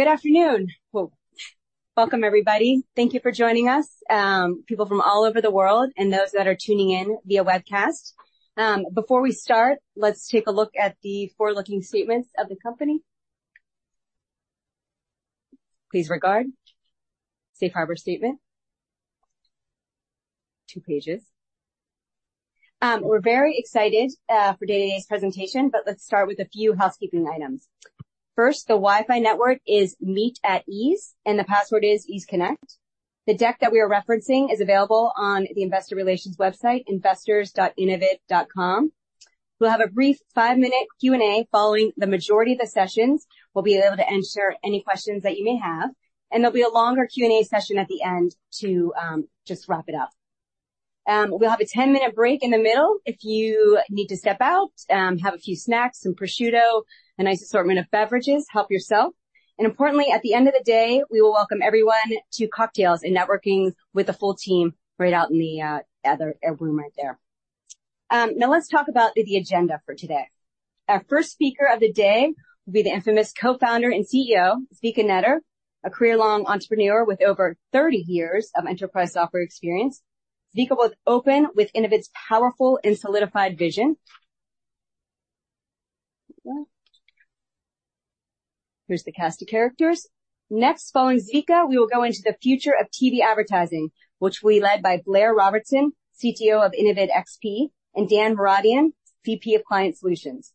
Good afternoon! Well, welcome, everybody. Thank you for joining us, people from all over the world and those that are tuning in via webcast. Before we start, let's take a look at the forward-looking statements of the company. Please regard safe harbor statement, two pages. We're very excited for today's presentation, but let's start with a few housekeeping items. First, the Wi-Fi network is Meet at Ease, and the password is Ease Connect. The deck that we are referencing is available on the Investor Relations website, investors.innovid.com. We'll have a brief 5-minute Q&A following the majority of the sessions. We'll be able to ensure any questions that you may have, and there'll be a longer Q&A session at the end to just wrap it up. We'll have a 10-minute break in the middle. If you need to step out, have a few snacks, some prosciutto, a nice assortment of beverages. Help yourself. Importantly, at the end of the day, we will welcome everyone to cocktails and networking with the full team right out in the other room right there. Now let's talk about the agenda for today. Our first speaker of the day will be the infamous Co-founder and CEO, Zvika Netter, a career-long entrepreneur with over 30 years of enterprise software experience. Zvika will open with Innovid's powerful and solidified vision. Here's the cast of characters. Next, following Zvika, we will go into the future of TV advertising, which will be led by Blair Robertson, CTO of InnovidXP, and Dan Moradi, VP of Client Solutions.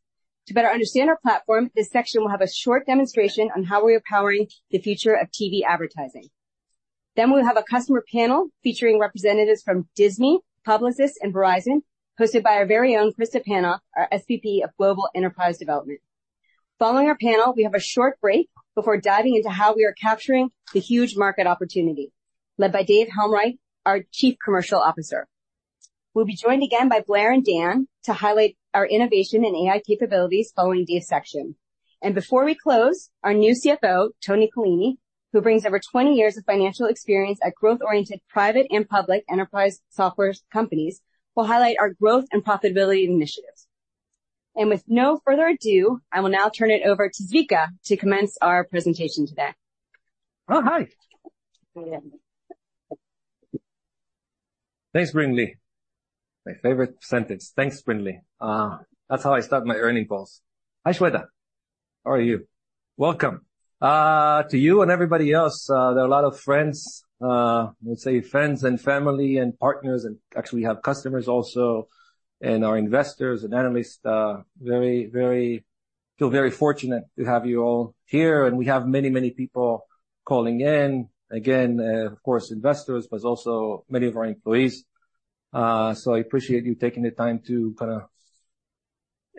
To better understand our platform, this section will have a short demonstration on how we are powering the future of TV advertising. We'll have a customer panel featuring representatives from Disney, Publicis, and Verizon, hosted by our very own Krista Panoff, our SVP of Global Enterprise Development. Following our panel, we have a short break before diving into how we are capturing the huge market opportunity, led by David Helmreich, our Chief Commercial Officer. We'll be joined again by Blair and Dan to highlight our innovation and AI capabilities following Dave's section. Before we close, our new CFO, Anthony Callini, who brings over 20 years of financial experience at growth-oriented private and public enterprise software companies, will highlight our growth and profitability initiatives. With no further ado, I will now turn it over to Zvika to commence our presentation today. Oh, hi! Thanks, Brinlea. My favorite sentence. Thanks, Brinlea. That's how I start my earnings calls. Hi, Shweta, how are you? Welcome to you and everybody else. There are a lot of friends, let's say friends and family and partners, and actually, we have customers also, and our investors and analysts. Very, very... I feel very fortunate to have you all here, and we have many, many people calling in. Again, of course, investors, but also many of our employees. So I appreciate you taking the time to kinda,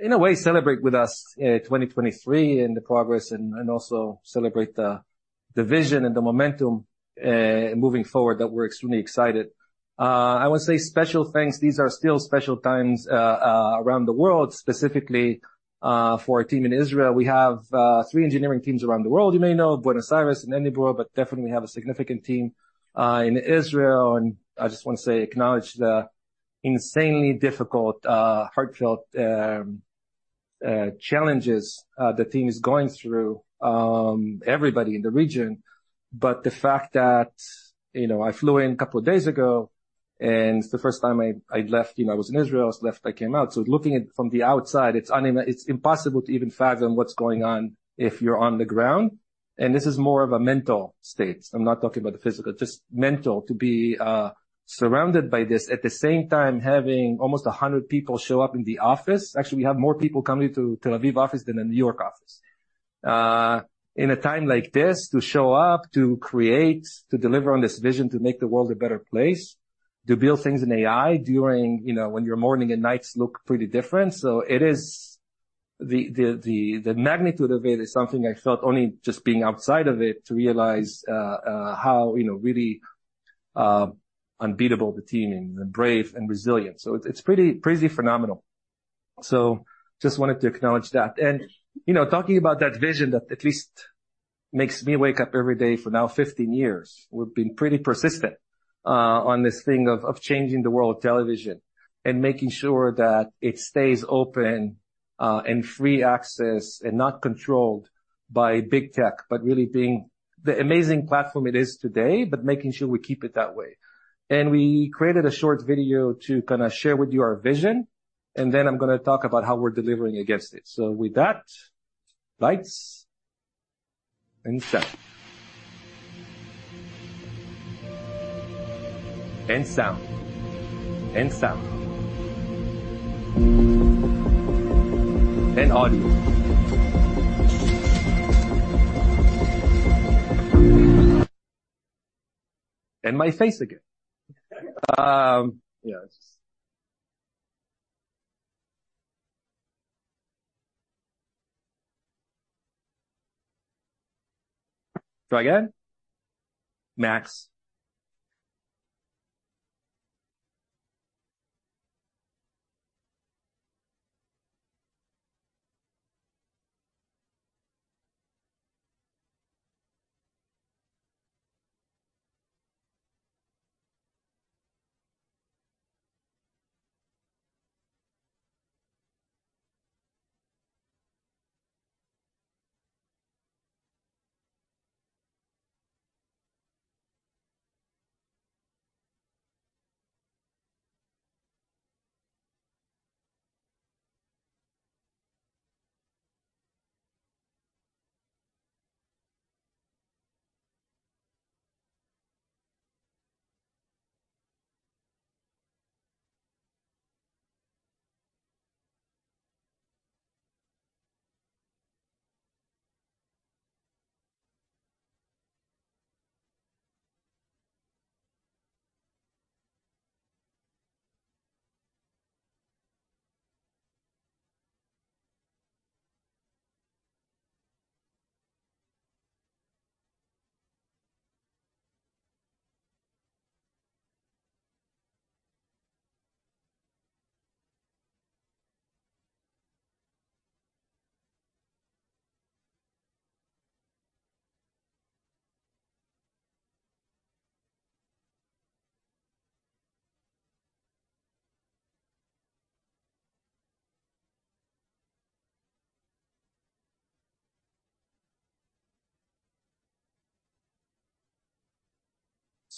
in a way, celebrate with us, 2023 and the progress, and also celebrate the vision and the momentum moving forward, that we're extremely excited. I want to say special thanks. These are still special times around the world, specifically for our team in Israel. We have 3 engineering teams around the world. You may know Buenos Aires and Edinburgh, but definitely we have a significant team in Israel. I just want to say, acknowledge the insanely difficult, heartfelt challenges the team is going through, everybody in the region. But the fact that, you know, I flew in a couple of days ago, and the first time I left, you know, I was in Israel, I left, I came out. So looking at it from the outside, it's impossible to even fathom what's going on if you're on the ground. And this is more of a mental state. I'm not talking about the physical, just mental, to be surrounded by this. At the same time, having almost 100 people show up in the office. Actually, we have more people coming to the Tel Aviv office than the New York office. In a time like this, to show up, to create, to deliver on this vision, to make the world a better place, to build things in AI during, you know, when your morning and nights look pretty different. So it is the magnitude of it is something I felt only just being outside of it, to realize how, you know, really unbeatable the team and brave and resilient. So it's pretty phenomenal. So just wanted to acknowledge that. And, you know, talking about that vision, that at least makes me wake up every day for now 15 years. We've been pretty persistent on this thing of changing the world of television and making sure that it stays open, and free access and not controlled by big tech, but really being the amazing platform it is today, but making sure we keep it that way. And we created a short video to kinda share with you our vision, and then I'm gonna talk about how we're delivering against it. So with that, lights and sound.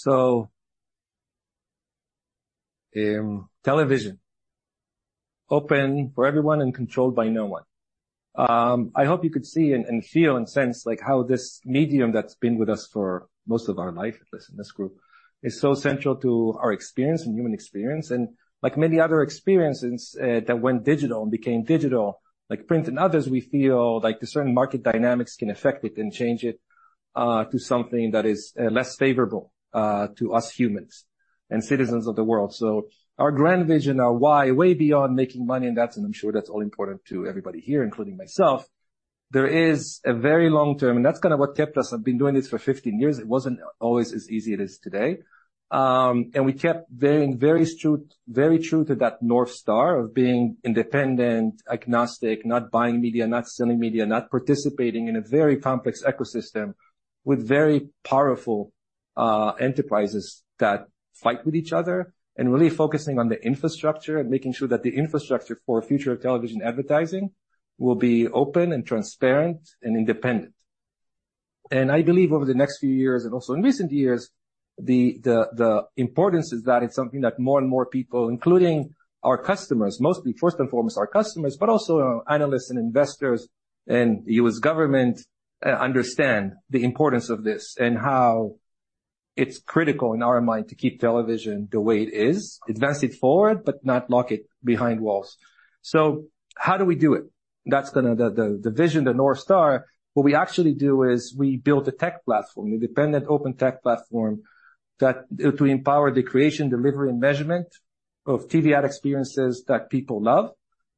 So, television, open for everyone and controlled by no one. I hope you could see and feel and sense like how this medium that's been with us for most of our life, at least in this group, is so central to our experience and human experience. Like many other experiences, that went digital and became digital, like print and others, we feel like the certain market dynamics can affect it and change it, to something that is, less favorable, to us humans and citizens of the world. Our grand vision, our why, way beyond making money, and that's, and I'm sure that's all important to everybody here, including myself. There is a very long term, and that's kinda what kept us... I've been doing this for 15 years. It wasn't always as easy it is today. And we kept very, very true to that North Star of being independent, agnostic, not buying media, not selling media, not participating in a very complex ecosystem with very powerful enterprises that fight with each other, and really focusing on the infrastructure and making sure that the infrastructure for future television advertising will be open and transparent and independent. And I believe over the next few years, and also in recent years, the importance is that it's something that more and more people, including our customers, mostly first and foremost, our customers, but also analysts and investors and U.S. government, understand the importance of this and how it's critical in our mind to keep television the way it is, advance it forward, but not lock it behind walls. So how do we do it? That's the vision, the North Star. What we actually do is we build a tech platform, an independent, open tech platform, that to empower the creation, delivery, and measurement of TV ad experiences that people love.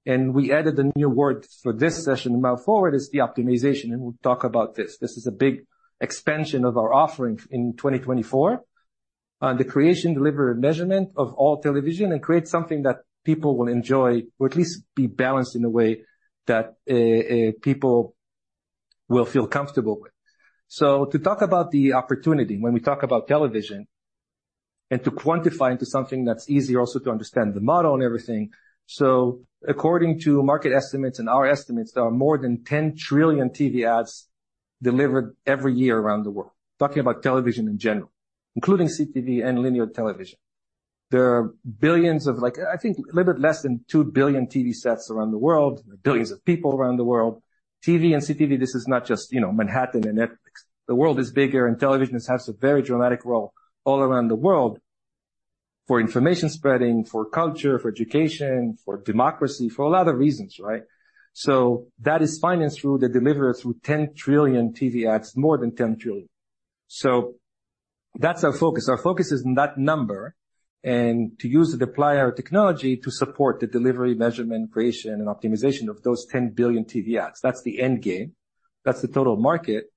And we added a new word for this session, about forward, is the optimization, and we'll talk about this. This is a big expansion of our offerings in 2024. The creation, delivery, and measurement of all television, and create something that people will enjoy or at least be balanced in a way that, people will feel comfortable with. So to talk about the opportunity when we talk about television, and to quantify into something that's easier also to understand the model and everything. So according to market estimates and our estimates, there are more than 10 trillion TV ads delivered every year around the world. Talking about television in general, including CTV and linear television. There are billions of, like, I think a little bit less than 2 billion TV sets around the world, and billions of people around the world. TV and CTV, this is not just, you know, Manhattan and Netflix. The world is bigger, and television has a very dramatic role all around the world for information spreading, for culture, for education, for democracy, for a lot of reasons, right? So that is financed through the delivery through 10 trillion TV ads, more than 10 trillion. So that's our focus. Our focus is in that number, and to use it, apply our technology to support the delivery, measurement, creation and optimization of those 10 billion TV ads. That's the end game. That's the total market.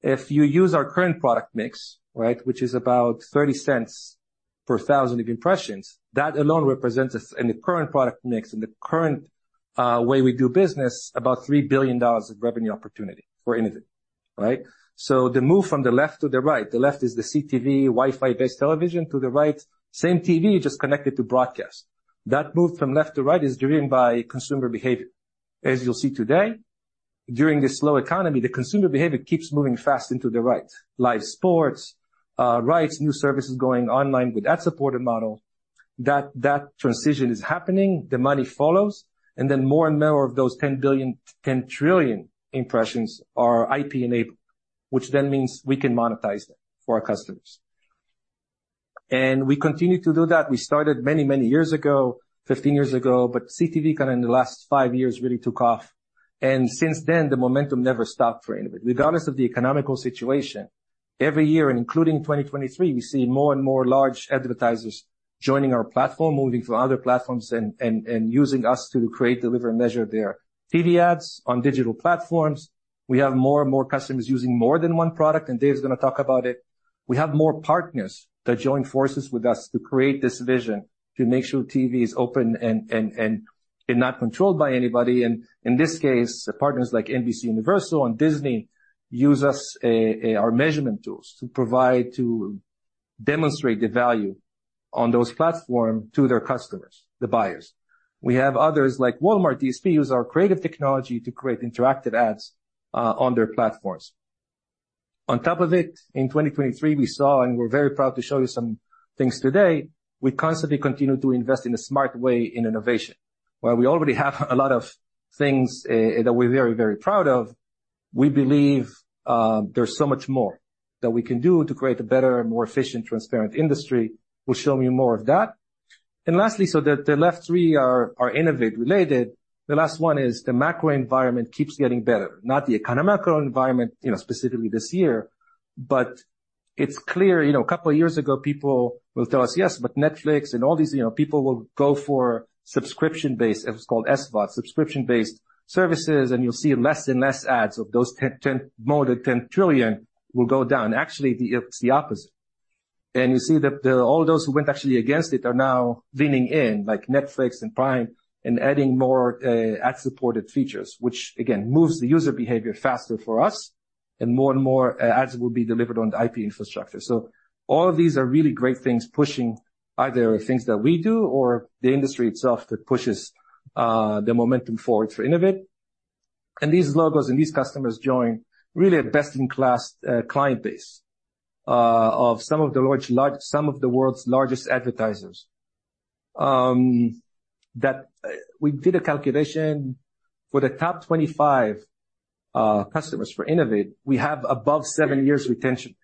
If you use our current product mix, right, which is about $0.30 per 1,000 impressions, that alone represents us in the current product mix, in the current way we do business, about $3 billion of revenue opportunity for Innovid, right? So the move from the left to the right, the left is the CTV, Wi-Fi based television to the right, same TV, just connected to broadcast. That move from left to right is driven by consumer behavior. As you'll see today, during this slow economy, the consumer behavior keeps moving fast into the right. Live sports rights, new services going online with ad-supported model, that transition is happening, the money follows, and then more and more of those 10 billion-10 trillion impressions are IP-enabled, which then means we can monetize them for our customers. And we continue to do that. We started many, many years ago, 15 years ago, but CTV, kinda in the last 5 years, really took off, and since then, the momentum never stopped for Innovid. Regardless of the economic situation, every year, including 2023, we see more and more large advertisers joining our platform, moving from other platforms and using us to create, deliver, and measure their TV ads on digital platforms. We have more and more customers using more than one product, and Dave is gonna talk about it. We have more partners that join forces with us to create this vision, to make sure TV is open and not controlled by anybody. In this case, partners like NBCUniversal and Disney use our measurement tools to demonstrate the value on those platforms to their customers, the buyers. We have others like Walmart DSP, who use our creative technology to create interactive ads on their platforms. On top of it, in 2023, we saw, and we're very proud to show you some things today, we constantly continue to invest in a smart way in innovation, where we already have a lot of things that we're very, very proud of. We believe there's so much more that we can do to create a better, more efficient, transparent industry. We'll show you more of that. And lastly, so the left three are Innovid-related. The last one is the macro environment keeps getting better, not the economic environment, you know, specifically this year, but it's clear... You know, a couple of years ago, people will tell us, "Yes, but Netflix and all these, you know, people will go for subscription-based," it was called SVOD, subscription-based services, "and you'll see less and less ads of those 10 trillion, 10- trillion more than 10 trillion will go down." Actually, it's the opposite. And you see that all those who went actually against it are now leaning in, like Netflix and Prime, and adding more ad-supported features, which again, moves the user behavior faster for us, and more and more ads will be delivered on the IP infrastructure. So all of these are really great things, pushing either things that we do or the industry itself that pushes the momentum forward for Innovid. These logos and these customers join really a best-in-class client base of some of the large some of the world's largest advertisers. That we did a calculation for the top 25 customers for Innovid. We have above seven years retention,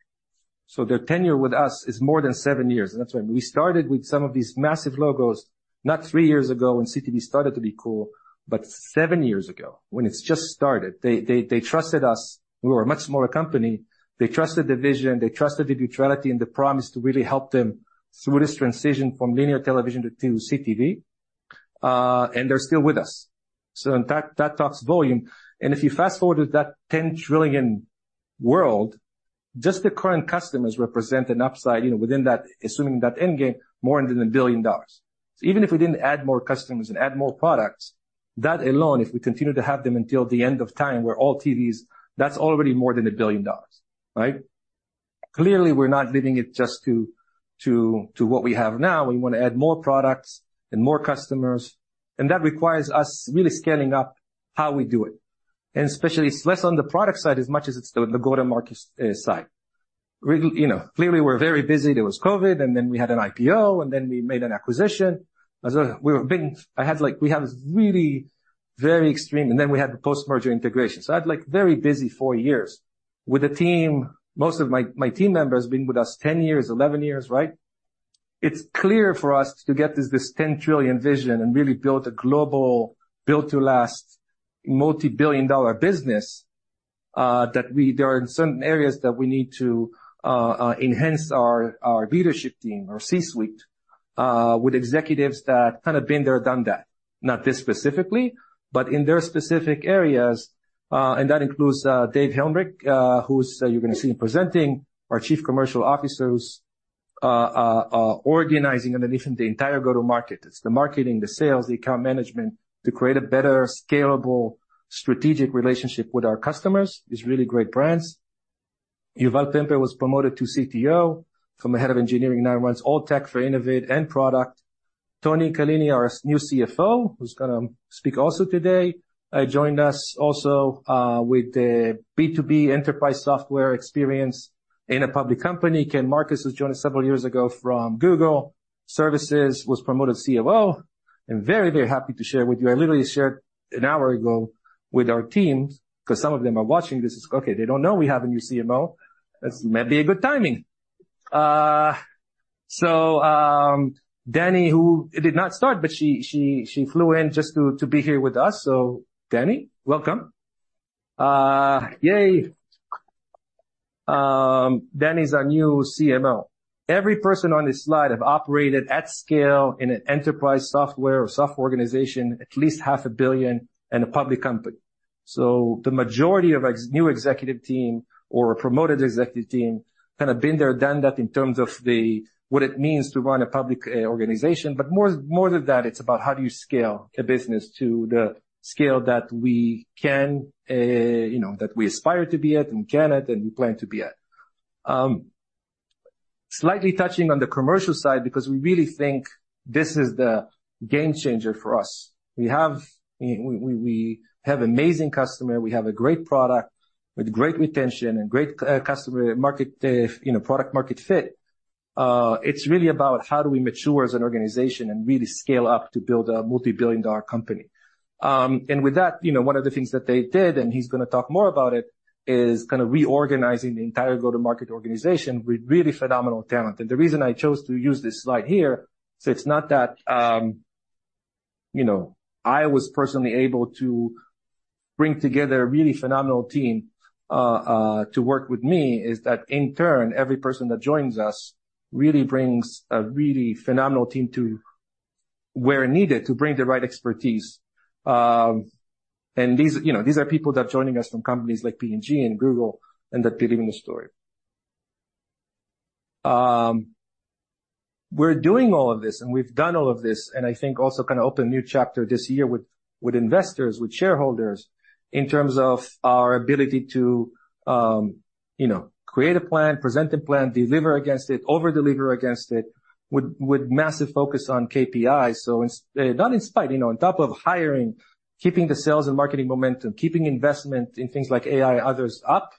so their tenure with us is more than seven years. And that's why we started with some of these massive logos, not 3 years ago when CTV started to be cool, but seven years ago when it just started. They trusted us. We were a much smaller company. They trusted the vision, they trusted the neutrality and the promise to really help them through this transition from linear television to CTV, and they're still with us. So that speaks volumes. And if you fast forward to that 10 trillion world, just the current customers represent an upside, you know, within that, assuming that end game, more than $1 billion. So even if we didn't add more customers and add more products, that alone, if we continue to have them until the end of time, where all TVs, that's already more than $1 billion, right? Clearly, we're not leaving it just to what we have now. We want to add more products and more customers, and that requires us really scaling up how we do it, and especially it's less on the product side as much as it's the go-to-market side. We, you know, clearly we're very busy. There was Covid, and then we had an IPO, and then we made an acquisition. I had, like, we have this really very extreme... And then we had the post-merger integration. So I had like very busy four years with a team. Most of my team members have been with us 10 years, 11 years, right? It's clear for us to get this 10-trillion vision and really build a global built-to-last, multi-billion-dollar business, that we there are in certain areas that we need to enhance our leadership team, our C-suite, with executives that kind of been there, done that. Not this specifically, but in their specific areas. And that includes David Helmreich, who's you're gonna see presenting, our Chief Commercial Officer organizing and efficient the entire go-to-market. It's the marketing, the sales, the account management to create a better, scalable, strategic relationship with our customers, these really great brands. Yuval Tamir was promoted to CTO from the head of engineering, now runs all tech for Innovid and Product. Tony Callini, our new CFO, who's gonna speak also today, joined us also, with the B2B enterprise software experience in a public company. Ken Markus has joined us several years ago from Google Services, was promoted COO, and very, very happy to share with you. I literally shared an hour ago with our teams, because some of them are watching this. Okay, they don't know we have a new CMO. It's maybe a good timing. So, Dani, who did not start, but she flew in just to be here with us. So Dani, welcome. Yay! Dani's our new CMO. Every person on this slide have operated at scale in an enterprise software or software organization, at least $500 million and a public company. So the majority of ex-new executive team or promoted executive team, kind of been there, done that in terms of the what it means to run a public organization. But more, more than that, it's about how do you scale a business to the scale that we can, you know, that we aspire to be at and can at and we plan to be at. Slightly touching on the commercial side, because we really think this is the game changer for us. We have, we, we, we have amazing customer. We have a great product with great retention and great, customer market, you know, product-market fit. It's really about how do we mature as an organization and really scale up to build a multi-billion dollar company. And with that, you know, one of the things that they did, and he's gonna talk more about it, is kind of reorganizing the entire go-to-market organization with really phenomenal talent. And the reason I chose to use this slide here, so it's not that, you know, I was personally able to bring together a really phenomenal team to work with me, is that in turn, every person that joins us really brings a really phenomenal team to where needed to bring the right expertise. And these, you know, these are people that are joining us from companies like P&G and Google, and they're delivering the story. We're doing all of this, and we've done all of this, and I think also kinda open a new chapter this year with investors, with shareholders, in terms of our ability to, you know, create a plan, present a plan, deliver against it, over-deliver against it, with massive focus on KPIs. So not in spite, you know, on top of hiring, keeping the sales and marketing momentum, keeping investment in things like AI, others up,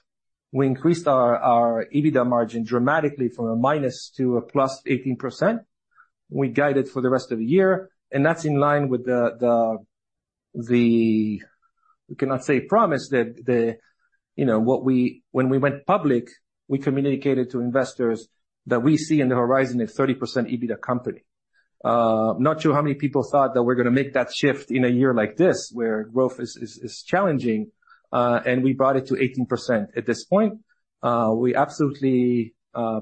we increased our EBITDA margin dramatically from a minus to a plus 18%. We guided for the rest of the year, and that's in line with the I cannot say promise, that you know, what we when we went public, we communicated to investors that we see in the horizon a 30% EBITDA company. I'm not sure how many people thought that we're gonna make that shift in a year like this, where growth is challenging, and we brought it to 18%. At this point, we absolutely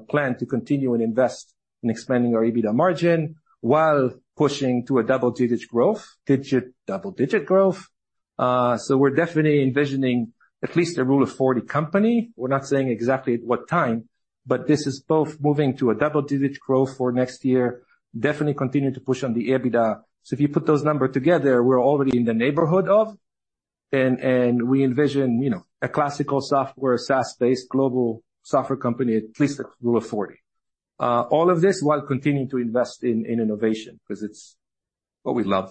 plan to continue and invest in expanding our EBITDA margin while pushing to a double-digit growth. So we're definitely envisioning at least a Rule of 40 company. We're not saying exactly at what time, but this is both moving to a double-digit growth for next year. Definitely continue to push on the EBITDA. So if you put those numbers together, we're already in the neighborhood of, and we envision, you know, a classical software, SaaS-based, global software company, at least a Rule of 40. All of this while continuing to invest in innovation, 'cause it's what we love,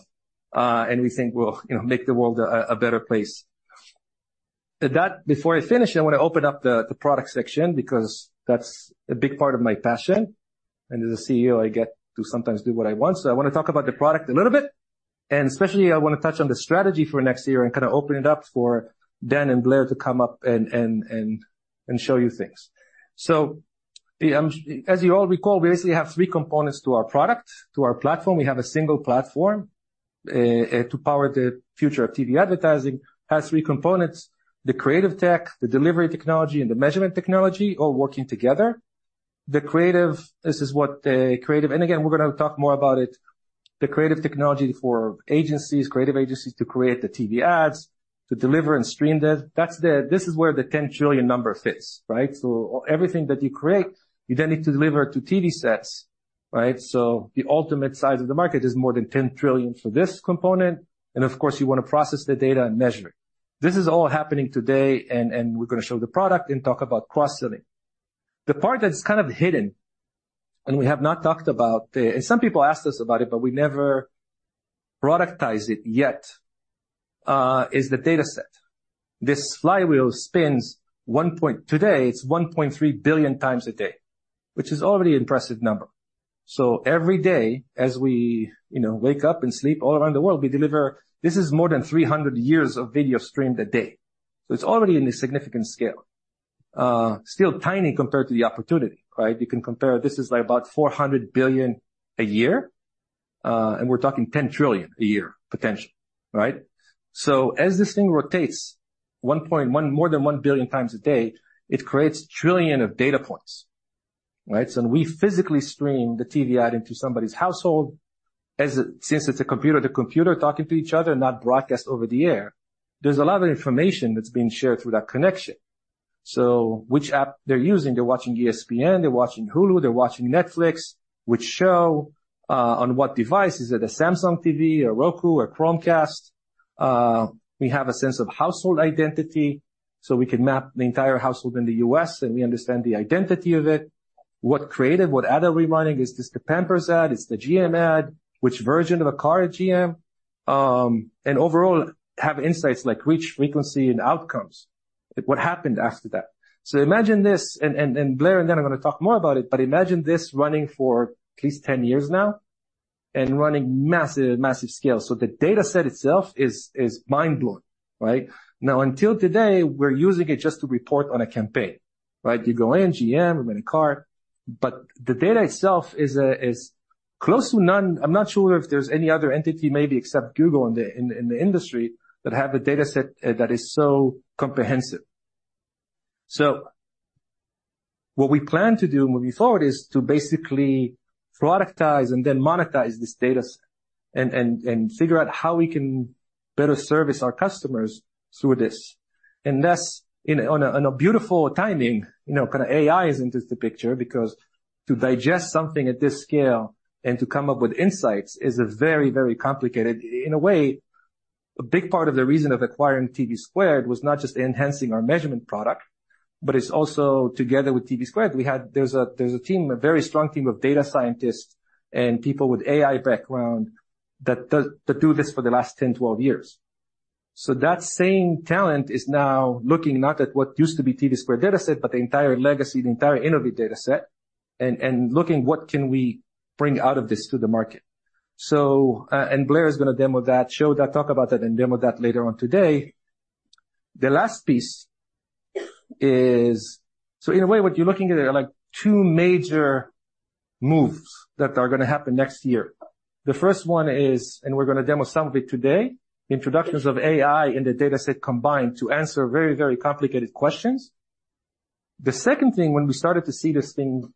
and we think will, you know, make the world a better place. At that, before I finish, I wanna open up the product section because that's a big part of my passion, and as a CEO, I get to sometimes do what I want. So I wanna talk about the product a little bit, and especially I wanna touch on the strategy for next year and kinda open it up for Dan and Blair to come up and show you things. So, as you all recall, we basically have three components to our product, to our platform. We have a single platform to power the future of TV advertising, has three components: the creative tech, the delivery technology, and the measurement technology, all working together. The creative, this is what the creative. And again, we're gonna talk more about it. The creative technology for agencies, creative agencies to create the TV ads, to deliver and stream this, that's the, this is where the $10 trillion number fits, right? So everything that you create, you then need to deliver to TV sets, right? So the ultimate size of the market is more than $10 trillion for this component, and of course, you wanna process the data and measure it. This is all happening today, and, and we're gonna show the product and talk about cross-selling. The part that's kind of hidden, and we have not talked about. And some people asked us about it, but we never productized it yet, is the dataset. This flywheel spins 1.3 billion times a day today, which is already impressive number. So every day, as we, you know, wake up and sleep all around the world, we deliver... This is more than 300 years of video streamed a day. So it's already in a significant scale. Still tiny compared to the opportunity, right? You can compare, this is like about 400 billion a year, and we're talking 10 trillion a year, potentially, right? So as this thing rotates 1.1 – more than 1 billion times a day, it creates trillions of data points, right? So when we physically stream the TV ad into somebody's household, as it – since it's a computer, the computer talking to each other, not broadcast over the air, there's a lot of information that's being shared through that connection. So which app they're using, they're watching ESPN, they're watching Hulu, they're watching Netflix, which show, on what device. Is it a Samsung TV, a Roku, a Chromecast? We have a sense of household identity, so we can map the entire household in the U.S., and we understand the identity of it. What creative, what ad are we running? Is this the Pampers ad? Is the GM ad? Which version of a car at GM? And overall, have insights like reach, frequency, and outcomes. Like what happened after that? So imagine this, and, and, and Blair and then I'm gonna talk more about it, but imagine this running for at least 10 years now and running massive, massive scale. So the dataset itself is, is mind-blowing, right? Now, until today, we're using it just to report on a campaign, right? You go in, GM, we're in a car, but the data itself is, is close to none... I'm not sure if there's any other entity, maybe except Google, in the industry, that have a dataset that is so comprehensive. So what we plan to do moving forward is to basically productize and then monetize this dataset and figure out how we can better service our customers through this. And this, on a beautiful timing, you know, kinda AI is into the picture because to digest something at this scale and to come up with insights is a very, very complicated... In a way, a big part of the reason of acquiring TVSquared was not just enhancing our measurement product, but it's also, together with TVSquared, there's a very strong team of data scientists and people with AI background that do this for the last 10, 12 years. So that same talent is now looking not at what used to be TVSquared dataset, but the entire legacy, the entire Innovid dataset, and, and looking what can we bring out of this to the market. So, and Blair is gonna demo that, show that, talk about that, and demo that later on today. The last piece is... So in a way, what you're looking at are, like, two major moves that are gonna happen next year. The first one is, and we're gonna demo some of it today, introductions of AI and the dataset combined to answer very, very complicated questions. The second thing, when we started to see this thing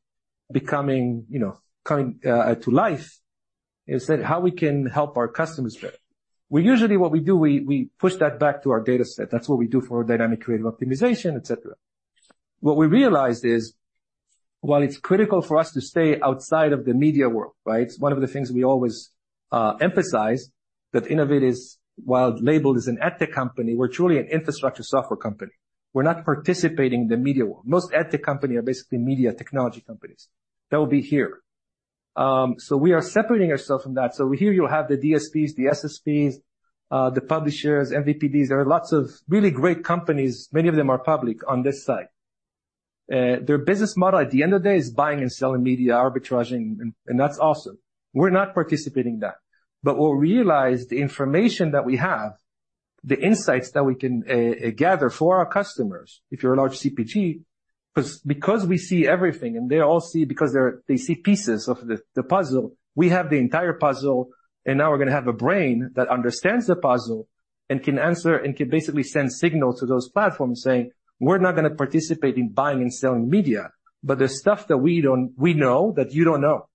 becoming, you know, coming, to life, is that how we can help our customers better? We usually, what we do, we push that back to our dataset. That's what we do for our dynamic creative optimization, et cetera. What we realized is, while it's critical for us to stay outside of the media world, right? It's one of the things we always emphasize, that Innovid is, while labeled as an ad tech company, we're truly an infrastructure software company. We're not participating in the media world. Most ad tech company are basically media technology companies. That will be here. So we are separating ourselves from that. So here you'll have the DSPs, the SSPs, the publishers, MVPDs. There are lots of really great companies, many of them are public on this side. Their business model, at the end of the day, is buying and selling media, arbitraging, and, and that's awesome. We're not participating in that. But what we realized, the information that we have, the insights that we can gather for our customers, if you're a large CPG, because we see everything and they all see because they see pieces of the puzzle, we have the entire puzzle, and now we're gonna have a brain that understands the puzzle and can answer and can basically send signals to those platforms saying, "We're not gonna participate in buying and selling media, but there's stuff that we know that you don't know.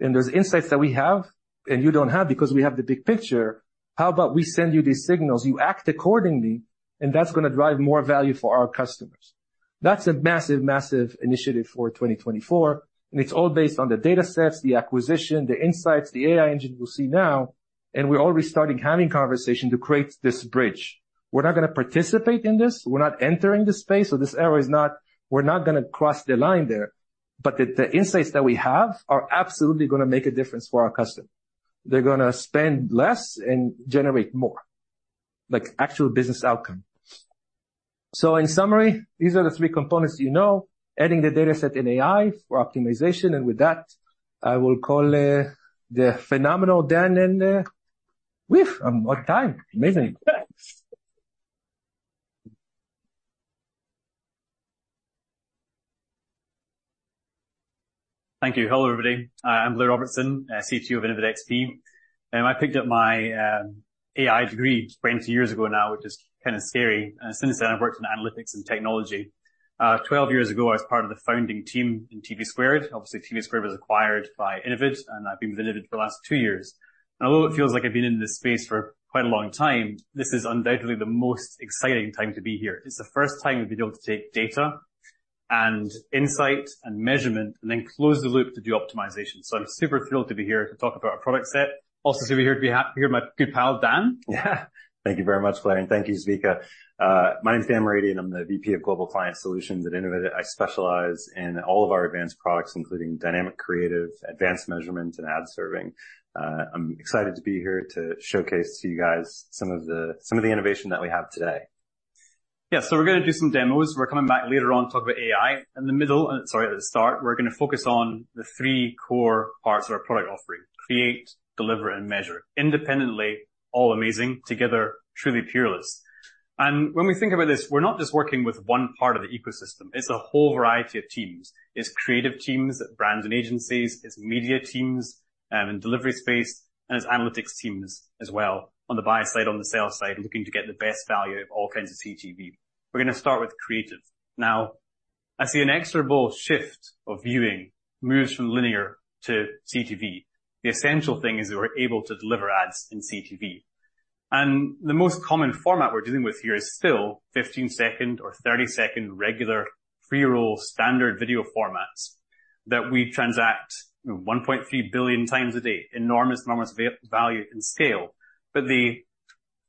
And there's insights that we have and you don't have, because we have the big picture. How about we send you these signals, you act accordingly, and that's gonna drive more value for our customers?" That's a massive, massive initiative for 2024, and it's all based on the data sets, the acquisition, the insights, the AI engine you will see now, and we're already starting having conversation to create this bridge. We're not gonna participate in this, we're not entering the space, so this area is not, we're not gonna cross the line there, but the insights that we have are absolutely gonna make a difference for our customer. They're gonna spend less and generate more, like, actual business outcome. So in summary, these are the three components you know, adding the data set in AI for optimization, and with that, I will call the phenomenal Dan in there. Whew! I'm on time. Amazing. Thank you. Hello, everybody. I'm Blair Robertson, CTO of InnovidXP, and I picked up my AI degree 20 years ago now, which is kinda scary, and since then I've worked in analytics and technology. Twelve years ago, I was part of the founding team in TVSquared. Obviously, TVSquared was acquired by Innovid, and I've been with Innovid for the last 2 years. Although it feels like I've been in this space for quite a long time, this is undoubtedly the most exciting time to be here. It's the first time we've been able to take data and insight and measurement and then close the loop to do optimization. So I'm super thrilled to be here to talk about our product set. Also, to be here to hear my good pal, Dan. Thank you very much, Blair, and thank you, Zvika. My name is Dan Moradi, and I'm the VP of Global Client Solutions at Innovid. I specialize in all of our advanced products, including dynamic creative, advanced measurement, and ad serving. I'm excited to be here to showcase to you guys some of the, some of the innovation that we have today. Yeah. So we're gonna do some demos. We're coming back later on to talk about AI. In the middle, sorry, at the start, we're gonna focus on the three core parts of our product offering: create, deliver, and measure. Independently, all amazing, together, truly peerless. And when we think about this, we're not just working with one part of the ecosystem. It's a whole variety of teams. It's creative teams at brands and agencies, it's media teams in delivery space, and it's analytics teams as well, on the buyer side, on the sales side, looking to get the best value of all kinds of CTV. We're gonna start with creative. Now, I see an extra bold shift of viewing moves from linear to CTV. The essential thing is we're able to deliver ads in CTV. The most common format we're dealing with here is still 15-second or 30-second regular pre-roll, standard video formats, that we transact, you know, 1.3 billion times a day. Enormous, enormous value and scale. But the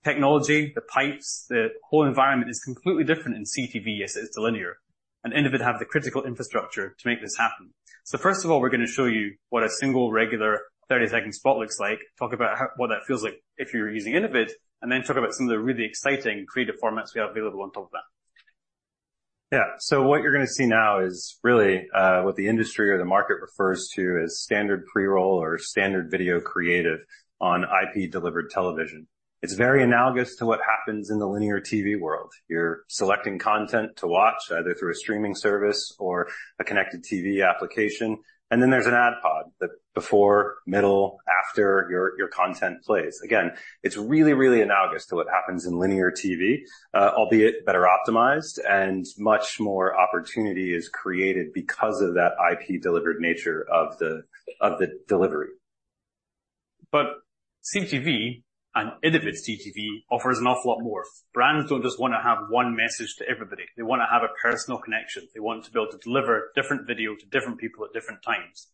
technology, the pipes, the whole environment is completely different in CTV as it is to linear, and Innovid have the critical infrastructure to make this happen. So first of all, we're gonna show you what a single, regular 30-second spot looks like. Talk about how... what that feels like if you're using Innovid, and then talk about some of the really exciting creative formats we have available on top of that. Yeah. So what you're gonna see now is really, what the industry or the market refers to as standard pre-roll or standard video creative on IP-delivered television. It's very analogous to what happens in the linear TV world. You're selecting content to watch, either through a streaming service or a connected TV application, and then there's an ad pod that before, middle, after, your content plays. Again, it's really, really analogous to what happens in linear TV, albeit better optimized and much more opportunity is created because of that IP-delivered nature of the delivery. But CTV and Innovid CTV offers an awful lot more. Brands don't just wanna have one message to everybody. They wanna have a personal connection. They want to be able to deliver different video to different people at different times.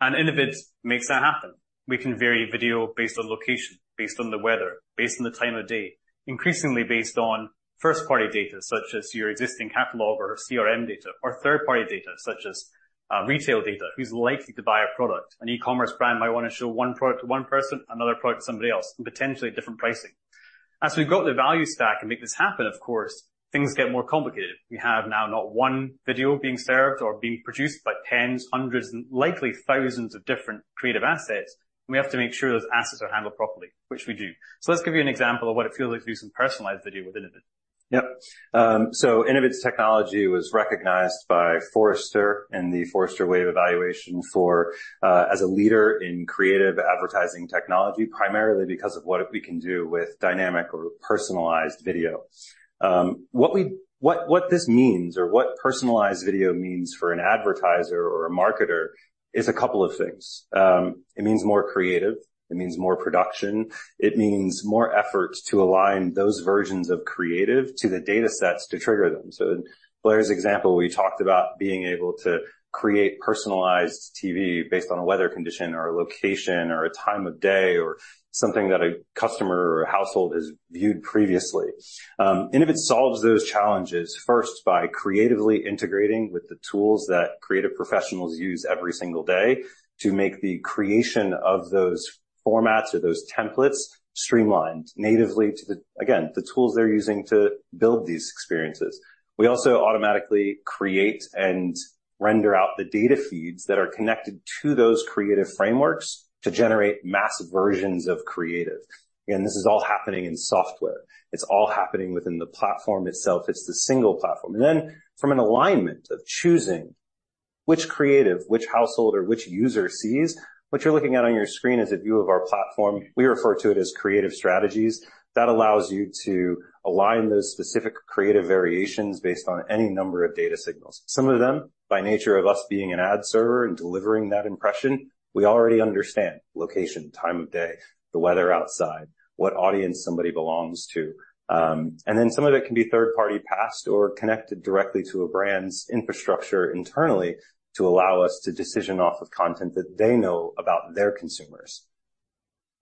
And Innovid makes that happen. We can vary video based on location, based on the weather, based on the time of day, increasingly based on first-party data, such as your existing catalog or CRM data, or third-party data, such as retail data, who's likely to buy a product. An e-commerce brand might wanna show one product to one person, another product to somebody else, and potentially different pricing. As we go up the value stack and make this happen, of course, things get more complicated. We have now not one video being served or being produced by tens, hundreds, and likely thousands of different creative assets, and we have to make sure those assets are handled properly, which we do. Let's give you an example of what it feels like to do some personalized video with Innovid.... Yep. So Innovid's technology was recognized by Forrester in the Forrester Wave evaluation for as a leader in creative advertising technology, primarily because of what we can do with dynamic or personalized video. What this means or what personalized video means for an advertiser or a marketer is a couple of things. It means more creative, it means more production, it means more effort to align those versions of creative to the datasets to trigger them. So in Blair's example, we talked about being able to create personalized TV based on a weather condition, or a location, or a time of day, or something that a customer or a household has viewed previously. Innovid solves those challenges first by creatively integrating with the tools that creative professionals use every single day to make the creation of those formats or those templates streamlined natively to the, again, the tools they're using to build these experiences. We also automatically create and render out the data feeds that are connected to those creative frameworks to generate massive versions of creative. And this is all happening in software. It's all happening within the platform itself. It's the single platform. And then from an alignment of choosing which creative, which household, or which user sees, what you're looking at on your screen is a view of our platform. We refer to it as Creative Strategies. That allows you to align those specific creative variations based on any number of data signals. Some of them, by nature of us being an ad server and delivering that impression, we already understand: location, time of day, the weather outside, what audience somebody belongs to. And then some of it can be third-party passed or connected directly to a brand's infrastructure internally to allow us to decision off of content that they know about their consumers.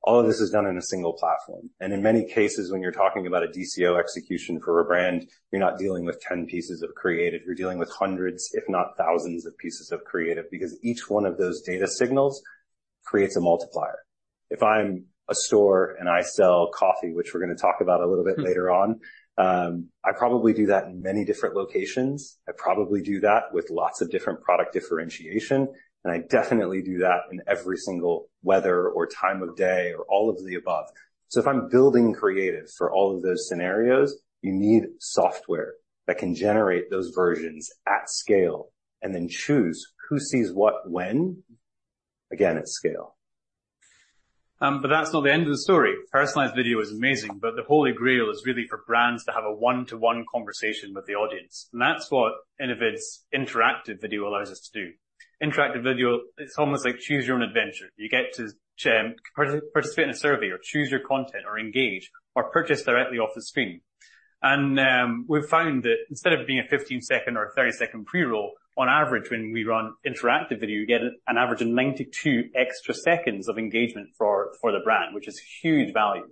All of this is done in a single platform, and in many cases, when you're talking about a DCO execution for a brand, you're not dealing with 10 pieces of creative. You're dealing with hundreds, if not thousands, of pieces of creative, because each one of those data signals creates a multiplier. If I'm a store and I sell coffee, which we're gonna talk about a little bit later on, I probably do that in many different locations. I probably do that with lots of different product differentiation, and I definitely do that in every single whether or time of day or all of the above. So if I'm building creative for all of those scenarios, you need software that can generate those versions at scale and then choose who sees what, when, again, at scale. But that's not the end of the story. Personalized video is amazing, but the Holy Grail is really for brands to have a one-to-one conversation with the audience, and that's what Innovid's interactive video allows us to do. Interactive video, it's almost like choose your own adventure. You get to, participate in a survey, or choose your content, or engage, or purchase directly off the screen. And, we've found that instead of it being a 15-second or a 30-second pre-roll, on average, when we run interactive video, you get an average of 92 extra seconds of engagement for the brand, which is huge value.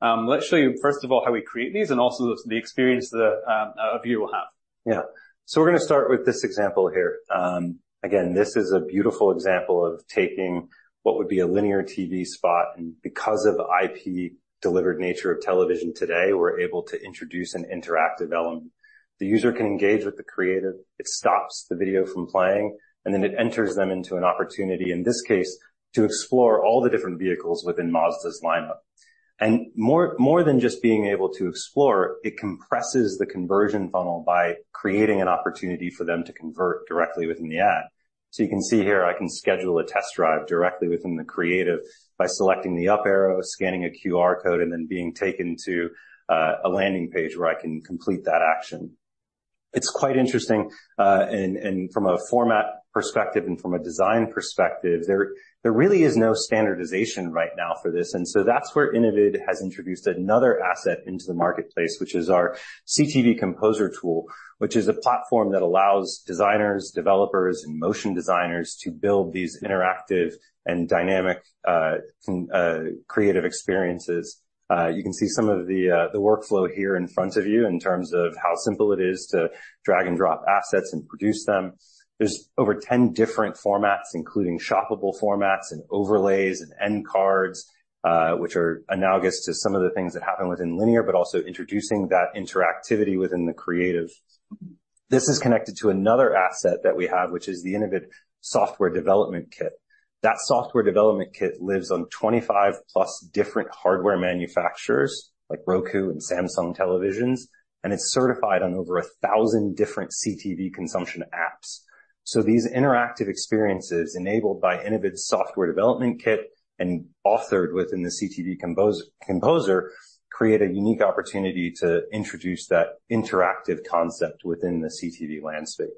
Let's show you, first of all, how we create these and also the experience that a viewer will have. Yeah. So we're gonna start with this example here. Again, this is a beautiful example of taking what would be a linear TV spot, and because of the IP-delivered nature of television today, we're able to introduce an interactive element. The user can engage with the creative, it stops the video from playing, and then it enters them into an opportunity, in this case, to explore all the different vehicles within Mazda's lineup. And more, more than just being able to explore, it compresses the conversion funnel by creating an opportunity for them to convert directly within the ad. So you can see here, I can schedule a test drive directly within the creative by selecting the up arrow, scanning a QR code, and then being taken to a landing page where I can complete that action. It's quite interesting, and from a format perspective and from a design perspective, there really is no standardization right now for this. And so that's where Innovid has introduced another asset into the marketplace, which is our CTV Composer tool, which is a platform that allows designers, developers, and motion designers to build these interactive and dynamic creative experiences. You can see some of the workflow here in front of you in terms of how simple it is to drag and drop assets and produce them. There's over 10 different formats, including shoppable formats, and overlays, and end cards, which are analogous to some of the things that happen within linear, but also introducing that interactivity within the creative. This is connected to another asset that we have, which is the Innovid Software Development Kit. That Software Development Kit lives on 25+ different hardware manufacturers, like Roku and Samsung televisions, and it's certified on over 1,000 different CTV consumption apps. So these interactive experiences, enabled by Innovid's Software Development Kit and authored within the CTV Composer, create a unique opportunity to introduce that interactive concept within the CTV landscape.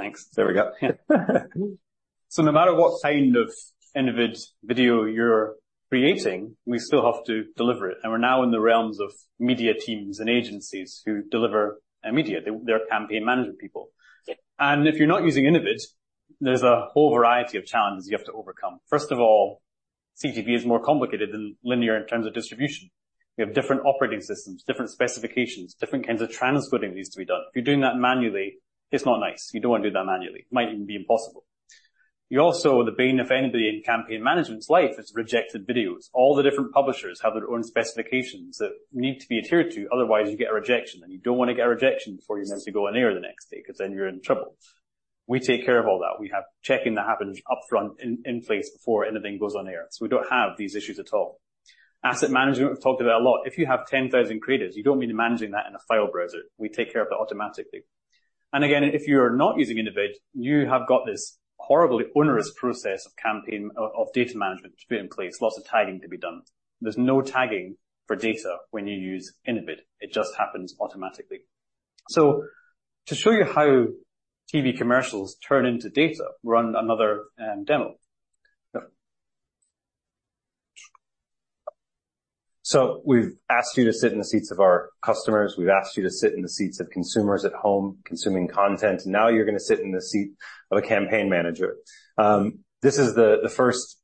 Thanks. There we go. So no matter what kind of Innovid video you're creating, we still have to deliver it, and we're now in the realms of media teams and agencies who deliver our media. They're campaign management people. Yeah. If you're not using Innovid, there's a whole variety of challenges you have to overcome. First of all, CTV is more complicated than linear in terms of distribution. We have different operating systems, different specifications, different kinds of transcoding needs to be done. If you're doing that manually, it's not nice. You don't want to do that manually. It might even be impossible. You also, the bane of anybody in campaign management's life, is rejected videos. All the different publishers have their own specifications that need to be adhered to, otherwise you get a rejection, and you don't want to get a rejection before you're meant to go on air the next day, 'cause then you're in trouble. We take care of all that. We have checking that happens upfront, in place before anything goes on air. So we don't have these issues at all. Asset management, we've talked about a lot. If you have 10,000 creators, you don't mean managing that in a file browser. We take care of it automatically. And again, if you are not using Innovid, you have got this horribly onerous process of campaign data management to be in place, lots of tagging to be done. There's no tagging for data when you use Innovid. It just happens automatically. So to show you how TV commercials turn into data, we're run another demo. So we've asked you to sit in the seats of our customers. We've asked you to sit in the seats of consumers at home, consuming content. Now you're gonna sit in the seat of a campaign manager. This is the first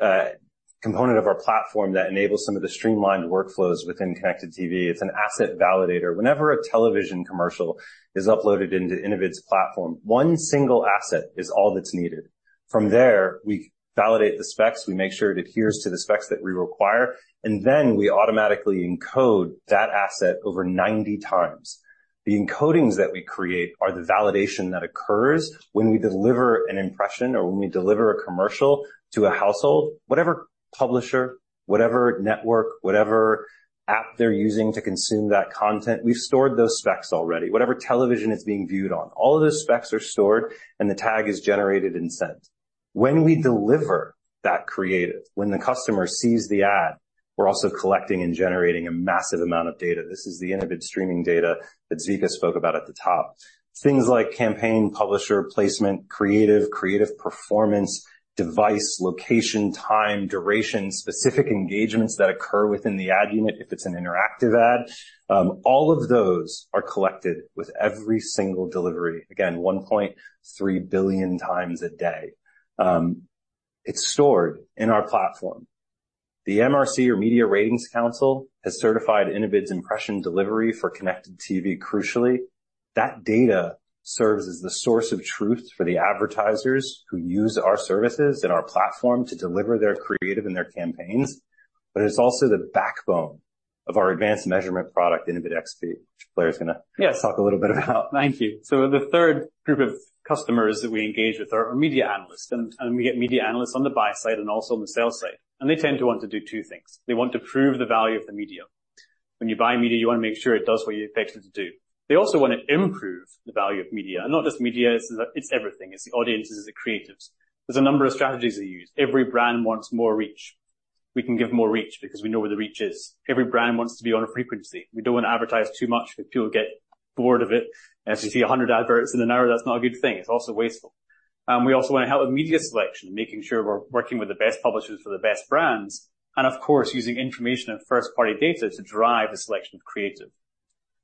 component of our platform that enables some of the streamlined workflows within connected TV. It's an asset validator. Whenever a television commercial is uploaded into Innovid's platform, one single asset is all that's needed. From there, we validate the specs. We make sure it adheres to the specs that we require, and then we automatically encode that asset over 90x. The encodings that we create are the validation that occurs when we deliver an impression or when we deliver a commercial to a household, whatever publisher, whatever network, whatever app they're using to consume that content, we've stored those specs already. Whatever television it's being viewed on, all of those specs are stored, and the tag is generated and sent. When we deliver that creative, when the customer sees the ad, we're also collecting and generating a massive amount of data. This is the Innovid streaming data that Zvika spoke about at the top. Things like campaign, publisher, placement, creative, creative performance, device, location, time, duration, specific engagements that occur within the ad unit, if it's an interactive ad. All of those are collected with every single delivery. Again, 1.3 billion times a day. It's stored in our platform. The MRC, or Media Rating Council, has certified Innovid's impression delivery for connected TV. Crucially, that data serves as the source of truth for the advertisers who use our services and our platform to deliver their creative and their campaigns. But it's also the backbone of our advanced measurement product, InnovidXP, which Blair's gonna- Yes. talk a little bit about. Thank you. So the third group of customers that we engage with are our media analysts, and, and we get media analysts on the buy side and also on the sell side. They tend to want to do two things: they want to prove the value of the medium. When you buy media, you want to make sure it does what you expect it to do. They also want to improve the value of media, and not just media, it's, it's everything, it's the audiences, the creatives. There's a number of strategies they use. Every brand wants more reach. We can give more reach because we know where the reach is. Every brand wants to be on a frequency. We don't want to advertise too much, but people get bored of it. As you see, 100 adverts in an hour, that's not a good thing. It's also wasteful. We also want to help with media selection, making sure we're working with the best publishers for the best brands, and of course, using information and first-party data to drive the selection of creative.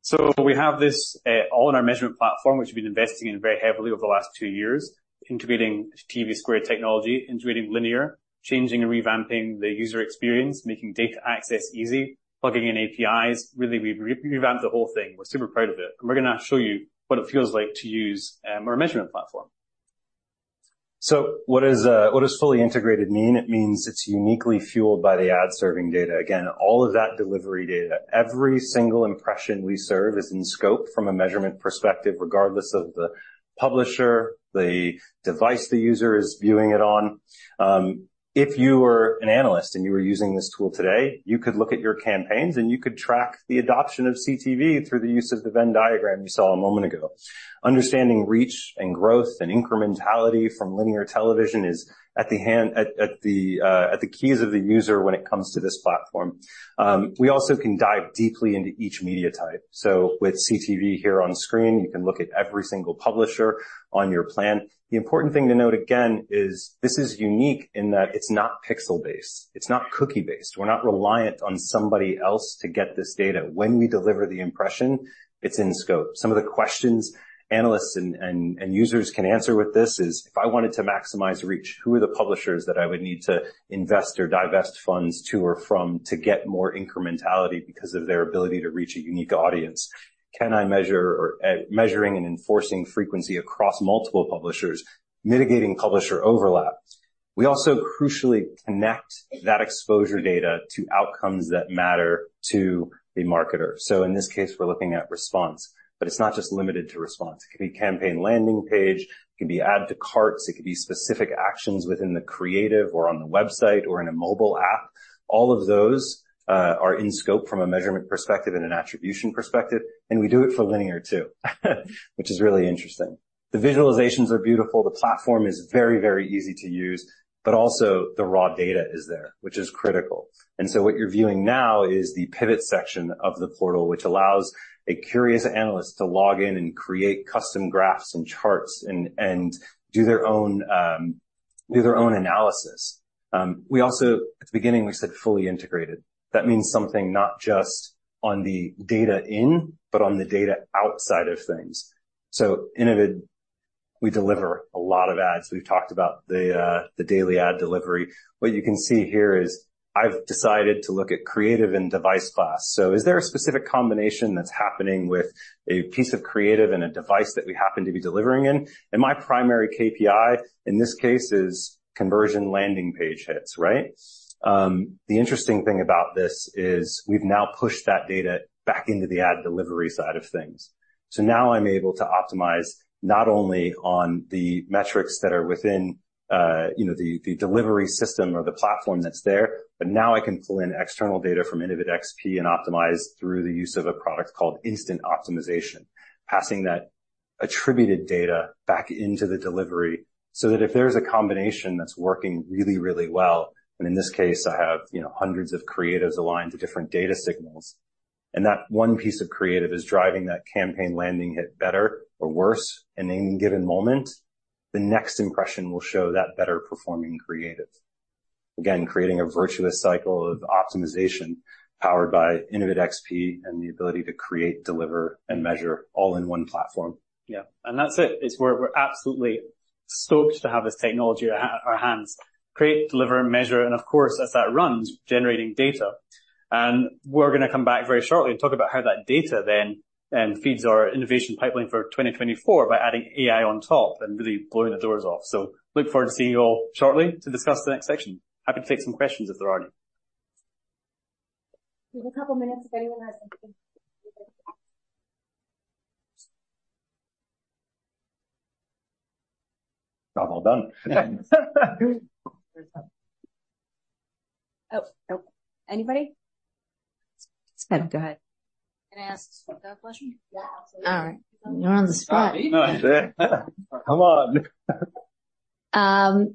So we have this all in our measurement platform, which we've been investing in very heavily over the last two years, integrating TVSquared technology, integrating linear, changing and revamping the user experience, making data access easy, plugging in APIs. Really, we've re-revamped the whole thing. We're super proud of it, and we're gonna show you what it feels like to use our measurement platform. So what is, what does fully integrated mean? It means it's uniquely fueled by the ad-serving data. Again, all of that delivery data, every single impression we serve is in scope from a measurement perspective, regardless of the publisher, the device the user is viewing it on. If you were an analyst and you were using this tool today, you could look at your campaigns, and you could track the adoption of CTV through the use of the Venn diagram you saw a moment ago. Understanding reach and growth and incrementality from linear television is at the keys of the user when it comes to this platform. We also can dive deeply into each media type. So with CTV here on screen, you can look at every single publisher on your plan. The important thing to note again is this is unique in that it's not pixel-based, it's not cookie-based. We're not reliant on somebody else to get this data. When we deliver the impression, it's in scope. Some of the questions analysts and users can answer with this is: If I wanted to maximize reach, who are the publishers that I would need to invest or divest funds to or from, to get more incrementality because of their ability to reach a unique audience? Can I measure... Measuring and enforcing frequency across multiple publishers, mitigating publisher overlap. We also crucially connect that exposure data to outcomes that matter to the marketer. So in this case, we're looking at response, but it's not just limited to response. It could be campaign landing page, it could be add to carts, it could be specific actions within the creative or on the website or in a mobile app. All of those are in scope from a measurement perspective and an attribution perspective, and we do it for linear too, which is really interesting. The visualizations are beautiful. The platform is very, very easy to use, but also the raw data is there, which is critical. And so what you're viewing now is the Pivot section of the portal, which allows a curious analyst to log in and create custom graphs and charts and do their own analysis. We also, at the beginning, we said, fully integrated. That means something not just on the data in, but on the data outside of things. So Innovid, we deliver a lot of ads. We've talked about the daily ad delivery. What you can see here is I've decided to look at creative and device class. So is there a specific combination that's happening with a piece of creative and a device that we happen to be delivering in? And my primary KPI, in this case, is conversion landing page hits, right? The interesting thing about this is we've now pushed that data back into the ad delivery side of things. So now I'm able to optimize not only on the metrics that are within you know, the delivery system or the platform that's there. But now I can pull in external data from InnovidXP and optimize through the use of a product called Instant Optimization, passing that attributed data back into the delivery, so that if there's a combination that's working really, really well, and in this case, I have, you know, hundreds of creatives aligned to different data signals, and that one piece of creative is driving that campaign landing hit better or worse in any given moment, the next impression will show that better performing creative. Again, creating a virtuous cycle of optimization, powered by InnovidXP and the ability to create, deliver, and measure all in one platform. Yeah, and that's it. We're absolutely stoked to have this technology at our hands. Create, deliver, and measure, and of course, as that runs, generating data. And we're gonna come back very shortly and talk about how that data then feeds our innovation pipeline for 2024 by adding AI on top and really blowing the doors off. So look forward to seeing you all shortly to discuss the next section. Happy to take some questions if there are any. We have a couple minutes, if anyone has anything. Job well done. Oh, nope. Anybody? Go ahead. Can I ask a question? Yeah, absolutely. All right. You're on the spot. Come on.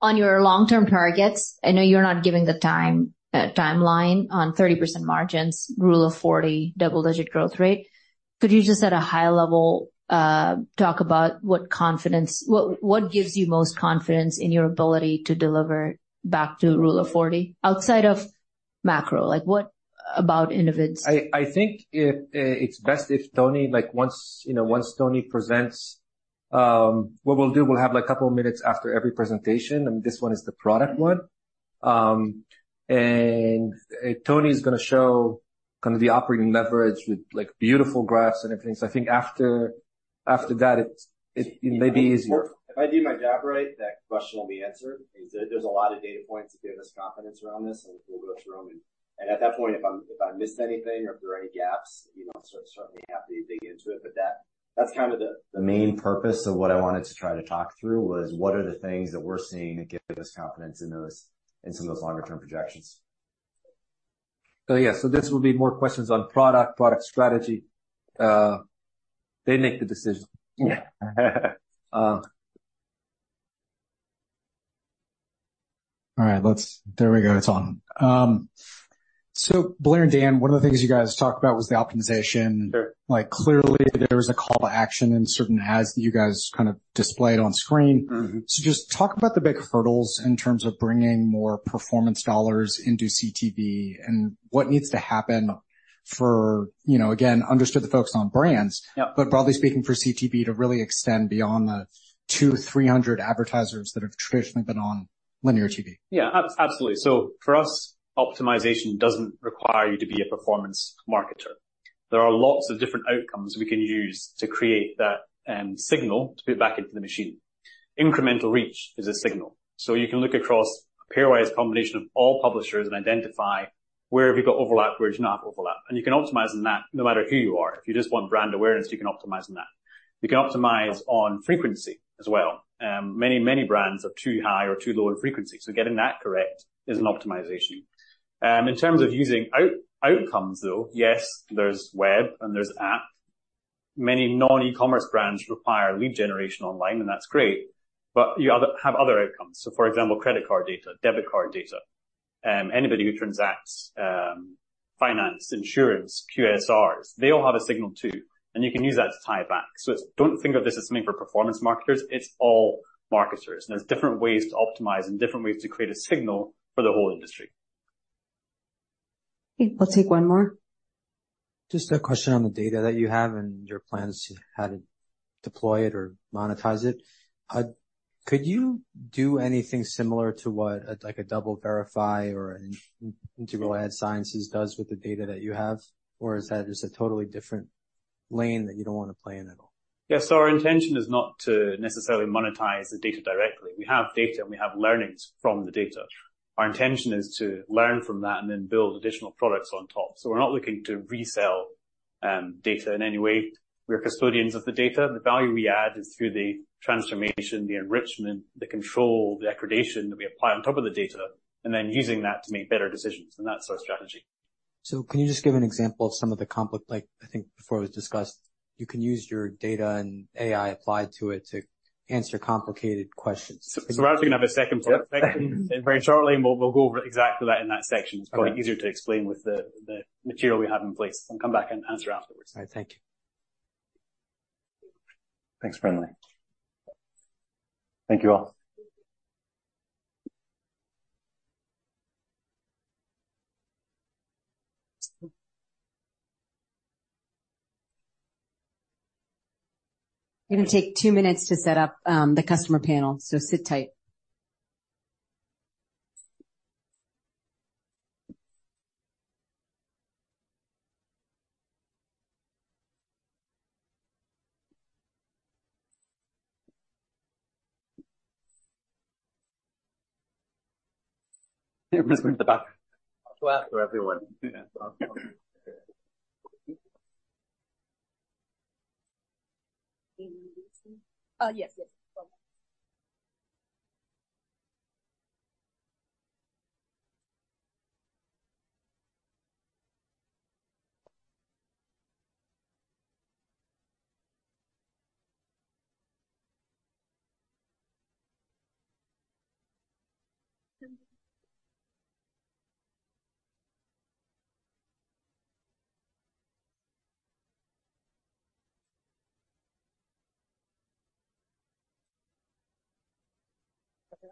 On your long-term targets, I know you're not giving the timeline on 30% margins, Rule of 40, double-digit growth rate. Could you just at a high level talk about what confidence... What gives you most confidence in your ability to deliver back to Rule of 40, outside of macro? Like, what about Innovid's? I think it's best if Tony, like, once, you know, once Tony presents, what we'll do, we'll have, like, a couple of minutes after every presentation, and this one is the product one. And Tony is gonna show kind of the operating leverage with, like, beautiful graphs and everything. So I think after that, it may be easier. If I do my job right, that question will be answered. There's a lot of data points that give us confidence around this, and we'll go through them. At that point, if I missed anything or if there are any gaps, you know, I'm certainly happy to dig into it. That, that's kind of the main purpose of what I wanted to try to talk through, was what are the things that we're seeing that give us confidence in those, in some of those longer term projections. So yeah, this will be more questions on product strategy. They make the decision. Yeah. Uh. All right, let's... There we go. It's on. So Blair and Dan, one of the things you guys talked about was the optimization. Yep. Like, clearly, there was a call to action and certain ads that you guys kind of displayed on screen. Mm-hmm. Just talk about the big hurdles in terms of bringing more performance dollars into CTV and what needs to happen for, you know, again, understood the focus on brands- Yep. But broadly speaking, for CTV to really extend beyond the 200 advertisers-300 advertisers that have traditionally been on linear TV. Yeah, absolutely. So for us, optimization doesn't require you to be a performance marketer. There are lots of different outcomes we can use to create that signal to put back into the machine. Incremental reach is a signal. So you can look across a pairwise combination of all publishers and identify where have you got overlap, where do you not have overlap, and you can optimize on that no matter who you are. If you just want brand awareness, you can optimize on that. You can optimize on frequency as well. Many, many brands are too high or too low in frequency, so getting that correct is an optimization. In terms of using outcomes, though, yes, there's web and there's app. Many non-e-commerce brands require lead generation online, and that's great, but you have other outcomes. So for example, credit card data, debit card data, anybody who transacts, finance, insurance, QSRs, they all have a signal too, and you can use that to tie it back. So don't think of this as something for performance marketers, it's all marketers, and there's different ways to optimize and different ways to create a signal for the whole industry. I'll take one more. Just a question on the data that you have and your plans, how to deploy it or monetize it. Could you do anything similar to what, like, a DoubleVerify or an Integral Ad Science does with the data that you have? Or is that just a totally different lane that you don't want to play in at all? Yeah, so our intention is not to necessarily monetize the data directly. We have data, and we have learnings from the data. Our intention is to learn from that and then build additional products on top. So we're not looking to resell, data in any way. We're custodians of the data. The value we add is through the transformation, the enrichment, the control, the accreditation that we apply on top of the data, and then using that to make better decisions, and that's our strategy. Can you just give an example of some of the complex... Like, I think before it was discussed, you can use your data and AI applied to it to answer complicated questions? We're actually going to have a second part very shortly, and we'll, we'll go over exactly that in that section. Got it. It's probably easier to explain with the material we have in place. I'll come back and answer afterwards. All right. Thank you. Thanks, Brinley. Thank you all. We're gonna take 2 minutes to set up the customer panel, so sit tight. ... It was in the back for everyone. Yes, yes. Hello. Oh. I haven't missed it. That's actually you. Yeah.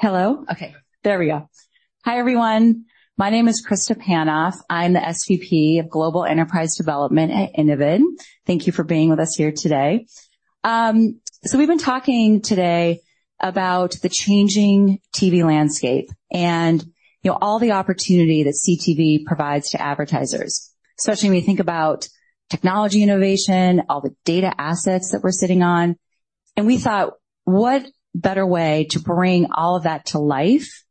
Hello? Okay, there we go. Hi, everyone. My name is Krista Panoff. I'm the SVP of Global Enterprise Development at Innovid. Thank you for being with us here today. So we've been talking today about the changing TV landscape and, you know, all the opportunity that CTV provides to advertisers, especially when you think about technology innovation, all the data assets that we're sitting on. And we thought, what better way to bring all of that to life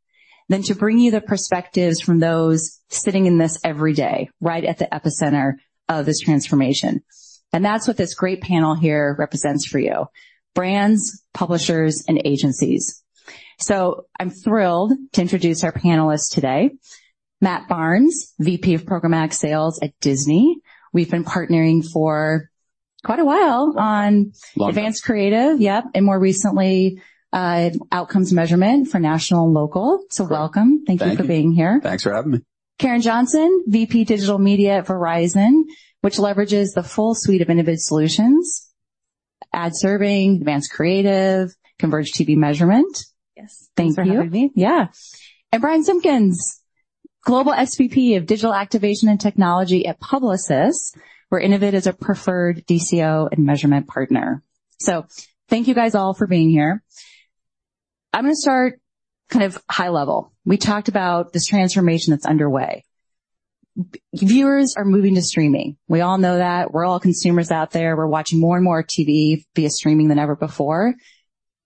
than to bring you the perspectives from those sitting in this every day, right at the epicenter of this transformation? And that's what this great panel here represents for you: brands, publishers, and agencies. So I'm thrilled to introduce our panelists today. Matt Barnes, VP of Programmatic Sales at Disney. We've been partnering for quite a while on- Long time. Advanced creative. Yep, and more recently, outcomes measurement for national and local. So welcome. Thank you. Thank you for being here. Thanks for having me. Karen Johnson, VP Digital Media at Verizon, which leverages the full suite of Innovid solutions, ad serving, advanced creative, converged TV measurement. Yes. Thanks for having me. Yeah. Bryan Simpkins, Global SVP of Digital Activation and Technology at Publicis, where Innovid is a preferred DCO and measurement partner. So thank you guys all for being here. I'm gonna start kind of high level. We talked about this transformation that's underway. Viewers are moving to streaming. We all know that. We're all consumers out there. We're watching more and more TV via streaming than ever before.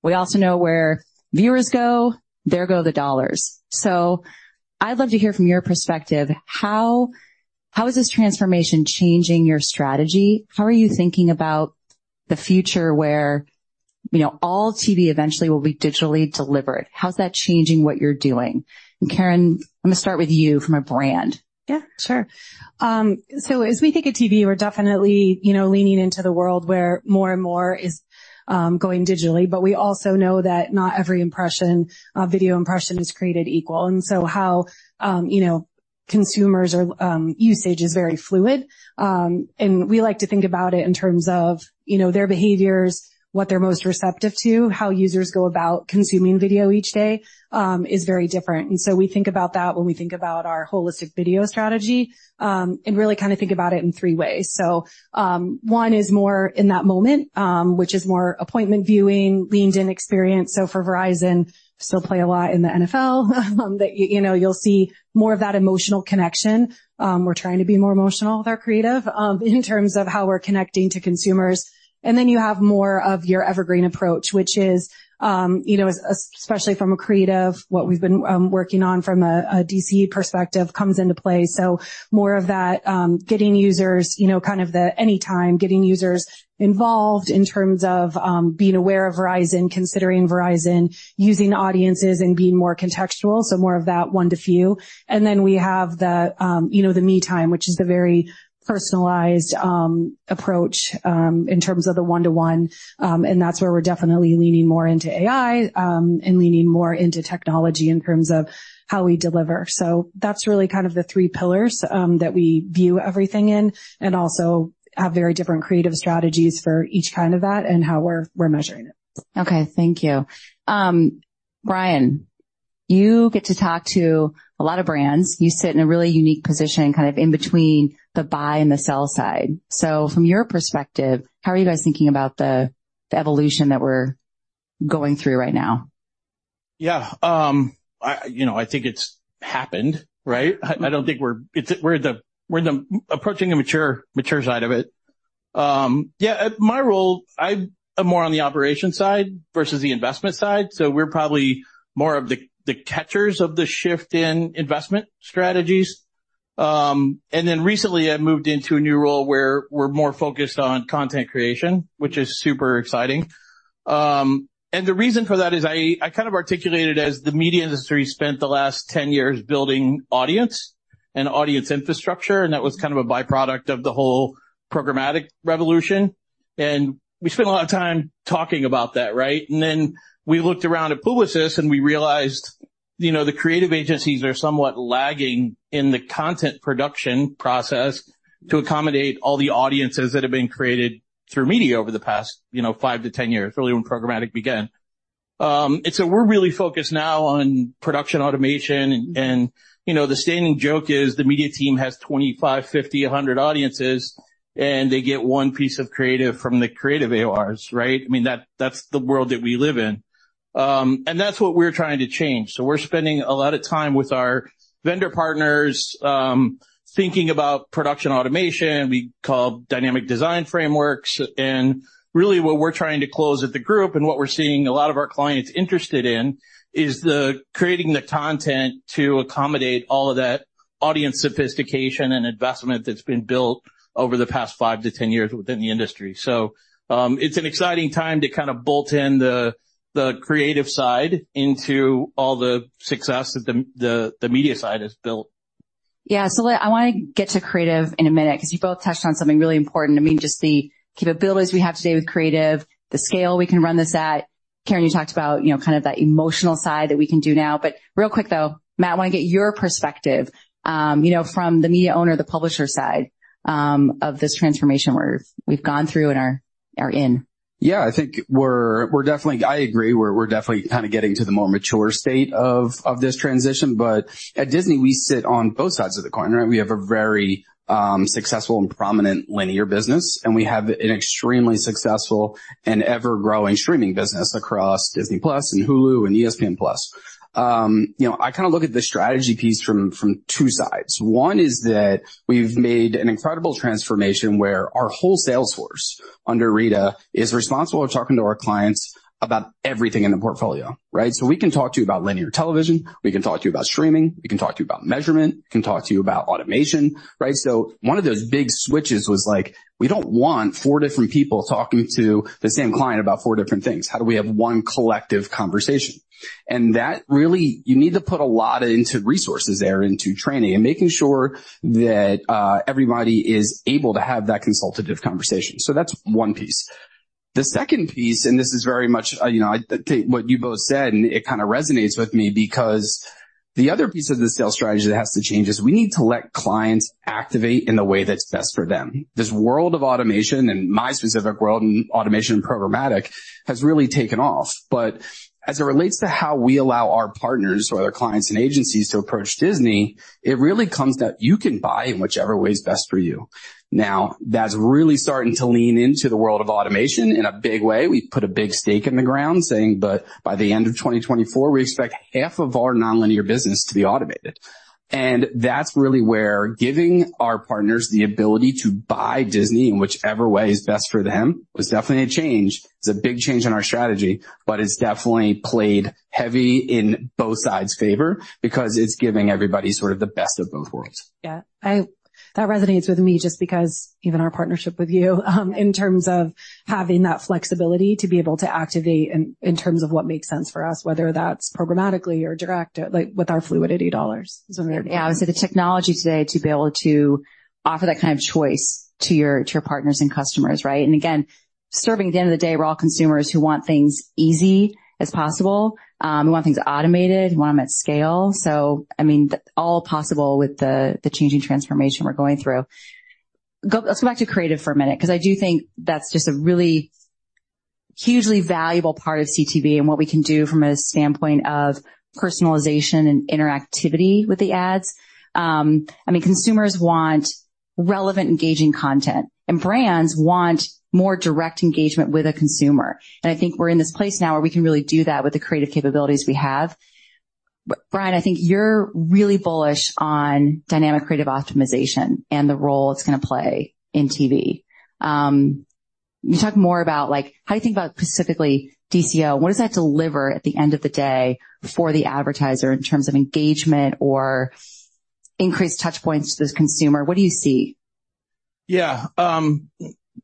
We also know where viewers go, there go the dollars. So I'd love to hear from your perspective, how, how is this transformation changing your strategy? How are you thinking about the future where, you know, all TV eventually will be digitally delivered? How's that changing what you're doing? And, Karen, I'm gonna start with you from a brand. Yeah, sure. So as we think of TV, we're definitely, you know, leaning into the world where more and more is going digitally. But we also know that not every impression, video impression, is created equal. And so how, you know- ... consumers or usage is very fluid. And we like to think about it in terms of, you know, their behaviors, what they're most receptive to, how users go about consuming video each day is very different. And so we think about that when we think about our holistic video strategy and really kind of think about it in three ways. So one is more in that moment, which is more appointment viewing, leaned in experience. So for Verizon, still play a lot in the NFL, that, you know, you'll see more of that emotional connection. We're trying to be more emotional with our creative, in terms of how we're connecting to consumers. Then you have more of your evergreen approach, which is, you know, especially from a creative, what we've been working on from a DCO perspective comes into play. So more of that, getting users, you know, kind of the anytime, getting users involved in terms of being aware of Verizon, considering Verizon, using audiences, and being more contextual, so more of that one-to-few. And then we have the, you know, the me time, which is the very personalized approach in terms of the one-to-one. And that's where we're definitely leaning more into AI and leaning more into technology in terms of how we deliver. So that's really kind of the three pillars that we view everything in and also have very different Creative Strategies for each kind of that and how we're measuring it. Okay, thank you. Bryan, you get to talk to a lot of brands. You sit in a really unique position, kind of in between the buy and the sell side. So from your perspective, how are you guys thinking about the evolution that we're going through right now? Yeah, you know, I think it's happened, right? I don't think we're approaching the mature side of it. Yeah, my role, I'm more on the operations side versus the investment side, so we're probably more of the catchers of the shift in investment strategies. And then recently I moved into a new role where we're more focused on content creation, which is super exciting. And the reason for that is I kind of articulated as the media industry spent the last 10 years building audience and audience infrastructure, and that was kind of a byproduct of the whole programmatic revolution. And we spent a lot of time talking about that, right? And then we looked around at Publicis, and we realized, you know, the creative agencies are somewhat lagging in the content production process to accommodate all the audiences that have been created through media over the past, you know, 5 years-10 years, really, when programmatic began. And so we're really focused now on production automation, and, you know, the standing joke is the media team has 25 audiences, 50 audiences, 100 audiences, and they get one piece of creative from the creative AORs, right? I mean, that, that's the world that we live in. And that's what we're trying to change. So we're spending a lot of time with our vendor partners, thinking about production automation we call dynamic design frameworks. Really what we're trying to close at the group and what we're seeing a lot of our clients interested in is creating the content to accommodate all of that audience sophistication and investment that's been built over the past 5 years-10 years within the industry. It's an exciting time to kind of bolt in the creative side into all the success that the media side has built. Yeah. So I want to get to creative in a minute because you both touched on something really important. I mean, just the capabilities we have today with creative, the scale we can run this at. Karen, you talked about, you know, kind of that emotional side that we can do now. But real quick, though, Matt, I want to get your perspective, you know, from the media owner, the publisher side, of this transformation where we've gone through and are in. Yeah, I think we're definitely—I agree. We're definitely kind of getting to the more mature state of this transition. But at Disney, we sit on both sides of the coin, right? We have a very successful and prominent linear business, and we have an extremely successful and ever-growing streaming business across Disney+ and Hulu and ESPN+. You know, I kind of look at the strategy piece from two sides. One is that we've made an incredible transformation where our whole sales force, under Rita, is responsible of talking to our clients about everything in the portfolio, right? So we can talk to you about linear television, we can talk to you about streaming, we can talk to you about measurement, we can talk to you about automation, right? So one of those big switches was like: We don't want four different people talking to the same client about four different things. How do we have one collective conversation? And that really... You need to put a lot into resources there, into training and making sure that, everybody is able to have that consultative conversation. So that's one piece. The second piece, and this is very much, you know, what you both said, and it kind of resonates with me because the other piece of the sales strategy that has to change is we need to let clients activate in the way that's best for them. This world of automation and my specific world in automation and programmatic has really taken off. But as it relates to how we allow our partners or our clients and agencies to approach Disney, it really comes down, you can buy in whichever way is best for you. Now, that's really starting to lean into the world of automation in a big way. We put a big stake in the ground saying, but by the end of 2024, we expect half of our nonlinear business to be automated. And that's really where giving our partners the ability to buy Disney in whichever way is best for them was definitely a change. It's a big change in our strategy, but it's definitely played heavy in both sides' favor because it's giving everybody sort of the best of both worlds. Yeah, I... That resonates with me just because even our partnership with you, in terms of having that flexibility to be able to activate in terms of what makes sense for us, whether that's programmatically or direct, like, with our fluidity dollars. Yeah, I would say the technology today to be able to offer that kind of choice to your, to your partners and customers, right? And again, serving, at the end of the day, we're all consumers who want things easy as possible. We want things automated, we want them at scale. So I mean, all possible with the changing transformation we're going through.... Go, let's go back to creative for a minute, 'cause I do think that's just a really hugely valuable part of CTV and what we can do from a standpoint of personalization and interactivity with the ads. I mean, consumers want relevant, engaging content, and brands want more direct engagement with a consumer. And I think we're in this place now where we can really do that with the creative capabilities we have. Bryan, I think you're really bullish on dynamic creative optimization and the role it's gonna play in TV. Can you talk more about, like, how you think about specifically DCO? What does that deliver at the end of the day for the advertiser in terms of engagement or increased touch points to this consumer? What do you see? Yeah,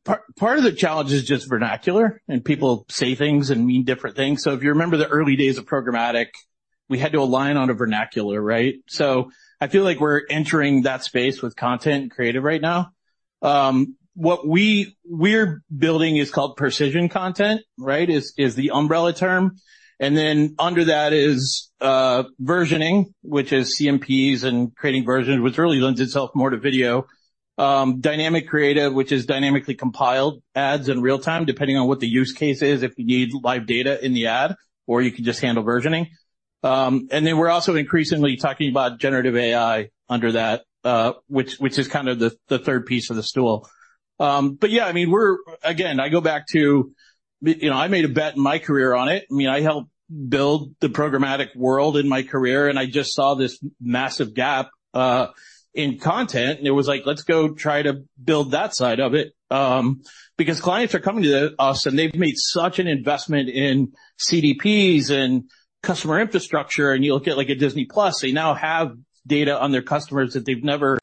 part of the challenge is just vernacular, and people say things and mean different things. So if you remember the early days of programmatic, we had to align on a vernacular, right? So I feel like we're entering that space with content creative right now. What we're building is called precision content, right? Is the umbrella term, and then under that is versioning, which is CMPs and creating versions, which really lends itself more to video. Dynamic creative, which is dynamically compiled ads in real time, depending on what the use case is, if you need live data in the ad, or you can just handle versioning. And then we're also increasingly talking about generative AI under that, which is kind of the third piece of the stool. But yeah, I mean, we're... Again, I go back to, you know, I made a bet in my career on it. I mean, I helped build the programmatic world in my career, and I just saw this massive gap in content, and it was like, let's go try to build that side of it. Because clients are coming to us, and they've made such an investment in CDPs and customer infrastructure, and you look at, like, a Disney+, they now have data on their customers that they've never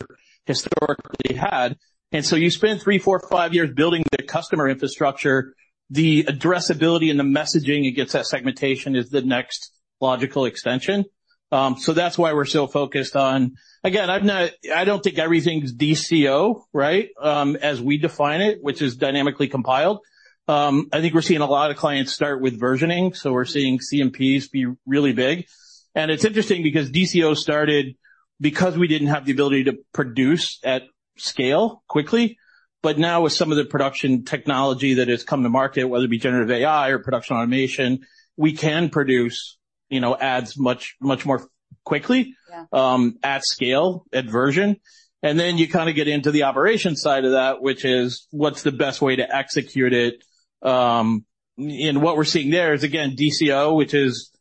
historically had. And so you spend three, four, five years building the customer infrastructure, the addressability and the messaging, it gets that segmentation, is the next logical extension. So that's why we're so focused on—again, I'm not—I don't think everything's DCO, right? As we define it, which is dynamically compiled. I think we're seeing a lot of clients start with versioning, so we're seeing CMPs be really big. It's interesting because DCO started because we didn't have the ability to produce at scale quickly, but now with some of the production technology that has come to market, whether it be generative AI or production automation, we can produce, you know, ads much, much more quickly. Yeah... At scale, at version. And then you kind of get into the operations side of that, which is, what's the best way to execute it? And what we're seeing there is, again, DCO, which is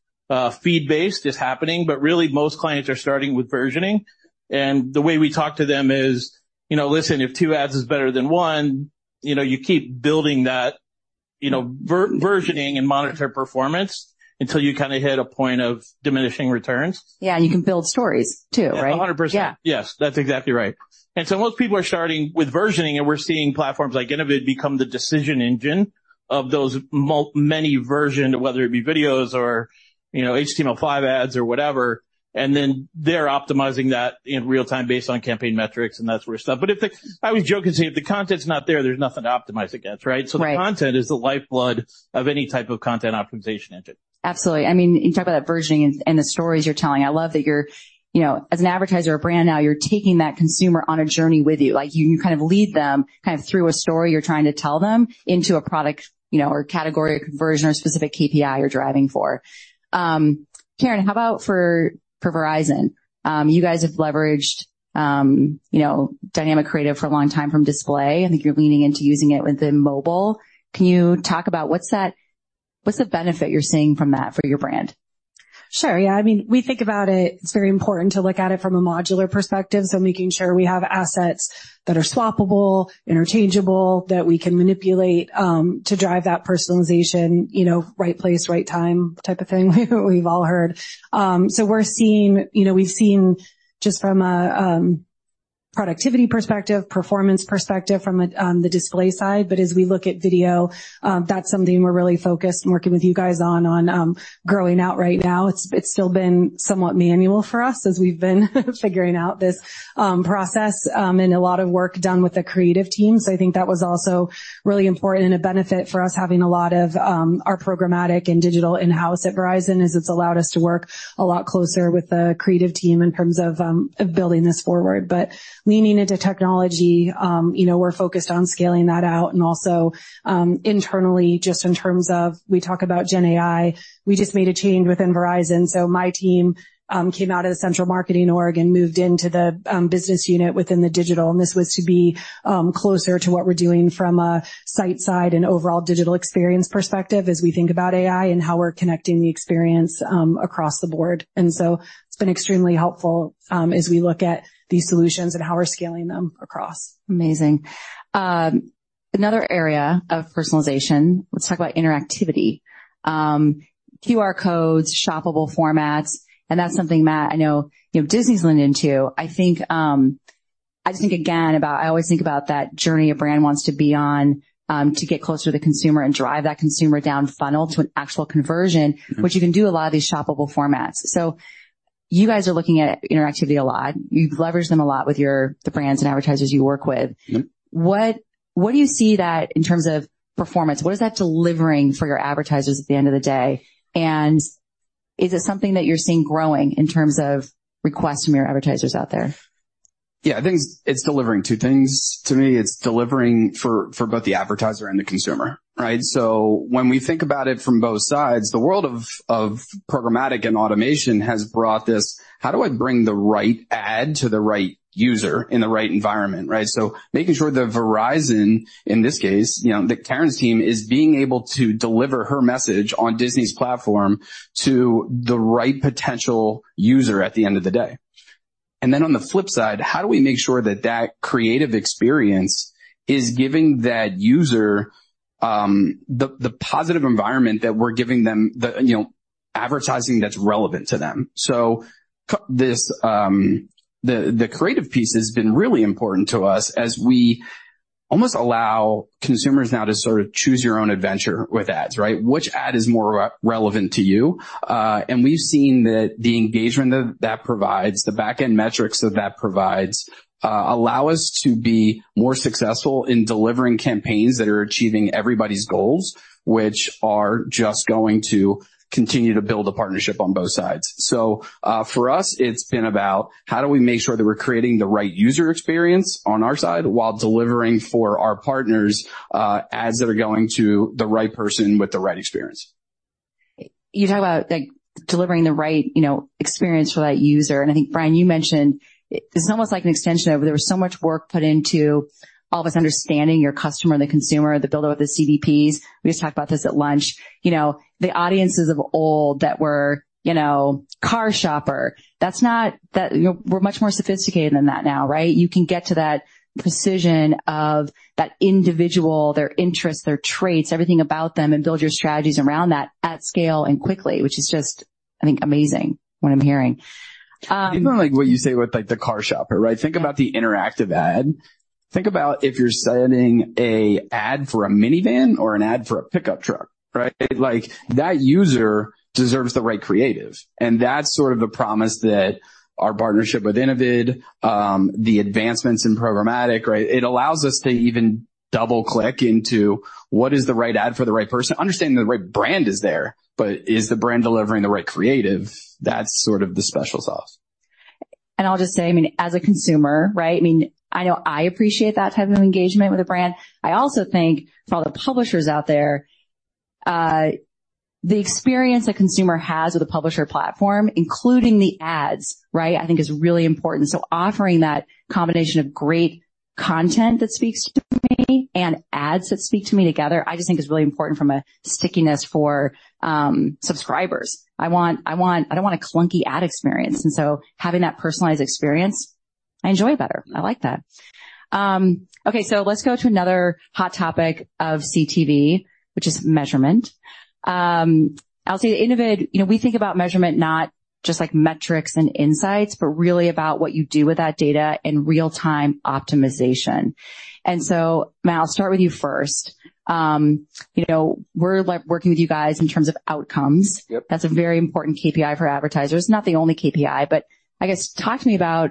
feed-based, is happening, but really most clients are starting with versioning. And the way we talk to them is, you know, "Listen, if two ads is better than one, you know, you keep building that, you know, versioning and monitor performance until you kind of hit a point of diminishing returns. Yeah, and you can build stories too, right? 100%. Yeah. Yes, that's exactly right. So most people are starting with versioning, and we're seeing platforms like Innovid become the decision engine of those many versions, whether it be videos or, you know, HTML5 ads or whatever, and then they're optimizing that in real time based on campaign metrics, and that's where stuff... But if I always joke and say, "If the content's not there, there's nothing to optimize against," right? Right. The content is the lifeblood of any type of content optimization engine. Absolutely. I mean, you talk about versioning and the stories you're telling. I love that you're, you know, as an advertiser or brand now, you're taking that consumer on a journey with you. Like, you kind of lead them kind of through a story you're trying to tell them into a product, you know, or category, a conversion or a specific KPI you're driving for. Karen, how about for Verizon? You guys have leveraged, you know, dynamic creative for a long time from display, and I think you're leaning into using it within mobile. Can you talk about what's the benefit you're seeing from that for your brand? Sure. Yeah, I mean, we think about it, it's very important to look at it from a modular perspective, so making sure we have assets that are swappable, interchangeable, that we can manipulate, to drive that personalization, you know, right place, right time type of thing, we've all heard. So we're seeing... You know, we've seen just from a productivity perspective, performance perspective from a the display side, but as we look at video, that's something we're really focused and working with you guys on, on growing out right now. It's, it's still been somewhat manual for us as we've been figuring out this process, and a lot of work done with the creative team. So I think that was also really important and a benefit for us, having a lot of our programmatic and digital in-house at Verizon, is it's allowed us to work a lot closer with the creative team in terms of building this forward. But leaning into technology, you know, we're focused on scaling that out and also internally, just in terms of... We talk about GenAI, we just made a change within Verizon. So my team came out of the central marketing org and moved into the business unit within the digital, and this was to be closer to what we're doing from a site side and overall digital experience perspective as we think about AI and how we're connecting the experience across the board. It's been extremely helpful, as we look at these solutions and how we're scaling them across. Amazing. Another area of personalization, let's talk about interactivity. QR codes, shoppable formats, and that's something, Matt, I know, you know, Disney's leaned into. I think, I just think again about- I always think about that journey a brand wants to be on, to get closer to the consumer and drive that consumer down funnel to an actual conversion- Mm-hmm... which you can do a lot of these shoppable formats. So you guys are looking at interactivity a lot. You've leveraged them a lot with your, the brands and advertisers you work with. Mm-hmm. What do you see that, in terms of performance, what is that delivering for your advertisers at the end of the day, and... Is it something that you're seeing growing in terms of requests from your advertisers out there? Yeah, I think it's delivering two things to me. It's delivering for both the advertiser and the consumer, right? So when we think about it from both sides, the world of programmatic and automation has brought this: how do I bring the right ad to the right user in the right environment, right? So making sure that Verizon, in this case, you know, that Karen's team is being able to deliver her message on Disney's platform to the right potential user at the end of the day. And then on the flip side, how do we make sure that that creative experience is giving that user the positive environment that we're giving them, you know, advertising that's relevant to them? So this, the creative piece has been really important to us as we almost allow consumers now to sort of choose your own adventure with ads, right? Which ad is more relevant to you? And we've seen that the engagement that provides allow us to be more successful in delivering campaigns that are achieving everybody's goals, which are just going to continue to build a partnership on both sides. So, for us, it's been about how do we make sure that we're creating the right user experience on our side while delivering for our partners, ads that are going to the right person with the right experience. You talk about, like, delivering the right, you know, experience for that user, and I think, Bryan, you mentioned it's almost like an extension of there was so much work put into all of us understanding your customer, the consumer, the builder with the CDPs. We just talked about this at lunch. You know, the audiences of old that were, you know, car shopper. That's not that... We're much more sophisticated than that now, right? You can get to that precision of that individual, their interests, their traits, everything about them, and build your strategies around that at scale and quickly, which is just, I think, amazing, what I'm hearing. Even like what you say with, like, the car shopper, right? Yeah. Think about the interactive ad. Think about if you're selling an ad for a minivan or an ad for a pickup truck, right? Like, that user deserves the right creative, and that's sort of the promise that our partnership with Innovid, the advancements in programmatic, right? It allows us to even double-click into what is the right ad for the right person. Understanding the right brand is there, but is the brand delivering the right creative? That's sort of the special sauce. I'll just say, I mean, as a consumer, right, I mean, I know I appreciate that type of engagement with a brand. I also think for all the publishers out there, the experience a consumer has with a publisher platform, including the ads, right, I think is really important. So offering that combination of great content that speaks to me and ads that speak to me together, I just think is really important from a stickiness for, subscribers. I want, I want—I don't want a clunky ad experience, and so having that personalized experience, I enjoy better. I like that. Okay, so let's go to another hot topic of CTV, which is measurement. I'll say at Innovid, you know, we think about measurement not just like metrics and insights, but really about what you do with that data in real-time optimization. Matt, I'll start with you first. You know, we're, like, working with you guys in terms of outcomes. Yep. That's a very important KPI for advertisers. Not the only KPI, but I guess talk to me about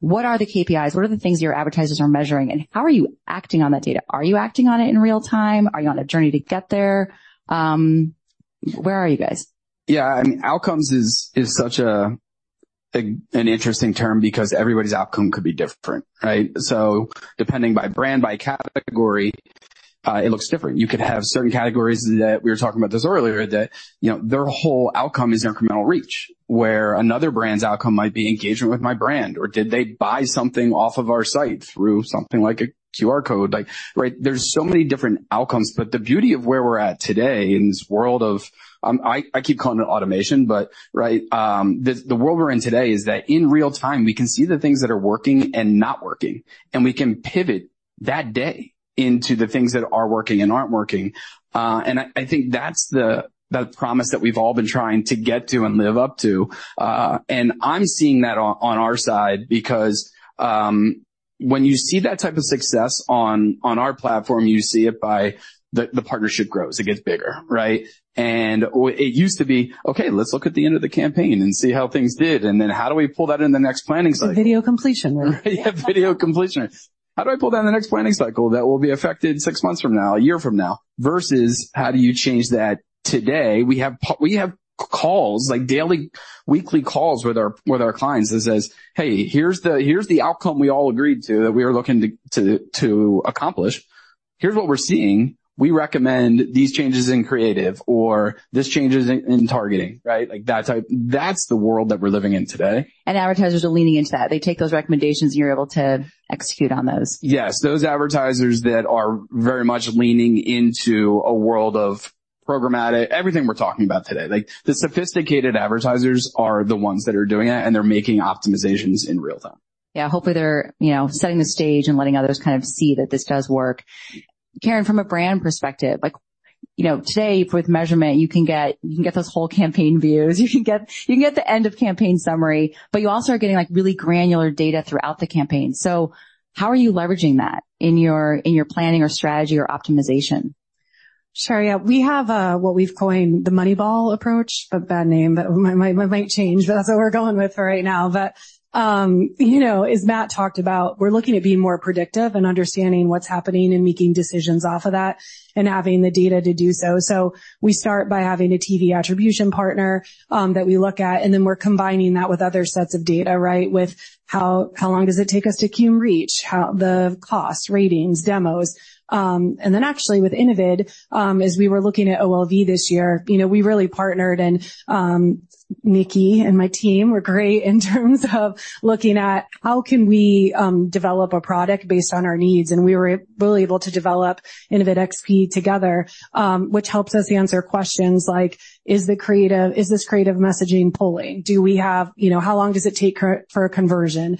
what are the KPIs, what are the things your advertisers are measuring, and how are you acting on that data? Are you acting on it in real time? Are you on a journey to get there? Where are you guys? Yeah, I mean, outcomes is such an interesting term because everybody's outcome could be different, right? So depending by brand, by category, it looks different. You could have certain categories that we were talking about this earlier, that, you know, their whole outcome is incremental reach, where another brand's outcome might be engagement with my brand, or did they buy something off of our site through something like a QR code? Like, right, there's so many different outcomes, but the beauty of where we're at today in this world of, I keep calling it automation, but right, the world we're in today is that in real time, we can see the things that are working and not working, and we can Pivot that day into the things that are working and aren't working. I think that's the promise that we've all been trying to get to and live up to. And I'm seeing that on our side because when you see that type of success on our platform, you see it by the partnership grows, it gets bigger, right? And it used to be, "Okay, let's look at the end of the campaign and see how things did, and then how do we pull that in the next planning cycle? Video completion. Yeah, video completion. How do I pull down the next planning cycle that will be affected six months from now, a year from now, versus how do you change that today? We have calls, like daily, weekly calls with our clients that says, "Hey, here's the outcome we all agreed to, that we are looking to accomplish. Here's what we're seeing. We recommend these changes in creative or these changes in targeting." Right? Like, that type... That's the world that we're living in today. Advertisers are leaning into that. They take those recommendations, and you're able to execute on those. Yes. Those advertisers that are very much leaning into a world of programmatic, everything we're talking about today, like, the sophisticated advertisers, are the ones that are doing it, and they're making optimizations in real time. Yeah. Hopefully, they're, you know, setting the stage and letting others kind of see that this does work. Karen, from a brand perspective, like, you know, today with measurement, you can get, you can get those whole campaign views. You can get, you can get the end-of-campaign summary, but you also are getting, like, really granular data throughout the campaign. So how are you leveraging that in your, in your planning or strategy or optimization?... Sure, yeah. We have what we've coined the Moneyball approach, a bad name, but it might, might change, but that's what we're going with right now. But you know, as Matt talked about, we're looking at being more predictive and understanding what's happening and making decisions off of that and having the data to do so. So we start by having a TV attribution partner that we look at, and then we're combining that with other sets of data, right? With how long does it take us to cumulative reach, how the cost, ratings, demos. And then actually with Innovid, as we were looking at OLV this year, you know, we really partnered and, Nikki and my team were great in terms of looking at how can we develop a product based on our needs, and we were really able to develop InnovidXP together, which helps us answer questions like: Is the creative--is this creative messaging pulling? Do we have... You know, how long does it take for a conversion?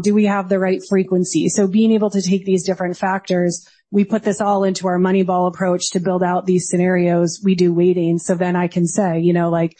Do we have the right frequency? So being able to take these different factors, we put this all into our Moneyball approach to build out these scenarios. We do weighting, so then I can say, you know, like,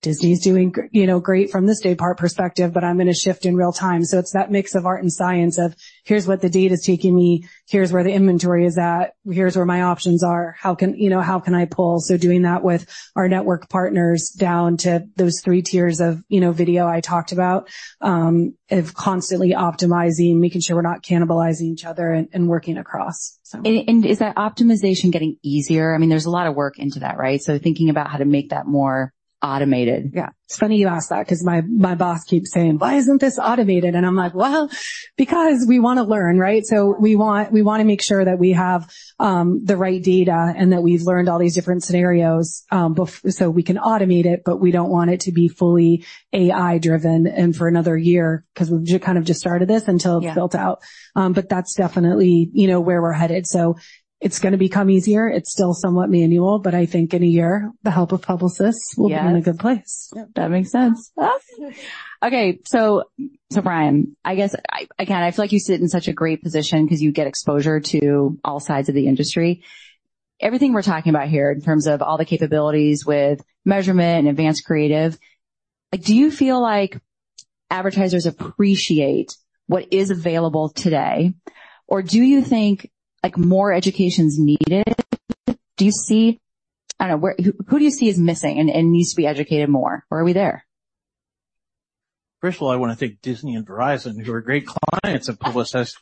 "Disney's doing, you know, great from this day part perspective, but I'm gonna shift in real time." So it's that mix of art and science of here's what the data is taking me, here's where the inventory is at, here's where my options are. How can, you know, how can I pull? So doing that with our network partners, down to those three tiers of, you know, video I talked about, of constantly optimizing, making sure we're not cannibalizing each other and working across, so. Is that optimization getting easier? I mean, there's a lot of work into that, right? So thinking about how to make that more automated. Yeah. It's funny you ask that because my boss keeps saying: "Why isn't this automated?" And I'm like: "Well, because we wanna learn, right?" So we wanna make sure that we have the right data and that we've learned all these different scenarios before, so we can automate it, but we don't want it to be fully AI-driven, and for another year, because we've kind of just started this, until- Yeah. -it's built out. But that's definitely, you know, where we're headed. So it's gonna become easier. It's still somewhat manual, but I think in a year, the help of Publicis- Yeah. will be in a good place. Yep, that makes sense. Okay, so, so, Bryan, I guess, again, I feel like you sit in such a great position because you get exposure to all sides of the industry. Everything we're talking about here, in terms of all the capabilities with measurement and advanced creative, like, do you feel like advertisers appreciate what is available today, or do you think, like, more education is needed? Do you see... I don't know, where- who do you see is missing and, and needs to be educated more, or are we there? First of all, I want to thank Disney and Verizon, who are great clients of Publicis.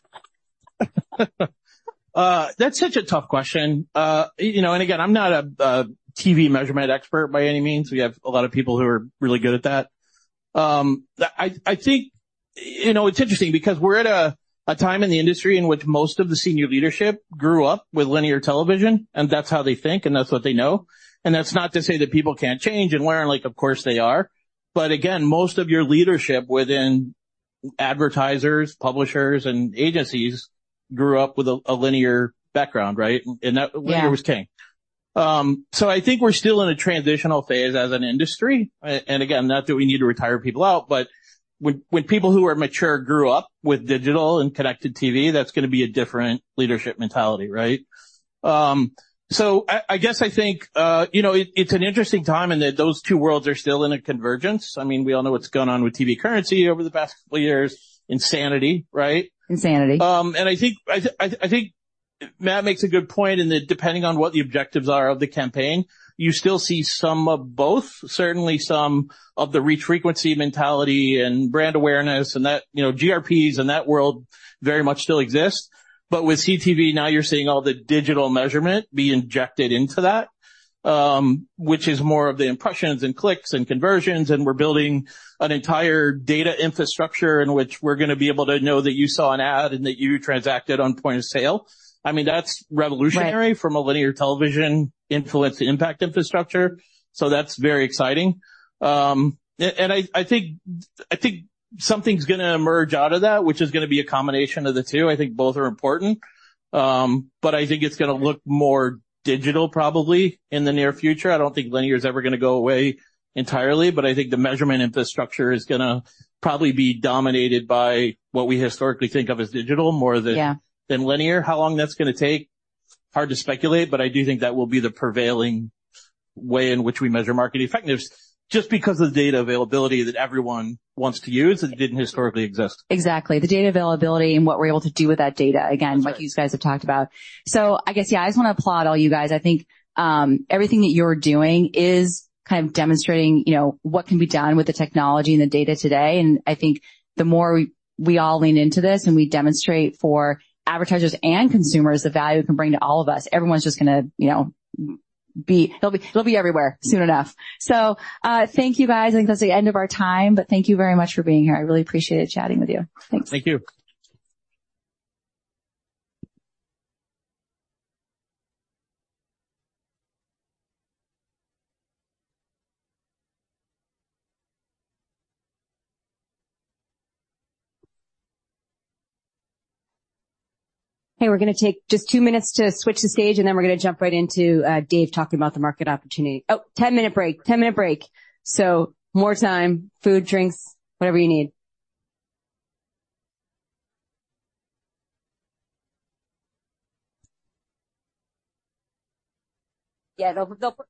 That's such a tough question. You know, and again, I'm not a TV measurement expert by any means. We have a lot of people who are really good at that. I think, you know, it's interesting because we're at a time in the industry in which most of the senior leadership grew up with linear television, and that's how they think, and that's what they know. And that's not to say that people can't change and we're like, of course, they are. But again, most of your leadership within advertisers, publishers, and agencies grew up with a linear background, right? Yeah. And that linear was king. So I think we're still in a transitional phase as an industry. And again, not that we need to retire people out, but when people who are mature grew up with digital and connected TV, that's gonna be a different leadership mentality, right? So I guess I think, you know, it's an interesting time, and that those two worlds are still in a convergence. I mean, we all know what's going on with TV currency over the past couple of years. Insanity, right? Insanity. And I think Matt makes a good point in that, depending on what the objectives are of the campaign, you still see some of both, certainly some of the reach, frequency, mentality and brand awareness, and that, you know, GRPs and that world very much still exists. But with CTV, now you're seeing all the digital measurement be injected into that, which is more of the impressions, and clicks, and conversions, and we're building an entire data infrastructure in which we're gonna be able to know that you saw an ad and that you transacted on point of sale. I mean, that's revolutionary- Right. -from a linear television influence impact infrastructure. So that's very exciting. And I think something's gonna emerge out of that, which is gonna be a combination of the two. I think both are important, but I think it's gonna look more digital, probably, in the near future. I don't think linear is ever gonna go away entirely, but I think the measurement infrastructure is gonna probably be dominated by what we historically think of as digital, more than- Yeah -than linear. How long that's gonna take? Hard to speculate, but I do think that will be the prevailing way in which we measure market effectiveness, just because of the data availability that everyone wants to use that didn't historically exist. Exactly. The data availability and what we're able to do with that data, again- That's right. What you guys have talked about. So I guess, yeah, I just want to applaud all you guys. I think everything that you're doing is kind of demonstrating, you know, what can be done with the technology and the data today. And I think the more we all lean into this and we demonstrate for advertisers and consumers, the value it can bring to all of us, everyone's just gonna, you know, be... It'll be, it'll be everywhere soon enough. So thank you, guys. I think that's the end of our time, but thank you very much for being here. I really appreciated chatting with you. Thanks. Thank you. Hey, we're gonna take just 2 minutes to switch the stage, and then we're gonna jump right into Dave talking about the market opportunity. Oh, 10-minute break. 10-minute break. So more time, food, drinks, whatever you need. Yeah, they'll.... Oh, there now.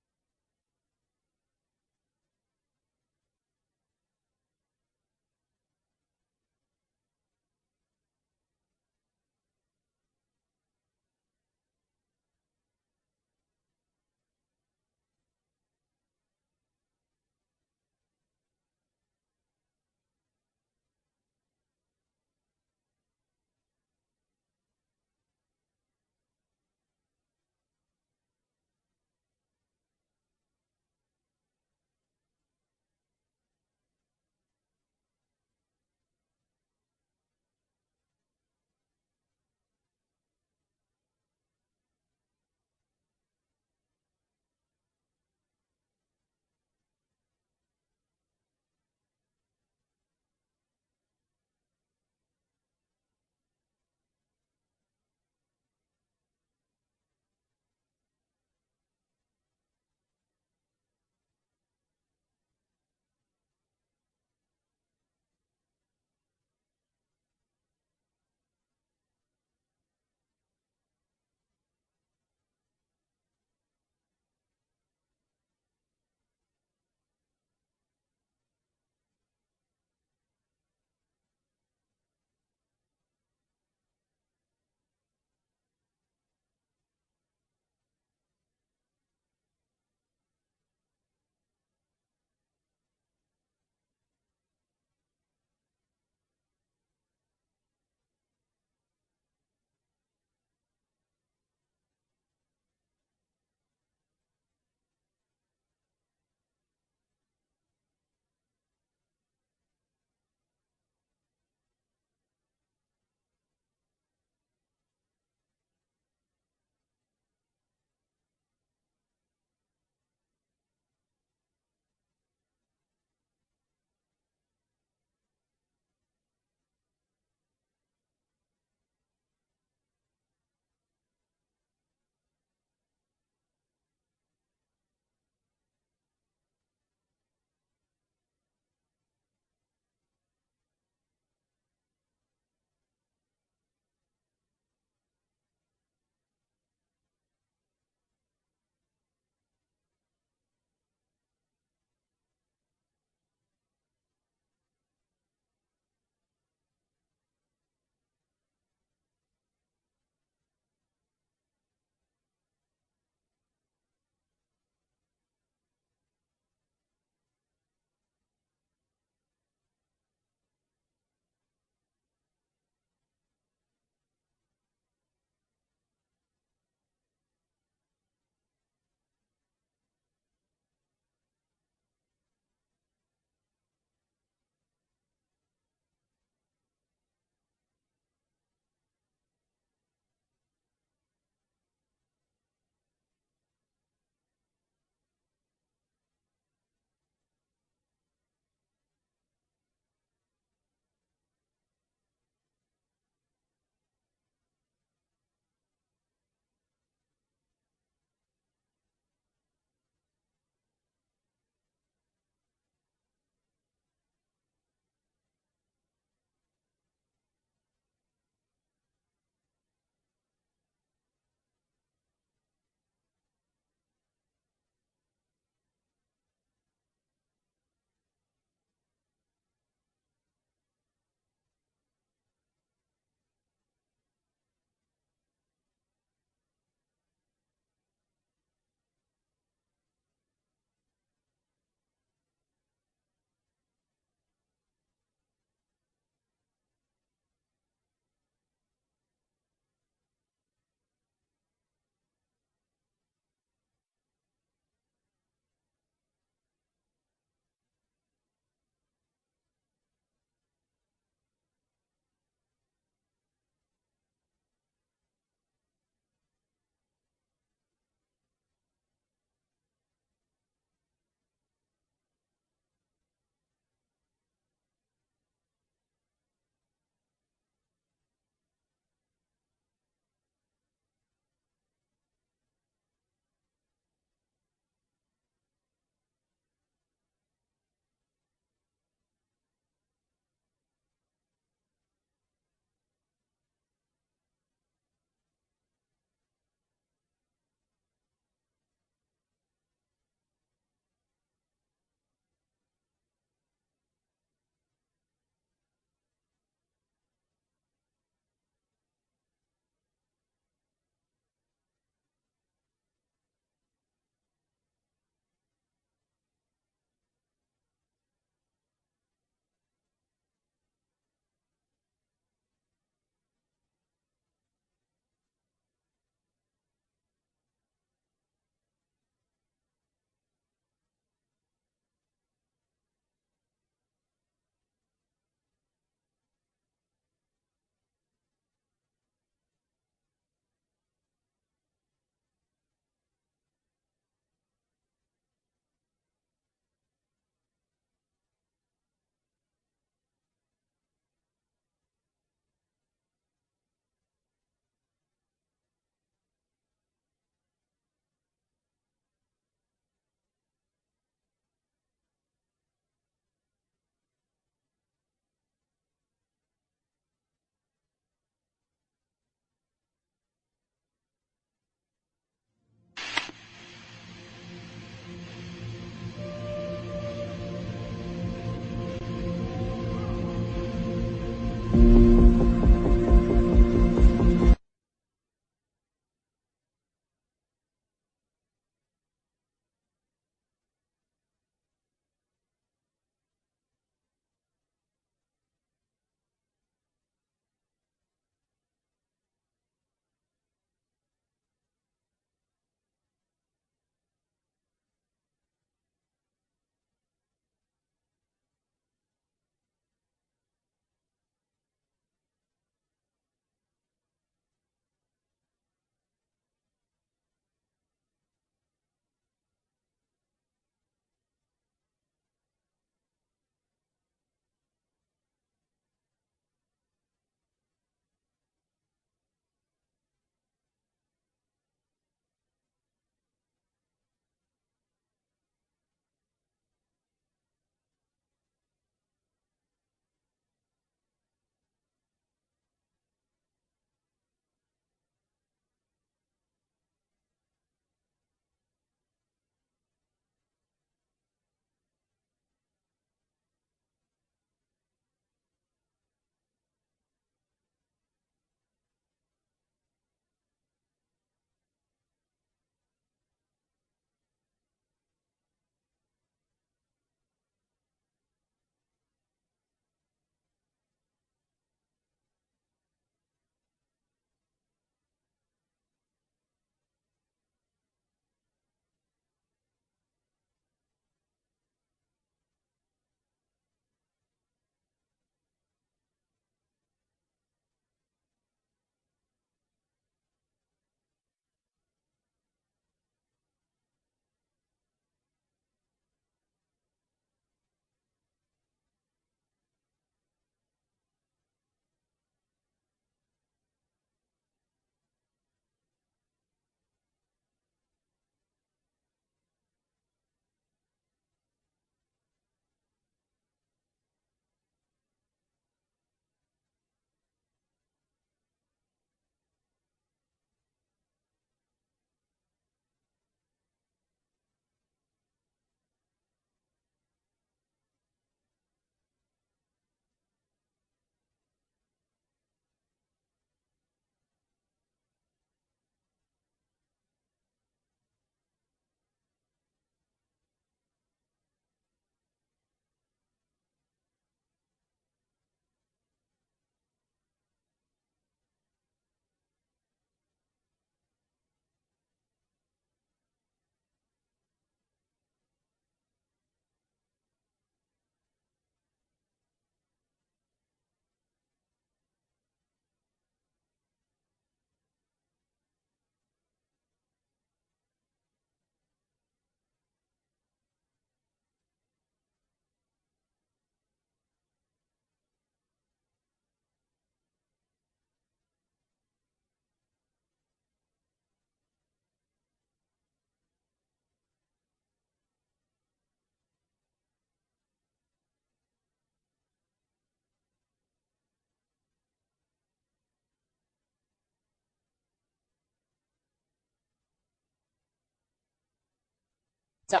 All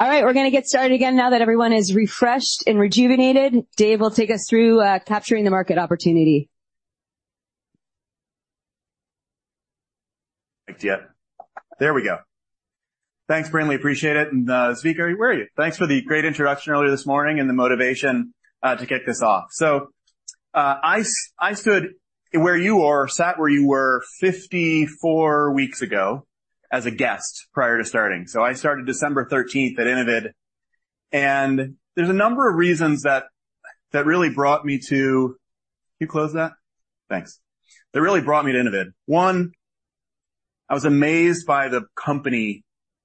right, we're gonna get started again now that everyone is refreshed and rejuvenated. Dave will take us through capturing the market opportunity. Thanks, yeah. There we go. Thanks, Brinlea, appreciate it. And, Zvika, where are you? Thanks for the great introduction earlier this morning and the motivation to kick this off. So, I stood where you are or sat where you were 54 weeks ago as a guest prior to starting. So I started December thirteenth at Innovid, and there's a number of reasons that really brought me to... Can you close that? Thanks. That really brought me to Innovid. One, I was amazed by the company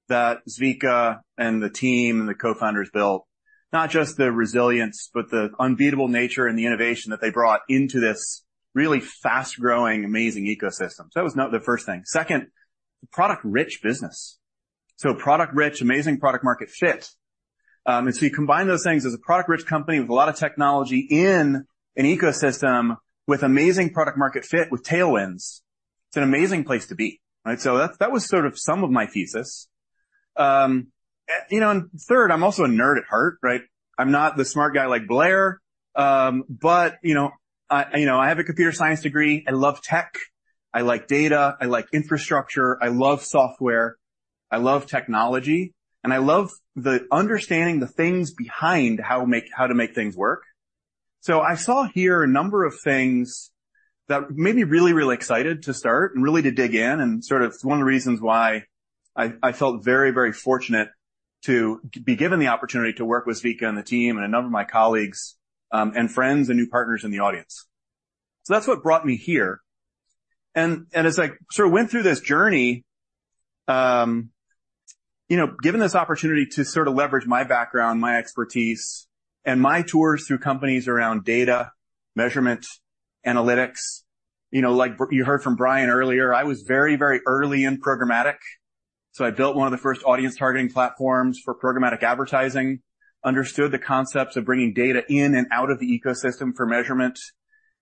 that Zvika and the team and the co-founders built. Not just the resilience, but the unbeatable nature and the innovation that they brought into this really fast-growing, amazing ecosystem. So that was now the first thing. Second, product rich business. So product rich, amazing product market fit. If you combine those things as a product rich company with a lot of technology in an ecosystem with amazing product market fit with tailwinds, it's an amazing place to be. Right? So that was sort of some of my thesis. You know, and third, I'm also a nerd at heart, right? I'm not the smart guy like Blair. But, you know, I have a computer science degree. I love tech, I like data, I like infrastructure, I love software, I love technology, and I love understanding the things behind how to make things work. So I saw here a number of things that made me really, really excited to start and really to dig in, and sort of one of the reasons why I felt very, very fortunate to be given the opportunity to work with Zvika and the team and a number of my colleagues, and friends and new partners in the audience. So that's what brought me here. And as I sort of went through this journey, you know, given this opportunity to sort of leverage my background, my expertise, and my tours through companies around data, measurement, analytics, you know, like you heard from Bryan earlier, I was very, very early in programmatic. So I built one of the first audience targeting platforms for programmatic advertising, understood the concepts of bringing data in and out of the ecosystem for measurement,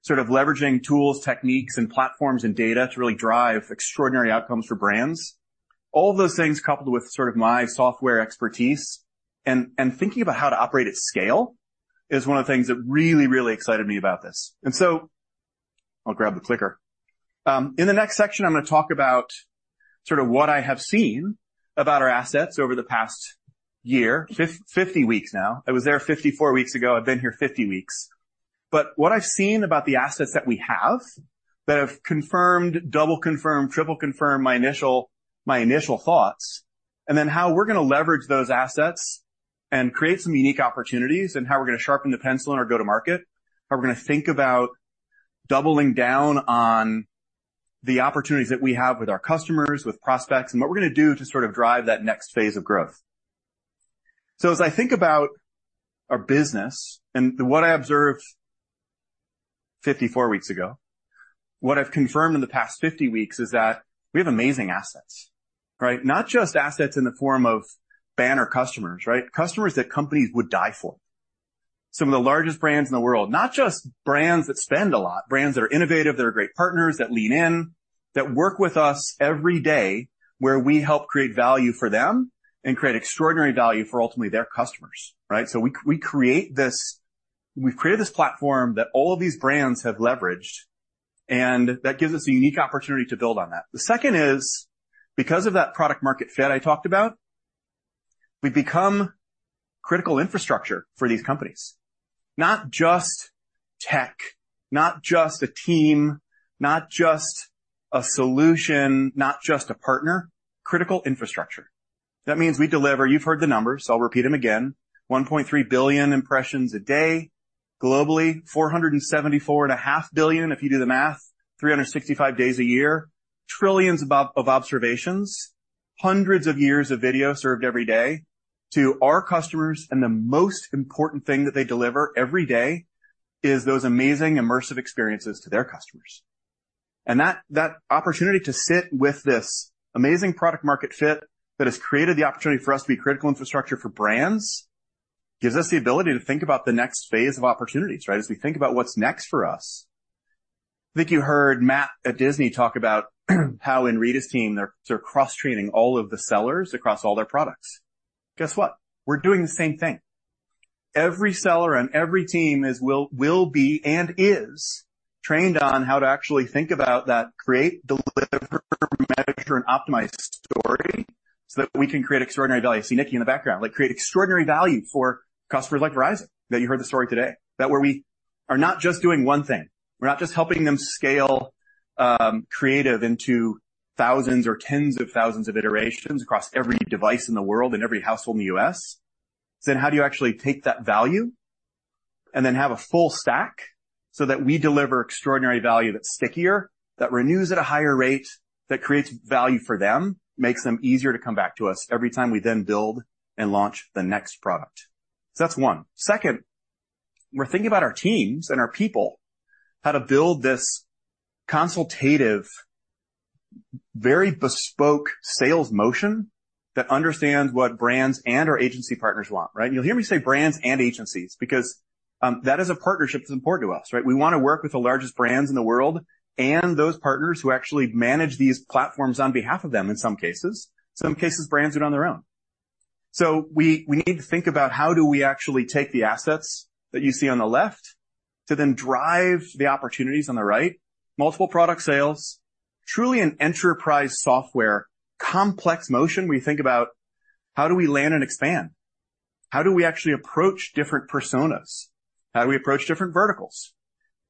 sort of leveraging tools, techniques, and platforms and data to really drive extraordinary outcomes for brands. All of those things, coupled with sort of my software expertise and thinking about how to operate at scale, is one of the things that really, really excited me about this. And so I'll grab the clicker. In the next section, I'm going to talk about sort of what I have seen about our assets over the past year, 50 weeks now. I was there 54 weeks ago. I've been here 50 weeks. But what I've seen about the assets that we have that have confirmed, double confirmed, triple confirmed my initial, my initial thoughts, and then how we're going to leverage those assets and create some unique opportunities, and how we're going to sharpen the pencil in our go-to-market. How we're going to think about doubling down on the opportunities that we have with our customers, with prospects, and what we're going to do to sort of drive that next phase of growth. So as I think about our business and what I observed 54 weeks ago, what I've confirmed in the past 50 weeks is that we have amazing assets, right? Not just assets in the form of banner customers, right? Customers that companies would die for. Some of the largest brands in the world, not just brands that spend a lot, brands that are innovative, that are great partners, that lean in, that work with us every day, where we help create value for them and create extraordinary value for ultimately their customers, right? So we've created this platform that all of these brands have leveraged, and that gives us a unique opportunity to build on that. The second is, because of that product market fit I talked about, we've become critical infrastructure for these companies. Not just tech, not just a team, not just a solution, not just a partner, critical infrastructure. That means we deliver. You've heard the numbers, so I'll repeat them again. 1.3 billion impressions a day, globally, 474.5 billion, if you do the math, 365 days a year, trillions of of observations, hundreds of years of video served every day to our customers, and the most important thing that they deliver every day is those amazing immersive experiences to their customers. And that, that opportunity to sit with this amazing product market fit that has created the opportunity for us to be critical infrastructure for brands, gives us the ability to think about the next phase of opportunities, right? As we think about what's next for us. I think you heard Matt at Disney talk about, how in Rita's team, they're, they're cross-training all of the sellers across all their products. Guess what? We're doing the same thing. Every seller and every team is, will be and is trained on how to actually think about that, create, deliver, measure, and optimize story so that we can create extraordinary value. I see Nikki in the background. Like, create extraordinary value for customers like Verizon, that you heard the story today. That's where we are not just doing one thing, we're not just helping them scale creative into thousands or tens of thousands of iterations across every device in the world and every household in the US. So then how do you actually take that value and then have a full stack so that we deliver extraordinary value that's stickier, that renews at a higher rate, that creates value for them, makes them easier to come back to us every time we then build and launch the next product. So that's one. Second, we're thinking about our teams and our people, how to build this consultative, very bespoke sales motion that understands what brands and our agency partners want, right? You'll hear me say brands and agencies, because, that is a partnership that's important to us, right? We want to work with the largest brands in the world and those partners who actually manage these platforms on behalf of them, in some cases. Some cases, brands do it on their own. So we need to think about how do we actually take the assets that you see on the left to then drive the opportunities on the right. Multiple product sales, truly an enterprise software, complex motion. We think about how do we land and expand? How do we actually approach different personas? How do we approach different verticals?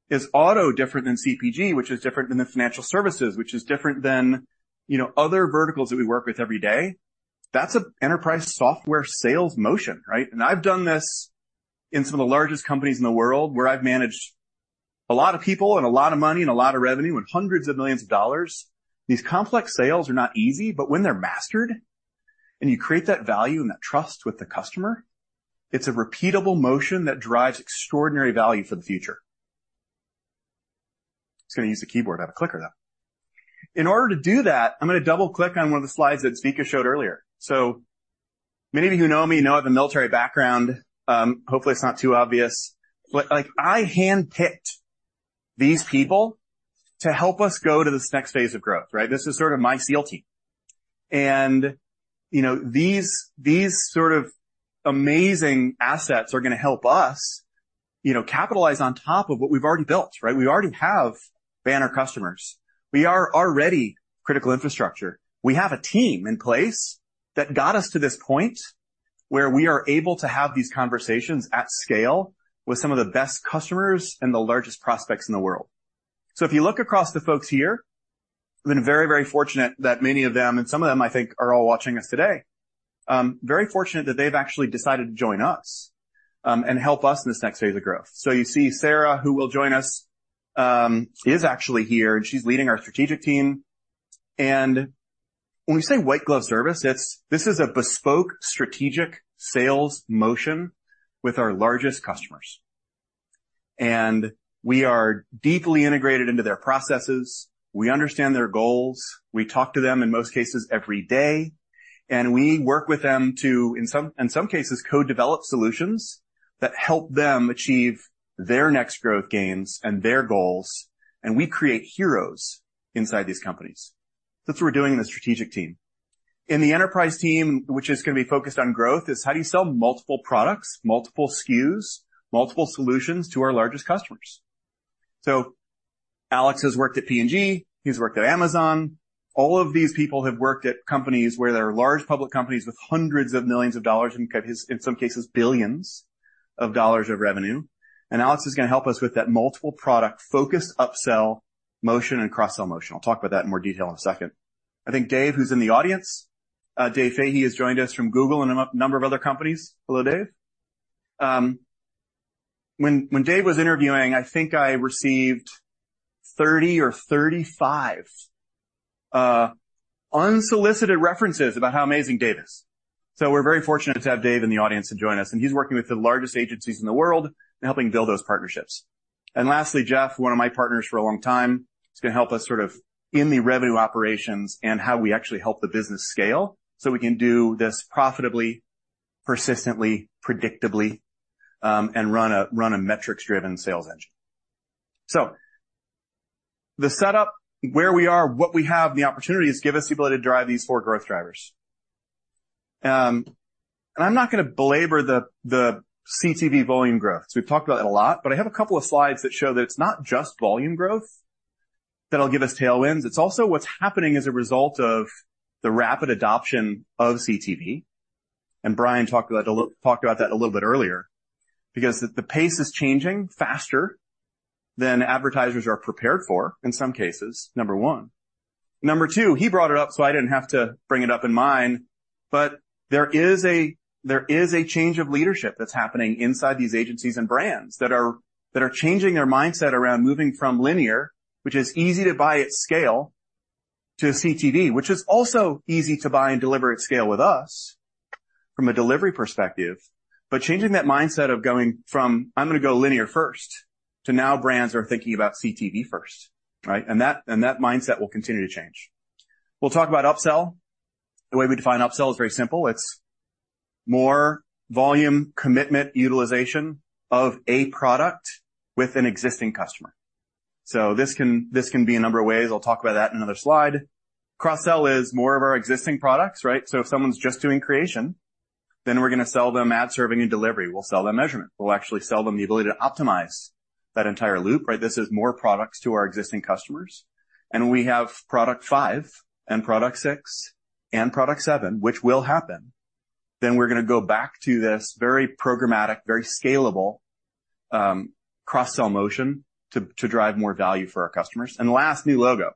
Is auto different than CPG, which is different than the financial services, which is different than, you know, other verticals that we work with every day? That's an enterprise software sales motion, right? And I've done this in some of the largest companies in the world, where I've managed a lot of people and a lot of money and a lot of revenue and hundreds of millions dollars. These complex sales are not easy, but when they're mastered and you create that value and that trust with the customer, it's a repeatable motion that drives extraordinary value for the future. I was gonna use the keyboard, I have a clicker, though. In order to do that, I'm gonna double-click on one of the slides that Zvika showed earlier. So many of you who know me know I have a military background, hopefully, it's not too obvious, but, like, I handpicked these people to help us go to this next phase of growth, right? This is sort of my SEAL team. And, you know, these, these sort of amazing assets are gonna help us, you know, capitalize on top of what we've already built, right? We already have banner customers. We are already critical infrastructure. We have a team in place that got us to this point where we are able to have these conversations at scale with some of the best customers and the largest prospects in the world. So if you look across the folks here, we've been very, very fortunate that many of them, and some of them, I think, are all watching us today. Very fortunate that they've actually decided to join us, and help us in this next phase of growth. So you see, Sarah, who will join us, is actually here, and she's leading our strategic team. And when we say white glove service, it's this is a bespoke strategic sales motion with our largest customers, and we are deeply integrated into their processes, we understand their goals, we talk to them, in most cases, every day, and we work with them to, in some cases, co-develop solutions that help them achieve their next growth gains and their goals, and we create heroes inside these companies. That's what we're doing in the strategic team. In the enterprise team, which is gonna be focused on growth, is how do you sell multiple products, multiple SKUs, multiple solutions to our largest customers? So Alex has worked at P&G, he's worked at Amazon. All of these people have worked at companies where there are large public companies with hundreds of millions of dollars, and in some cases, billions of dollars of revenue. Alex is gonna help us with that multiple product focus, upsell, motion, and cross-sell motion. I'll talk about that in more detail in a second. I think Dave, who's in the audience, Dave Fahey, has joined us from Google and a number of other companies. Hello, Dave. When Dave was interviewing, I think I received 30 or 35 unsolicited references about how amazing Dave is. We're very fortunate to have Dave in the audience to join us, and he's working with the largest agencies in the world and helping build those partnerships. Lastly, Jeff, one of my partners for a long time, is gonna help us sort of in the revenue operations and how we actually help the business scale so we can do this profitably, persistently, predictably, and run a metrics-driven sales engine. So the setup, where we are, what we have, the opportunities give us the ability to drive these four growth drivers.... I'm not going to belabor the CTV volume growth. We've talked about it a lot, but I have a couple of slides that show that it's not just volume growth that'll give us tailwinds, it'll also what's happening as a result of the rapid adoption of CTV. And Bryan talked about that a little bit earlier, because the pace is changing faster than advertisers are prepared for in some cases, number one. Number two, he brought it up, so I didn't have to bring it up in mine, but there is a change of leadership that's happening inside these agencies and brands that are changing their mindset around moving from linear, which is easy to buy at scale, to CTV, which is also easy to buy and deliver at scale with us from a delivery perspective. But changing that mindset of going from I'm going to go linear first, to now brands are thinking about CTV first, right? And that mindset will continue to change. We'll talk about upsell. The way we define upsell is very simple. It's more volume, commitment, utilization of a product with an existing customer. So this can be a number of ways. I'll talk about that in another slide. Cross-sell is more of our existing products, right? So if someone's just doing creation, then we're going to sell them ad serving and delivery. We'll sell them measurement. We'll actually sell them the ability to optimize that entire loop, right? This is more products to our existing customers, and we have product five and product six and product seven, which will happen. Then we're going to go back to this very programmatic, very scalable, cross-sell motion to drive more value for our customers. And last, new logo.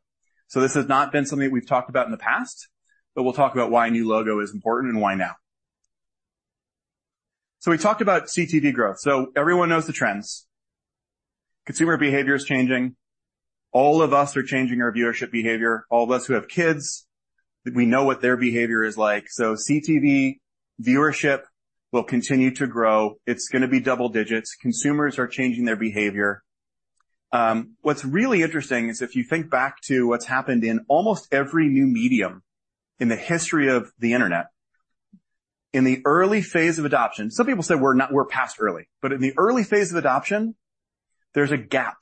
So this has not been something we've talked about in the past, but we'll talk about why a new logo is important and why now. So we talked about CTV growth, so everyone knows the trends. Consumer behavior is changing. All of us are changing our viewership behavior. All of us who have kids, we know what their behavior is like. So CTV viewership will continue to grow. It's going to be double digits. Consumers are changing their behavior. What's really interesting is if you think back to what's happened in almost every new medium in the history of the Internet, in the early phase of adoption, some people say we're past early, but in the early phase of adoption, there's a gap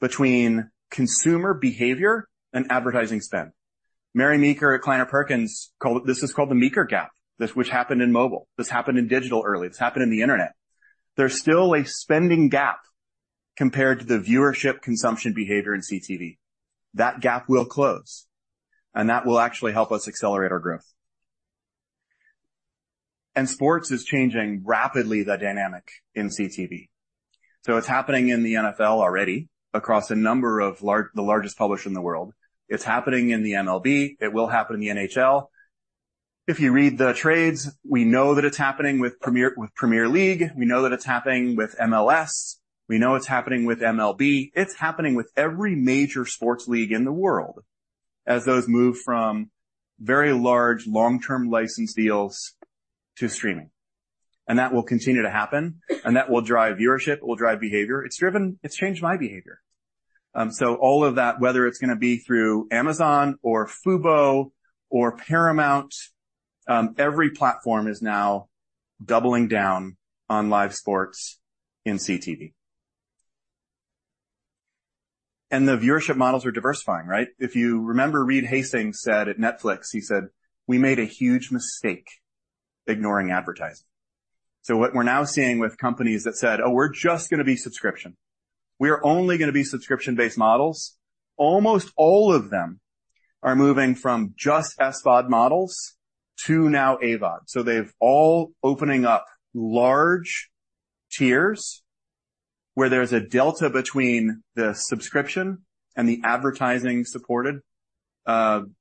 between consumer behavior and advertising spend. Mary Meeker at Kleiner Perkins called... This is called the Meeker Gap. This, which happened in mobile, this happened in digital early, this happened in the Internet. There's still a spending gap compared to the viewership consumption behavior in CTV. That gap will close, and that will actually help us accelerate our growth. Sports is changing rapidly, the dynamic in CTV. So it's happening in the NFL already across a number of large, the largest publisher in the world. It's happening in the MLB. It will happen in the NHL. If you read the trades, we know that it's happening with Premier, with Premier League. We know that it's happening with MLS. We know it's happening with MLB. It's happening with every major sports league in the world as those move from very large long-term license deals to streaming. And that will continue to happen and that will drive viewership, it will drive behavior. It's changed my behavior. So all of that, whether it's going to be through Amazon or Fubo or Paramount, every platform is now doubling down on live sports in CTV. And the viewership models are diversifying, right? If you remember, Reed Hastings said at Netflix, he said, "We made a huge mistake ignoring advertising." So what we're now seeing with companies that said, oh, we're just going to be subscription, we are only going to be subscription-based models. Almost all of them are moving from just SVOD models to now AVOD. So they've all opening up large tiers where there's a delta between the subscription and the advertising-supported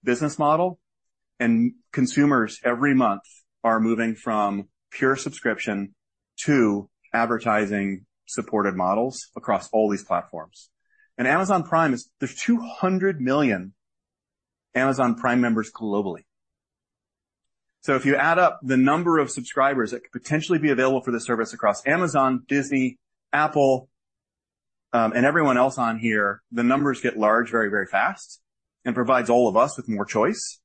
business model, and consumers every month are moving from pure subscription to advertising-supported models across all these platforms. And Amazon Prime is—there's 200 million Amazon Prime members globally. So if you add up the number of subscribers that could potentially be available for this service across Amazon, Disney, Apple, and everyone else on here, the numbers get large very, very fast and provides all of us with more choice.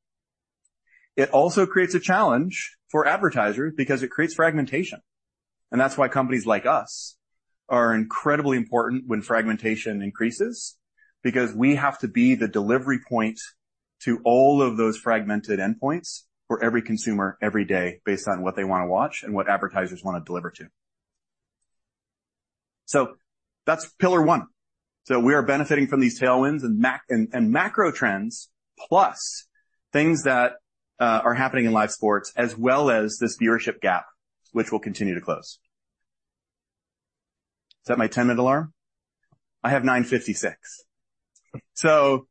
It also creates a challenge for advertisers because it creates fragmentation, and that's why companies like us are incredibly important when fragmentation increases, because we have to be the delivery point to all of those fragmented endpoints for every consumer, every day, based on what they want to watch and what advertisers want to deliver to. So that's pillar one. So we are benefiting from these tailwinds and macro trends, plus things that are happening in live sports, as well as this viewership gap, which will continue to close. Is that my ten-minute alarm? I have 9:56. So,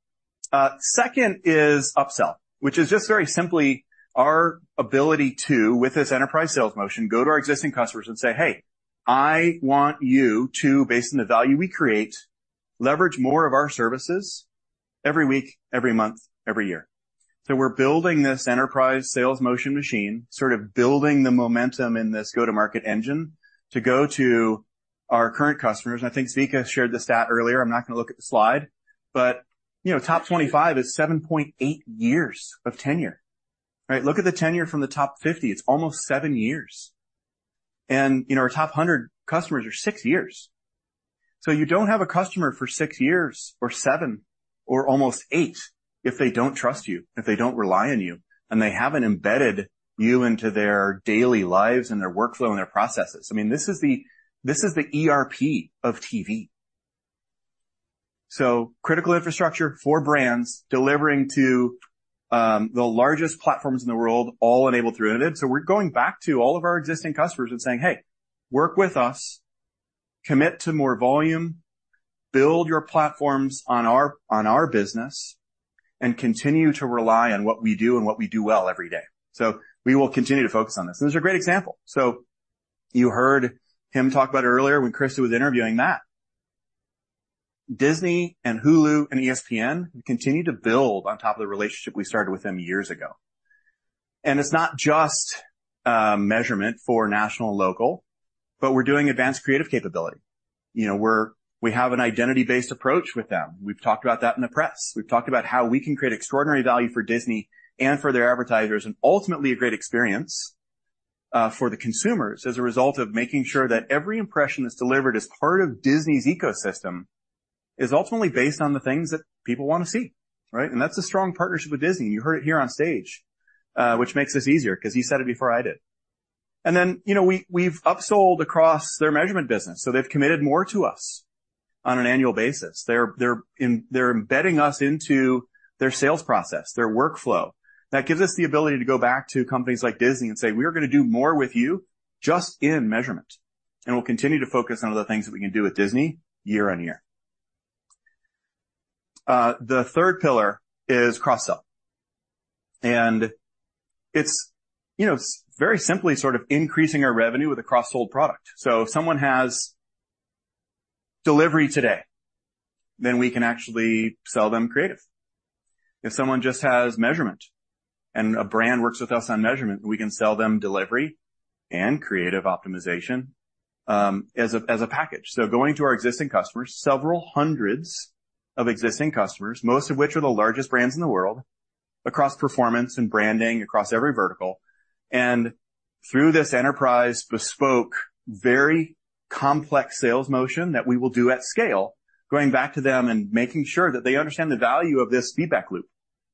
second is upsell, which is just very simply our ability to, with this enterprise sales motion, go to our existing customers and say, "Hey, I want you to, based on the value we create, leverage more of our services every week, every month, every year." So we're building this enterprise sales motion machine, sort of building the momentum in this go-to-market engine to go to our current customers. I think Zvika shared the stat earlier. I'm not going to look at the slide, but, you know, top 25 is 7.8 years of tenure. All right, look at the tenure from the top 50. It's almost 7 years.... and, you know, our top 100 customers are 6 years. So you don't have a customer for 6 years, or 7 years, or almost 8 years if they don't trust you, if they don't rely on you, and they haven't embedded you into their daily lives and their workflow and their processes. I mean, this is the, this is the ERP of TV. So critical infrastructure for brands delivering to, the largest platforms in the world, all enabled through it. So we're going back to all of our existing customers and saying, "Hey, work with us. Commit to more volume. Build your platforms on our, on our business, and continue to rely on what we do and what we do well every day." So we will continue to focus on this. This is a great example. So you heard him talk about it earlier when Krista was interviewing Matt. Disney and Hulu and ESPN, we continue to build on top of the relationship we started with them years ago. And it's not just measurement for national and local, but we're doing advanced creative capability. You know, we have an identity-based approach with them. We've talked about that in the press. We've talked about how we can create extraordinary value for Disney and for their advertisers, and ultimately, a great experience for the consumers as a result of making sure that every impression that's delivered as part of Disney's ecosystem is ultimately based on the things that people want to see, right? And that's a strong partnership with Disney. You heard it here on stage, which makes this easier because he said it before I did. Then, you know, we've upsold across their measurement business, so they've committed more to us on an annual basis. They're embedding us into their sales process, their workflow. That gives us the ability to go back to companies like Disney and say, "We are gonna do more with you just in measurement, and we'll continue to focus on other things that we can do with Disney year on year." The third pillar is cross-sell, and it's, you know, very simply sort of increasing our revenue with a cross-sell product. If someone has delivery today, then we can actually sell them creative. If someone just has measurement and a brand works with us on measurement, we can sell them delivery and creative optimization, as a package. So going to our existing customers, several hundreds of existing customers, most of which are the largest brands in the world, across performance and branding, across every vertical, and through this enterprise, bespoke very complex sales motion that we will do at scale, going back to them and making sure that they understand the value of this feedback loop,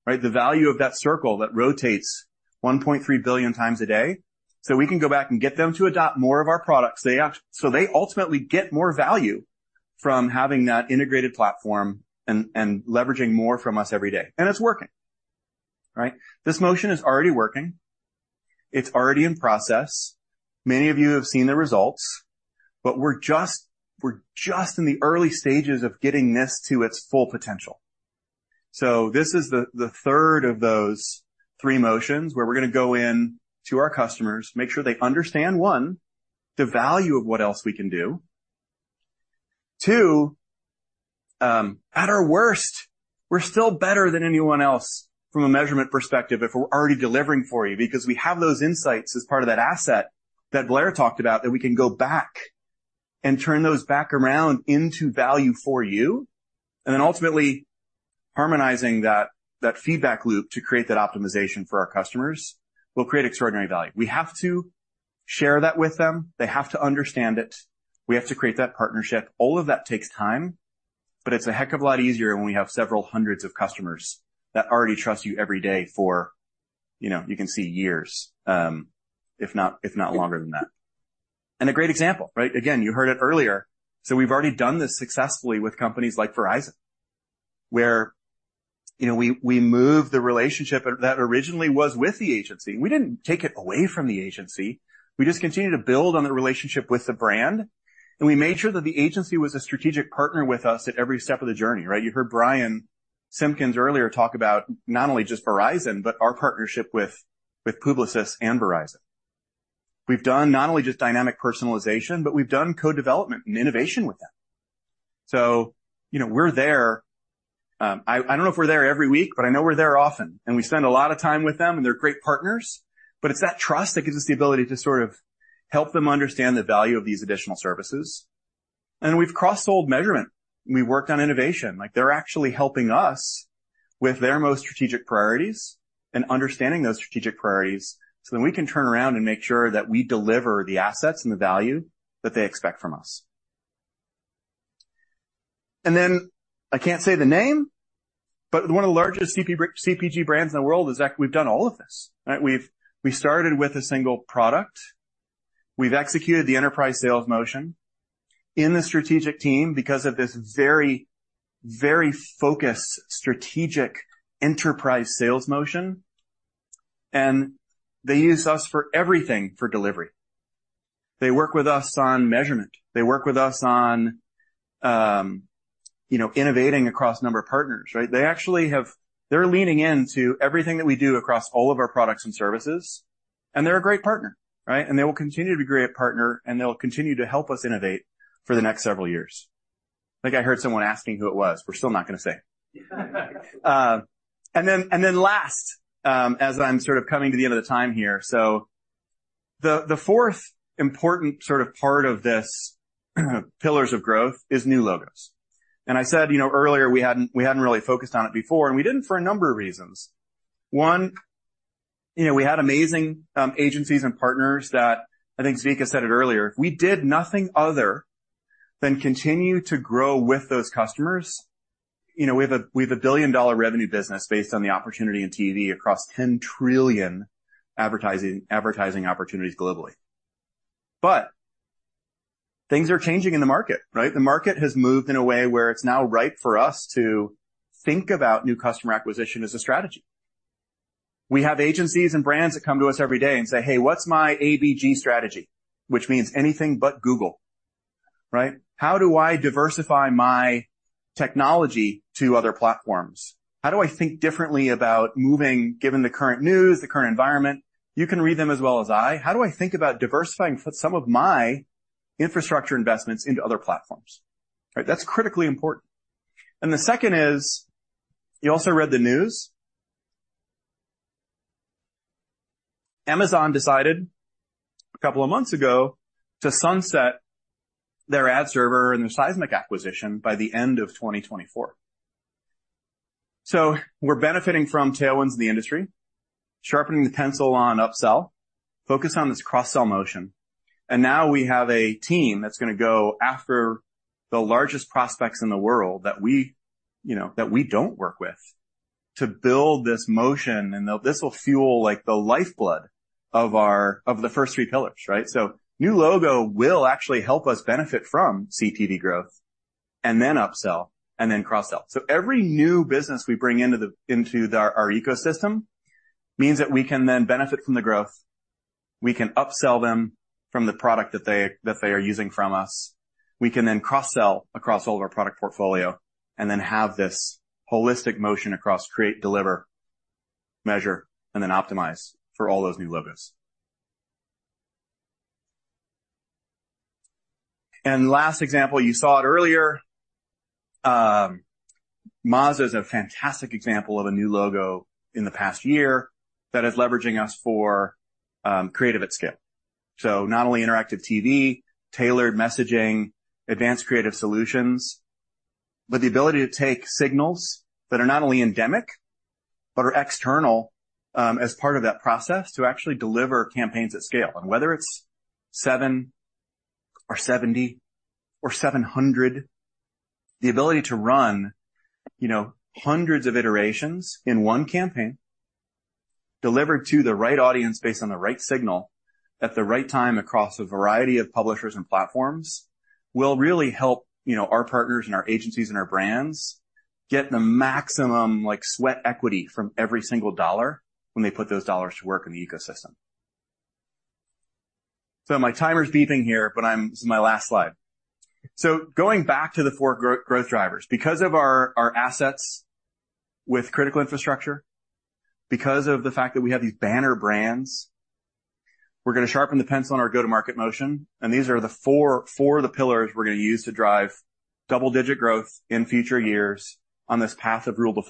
right? The value of that circle that rotates 1.3 billion times a day. So we can go back and get them to adopt more of our products, they actually - so they ultimately get more value from having that integrated platform and, and leveraging more from us every day. And it's working, right? This motion is already working. It's already in process. Many of you have seen the results, but we're just, we're just in the early stages of getting this to its full potential. So this is the third of those three motions where we're gonna go in to our customers, make sure they understand, one, the value of what else we can do. Two, at our worst, we're still better than anyone else from a measurement perspective, if we're already delivering for you, because we have those insights as part of that asset that Blair talked about, that we can go back and turn those back around into value for you, and then ultimately harmonizing that feedback loop to create that optimization for our customers will create extraordinary value. We have to share that with them. They have to understand it. We have to create that partnership. All of that takes time, but it's a heck of a lot easier when we have several hundreds of customers that already trust you every day for, you know, you can see years, if not, if not longer than that. And a great example, right? Again, you heard it earlier. So we've already done this successfully with companies like Verizon, where, you know, we moved the relationship that originally was with the agency. We didn't take it away from the agency. We just continued to build on the relationship with the brand, and we made sure that the agency was a strategic partner with us at every step of the journey, right? You heard Bryan Simpkins earlier talk about not only just Verizon, but our partnership with Publicis and Verizon. We've done not only just dynamic personalization, but we've done co-development and innovation with them. So, you know, we're there, I don't know if we're there every week, but I know we're there often, and we spend a lot of time with them, and they're great partners, but it's that trust that gives us the ability to sort of help them understand the value of these additional services. And we've cross-sold measurement, and we worked on innovation. Like, they're actually helping us with their most strategic priorities and understanding those strategic priorities, so then we can turn around and make sure that we deliver the assets and the value that they expect from us. And then I can't say the name, but one of the largest CPG brands in the world is that we've done all of this, right? We started with a single product. We've executed the enterprise sales motion in the strategic team because of this very, very focused, strategic enterprise sales motion, and they use us for everything for delivery. They work with us on measurement. They work with us on, you know, innovating across a number of partners, right? They actually have... They're leaning into everything that we do across all of our products and services, and they're a great partner, right? And they will continue to be a great partner, and they'll continue to help us innovate for the next several years. I think I heard someone asking who it was. We're still not gonna say. And then last, as I'm sort of coming to the end of the time here, so the, the fourth important sort of part of this, pillars of growth is new logos. I said, you know, earlier, we hadn't really focused on it before, and we didn't for a number of reasons. One, you know, we had amazing agencies and partners that I think Zvika said it earlier, we did nothing other than continue to grow with those customers. You know, we have a billion-dollar revenue business based on the opportunity in TV across 10 trillion advertising opportunities globally. But things are changing in the market, right? The market has moved in a way where it's now ripe for us to think about new customer acquisition as a strategy. We have agencies and brands that come to us every day and say, "Hey, what's my ABG strategy?" Which means anything but Google, right? How do I diversify my technology to other platforms? How do I think differently about moving, given the current news, the current environment? You can read them as well as I. How do I think about diversifying some of my infrastructure investments into other platforms, right? That's critically important. And the second is, you also read the news. Amazon decided a couple of months ago to sunset their ad server and their Sizmek acquisition by the end of 2024. So we're benefiting from tailwinds in the industry, sharpening the pencil on upsell, focused on this cross-sell motion, and now we have a team that's going to go after the largest prospects in the world that we, you know, that we don't work with to build this motion. And this will fuel, like, the lifeblood of our- of the first three pillars, right? So new logo will actually help us benefit from CTV growth and then upsell, and then cross-sell. So every new business we bring into our ecosystem means that we can then benefit from the growth. We can upsell them from the product that they are using from us. We can then cross-sell across all of our product portfolio and then have this holistic motion across create, deliver, measure, and then optimize for all those new logos. And last example, you saw it earlier. Mazda is a fantastic example of a new logo in the past year that is leveraging us for creative at scale. So not only interactive TV, tailored messaging, advanced creative solutions, but the ability to take signals that are not only endemic, but are external, as part of that process to actually deliver campaigns at scale. Whether it's 7 or 70 or 700, the ability to run, you know, hundreds of iterations in one campaign, delivered to the right audience based on the right signal, at the right time, across a variety of publishers and platforms, will really help, you know, our partners and our agencies and our brands get the maximum, like, sweat equity from every single dollar when they put those dollars to work in the ecosystem. So my timer's beeping here, but I'm... This is my last slide. So going back to the four growth drivers, because of our assets with critical infrastructure, because of the fact that we have these banner brands, we're gonna sharpen the pencil on our go-to-market motion, and these are the four of the pillars we're gonna use to drive double-digit growth in future years on this path of Rule of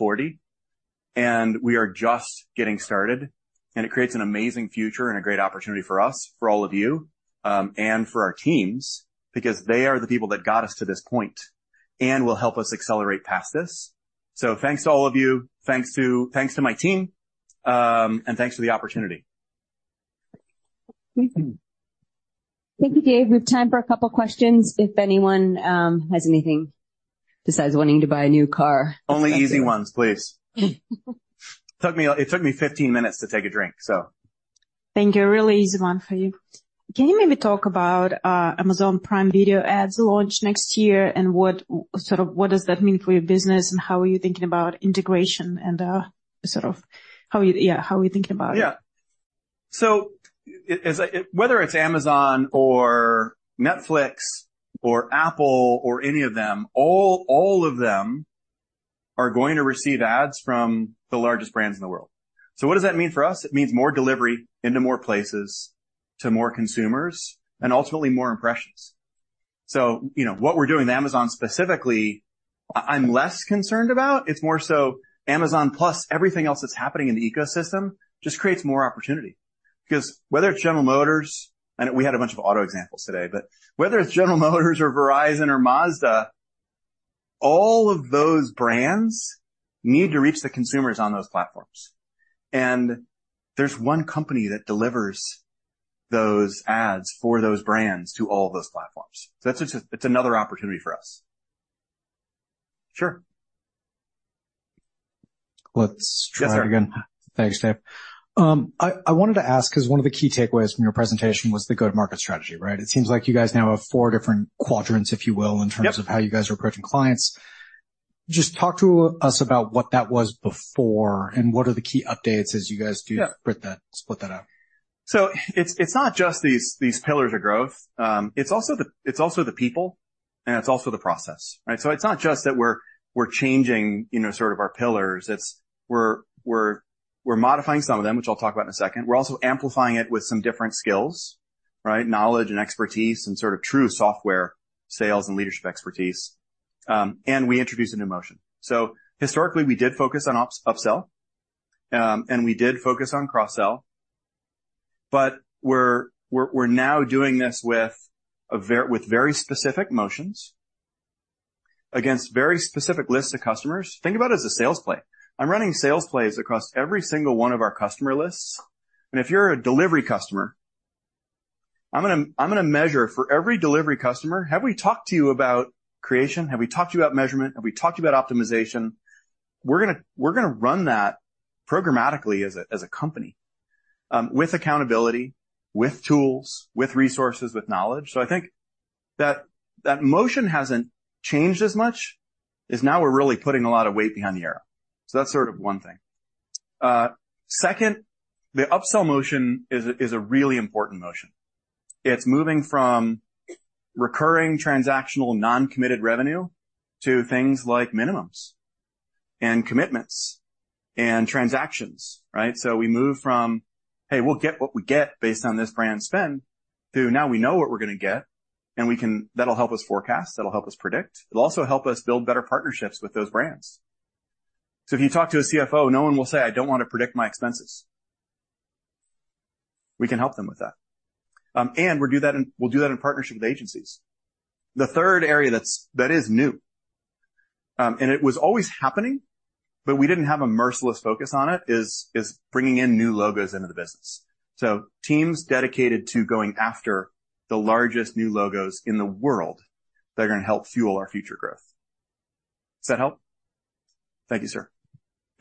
40. We are just getting started, and it creates an amazing future and a great opportunity for us, for all of you, and for our teams, because they are the people that got us to this point and will help us accelerate past this. So thanks to all of you. Thanks to, thanks to my team, and thanks for the opportunity. Thank you, Dave. We have time for a couple questions if anyone has anything besides wanting to buy a new car. Only easy ones, please. It took me 15 minutes to take a drink, so. Thank you. A really easy one for you. Can you maybe talk about Amazon Prime Video ads launch next year, and what sort of—what does that mean for your business, and how are you thinking about integration and, sort of how are you... Yeah, how are you thinking about it? Yeah. So whether it's Amazon or Netflix or Apple or any of them, all, all of them are going to receive ads from the largest brands in the world. So what does that mean for us? It means more delivery into more places, to more consumers, and ultimately, more impressions. So you know, what we're doing with Amazon specifically, I'm less concerned about. It's more so Amazon plus everything else that's happening in the ecosystem just creates more opportunity. Because whether it's General Motors, and we had a bunch of auto examples today, but whether it's General Motors or Verizon or Mazda, all of those brands need to reach the consumers on those platforms, and there's one company that delivers those ads for those brands to all those platforms. So that's, it's another opportunity for us. Sure. Let's try again. Yes, sir. Thanks, Dave. I wanted to ask, because one of the key takeaways from your presentation was the go-to-market strategy, right? It seems like you guys now have four different quadrants, if you will- Yep. In terms of how you guys are approaching clients. Just talk to us about what that was before and what are the key updates as you guys do- Yeah Split that out. So it's not just these pillars of growth, it's also the people, and it's also the process, right? So it's not just that we're changing, you know, sort of our pillars. We're modifying some of them, which I'll talk about in a second. We're also amplifying it with some different skills, right? Knowledge and expertise and sort of true software sales and leadership expertise, and we introduced a new motion. So historically, we did focus on upsell, and we did focus on cross-sell, but we're now doing this with very specific motions against very specific lists of customers. Think about it as a sales play. I'm running sales plays across every single one of our customer lists, and if you're a delivery customer, I'm gonna, I'm gonna measure for every delivery customer, have we talked to you about creation? Have we talked to you about measurement? Have we talked to you about optimization? We're gonna run that programmatically as a company, with accountability, with tools, with resources, with knowledge. So I think that that motion hasn't changed as much; now we're really putting a lot of weight behind the arrow. So that's sort of one thing. Second, the upsell motion is a really important motion. It's moving from recurring transactional, non-committed revenue to things like minimums and commitments and transactions, right? So we move from, hey, we'll get what we get based on this brand spend, to now we know what we're gonna get, and we can... That'll help us forecast, that'll help us predict. It'll also help us build better partnerships with those brands. So if you talk to a CFO, no one will say, "I don't want to predict my expenses." We can help them with that. And we'll do that, and we'll do that in partnership with agencies. The third area that is new, and it was always happening, but we didn't have a merciless focus on it, is bringing in new logos into the business. So teams dedicated to going after the largest new logos in the world that are gonna help fuel our future growth. Does that help? Thank you, sir.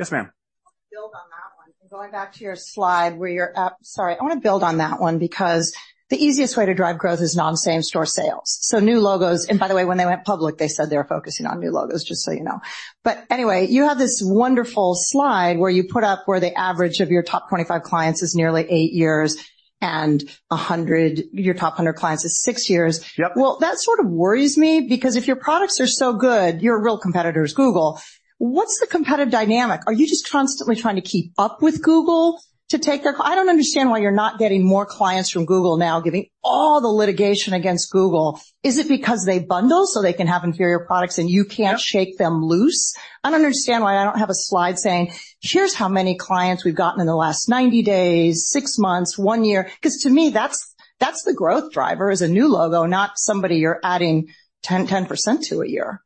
Yes, ma'am. I'll build on that one, and going back to your slide, where you're at—sorry, I want to build on that one, because the easiest way to drive growth is non-same store sales. So new logos, and by the way, when they went public, they said they were focusing on new logos, just so you know. But anyway, you have this wonderful slide where you put up where the average of your top 25 clients is nearly 8 years, and a hundred, your top 100 clients is 6 years. Yep. Well, that sort of worries me, because if your products are so good, your real competitor is Google. What's the competitive dynamic? Are you just constantly trying to keep up with Google to take their... I don't understand why you're not getting more clients from Google now, giving all the litigation against Google. Is it because they bundle so they can have inferior products and you can't shake them loose? I don't understand why I don't have a slide saying, Here's how many clients we've gotten in the last 90 days, six months, one year, because to me, that's, that's the growth driver, is a new logo, not somebody you're adding 10%, 10% to a year.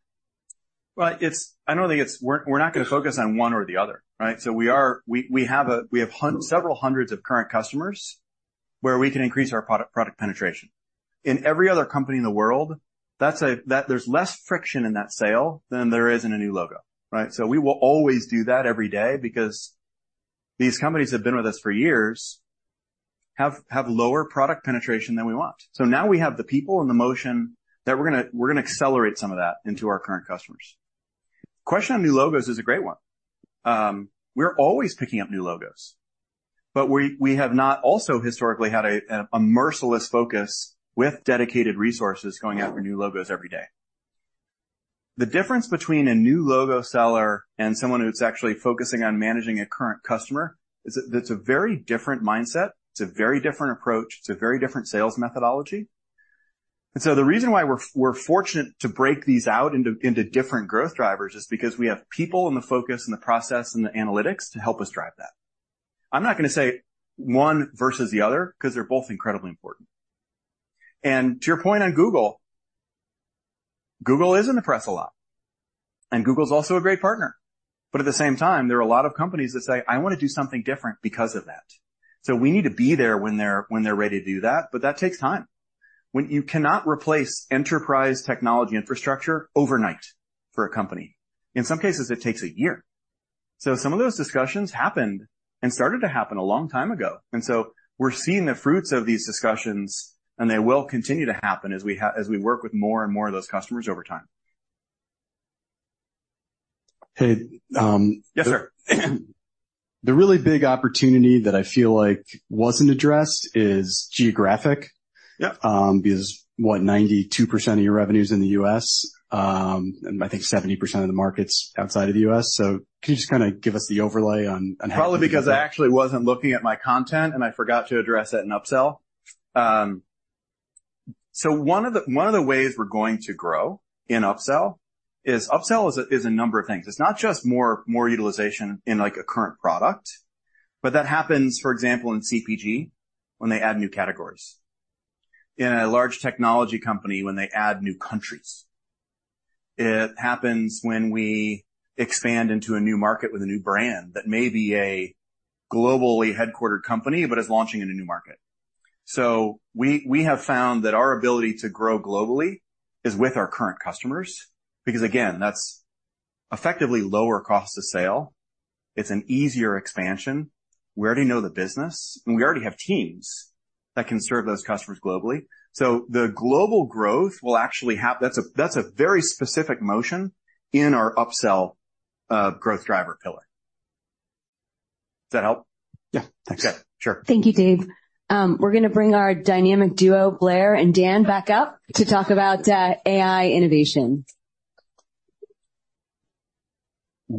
Well, I don't think it's... We're not gonna focus on one or the other, right? So we have several hundreds of current customers where we can increase our product penetration. In every other company in the world, that's, there's less friction in that sale than there is in a new logo, right? So we will always do that every day because these companies have been with us for years, have lower product penetration than we want. So now we have the people and the motion that we're gonna accelerate some of that into our current customers. Question on new logos is a great one. We're always picking up new logos, but we have not also historically had a merciless focus with dedicated resources going after new logos every day. The difference between a new logo seller and someone who's actually focusing on managing a current customer is it's a very different mindset, it's a very different approach, it's a very different sales methodology. So the reason why we're fortunate to break these out into different growth drivers is because we have people, and the focus, and the process, and the analytics to help us drive that. I'm not gonna say one versus the other, because they're both incredibly important. And to your point on Google, Google is in the press a lot, and Google's also a great partner. But at the same time, there are a lot of companies that say, "I want to do something different because of that." So we need to be there when they're ready to do that, but that takes time. You cannot replace enterprise technology infrastructure overnight for a company. In some cases, it takes a year. So some of those discussions happened and started to happen a long time ago, and so we're seeing the fruits of these discussions, and they will continue to happen as we work with more and more of those customers over time. Hey, um- Yes, sir. The really big opportunity that I feel like wasn't addressed is geographic. Yep. Because, what? 92% of your revenue is in the U.S., and I think 70% of the market's outside of the U.S. So can you just kinda give us the overlay on, on- Probably because I actually wasn't looking at my content, and I forgot to address that in upsell. So one of the ways we're going to grow in upsell is upsell is a number of things. It's not just more utilization in, like, a current product, but that happens, for example, in CPG, when they add new categories. In a large technology company, when they add new countries. It happens when we expand into a new market with a new brand that may be a globally headquartered company, but is launching in a new market. So we have found that our ability to grow globally is with our current customers, because, again, that's effectively lower cost of sale, it's an easier expansion, we already know the business, and we already have teams that can serve those customers globally. So the global growth will actually have... That's a, that's a very specific motion in our upsell, growth driver pillar. Does that help? Yeah. Thanks. Sure. Thank you, Dave. We're gonna bring our dynamic duo, Blair and Dan, back up to talk about AI innovation. All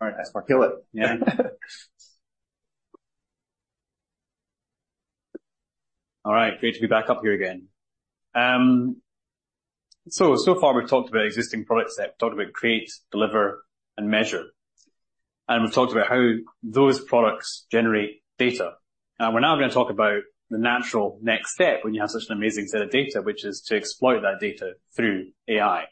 right, let's kill it. Yeah. All right. Great to be back up here again. So far, we've talked about existing products, talked about create, deliver, and measure... And we've talked about how those products generate data. Now, we're gonna talk about the natural next step when you have such an amazing set of data, which is to exploit that data through AI.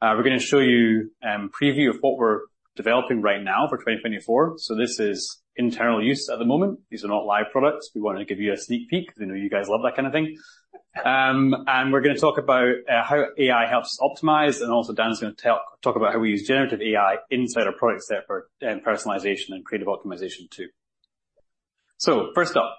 We're gonna show you a preview of what we're developing right now for 2024. So this is internal use at the moment. These are not live products. We wanted to give you a sneak peek. We know you guys love that kind of thing. And we're gonna talk about how AI helps us optimize, and also Dan is gonna talk about how we use generative AI inside our product set for personalization and creative optimization, too. So first up,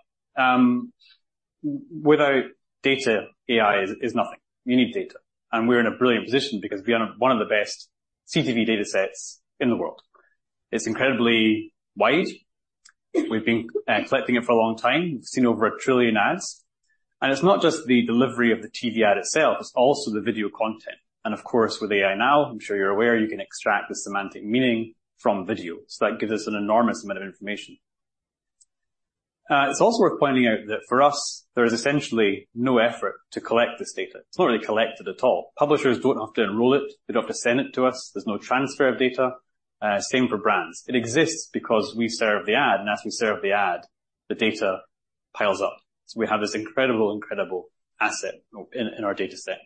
without data, AI is nothing. You need data, and we're in a brilliant position because we own one of the best CTV datasets in the world. It's incredibly wide. We've been collecting it for a long time, we've seen over 1 trillion ads. And it's not just the delivery of the TV ad itself, it's also the video content. And of course, with AI now, I'm sure you're aware, you can extract the semantic meaning from video. So that gives us an enormous amount of information. It's also worth pointing out that for us, there is essentially no effort to collect this data. It's not really collected at all. Publishers don't have to enroll it, they don't have to send it to us, there's no transfer of data. Same for brands. It exists because we serve the ad, and as we serve the ad, the data piles up. So we have this incredible, incredible asset in, in our dataset.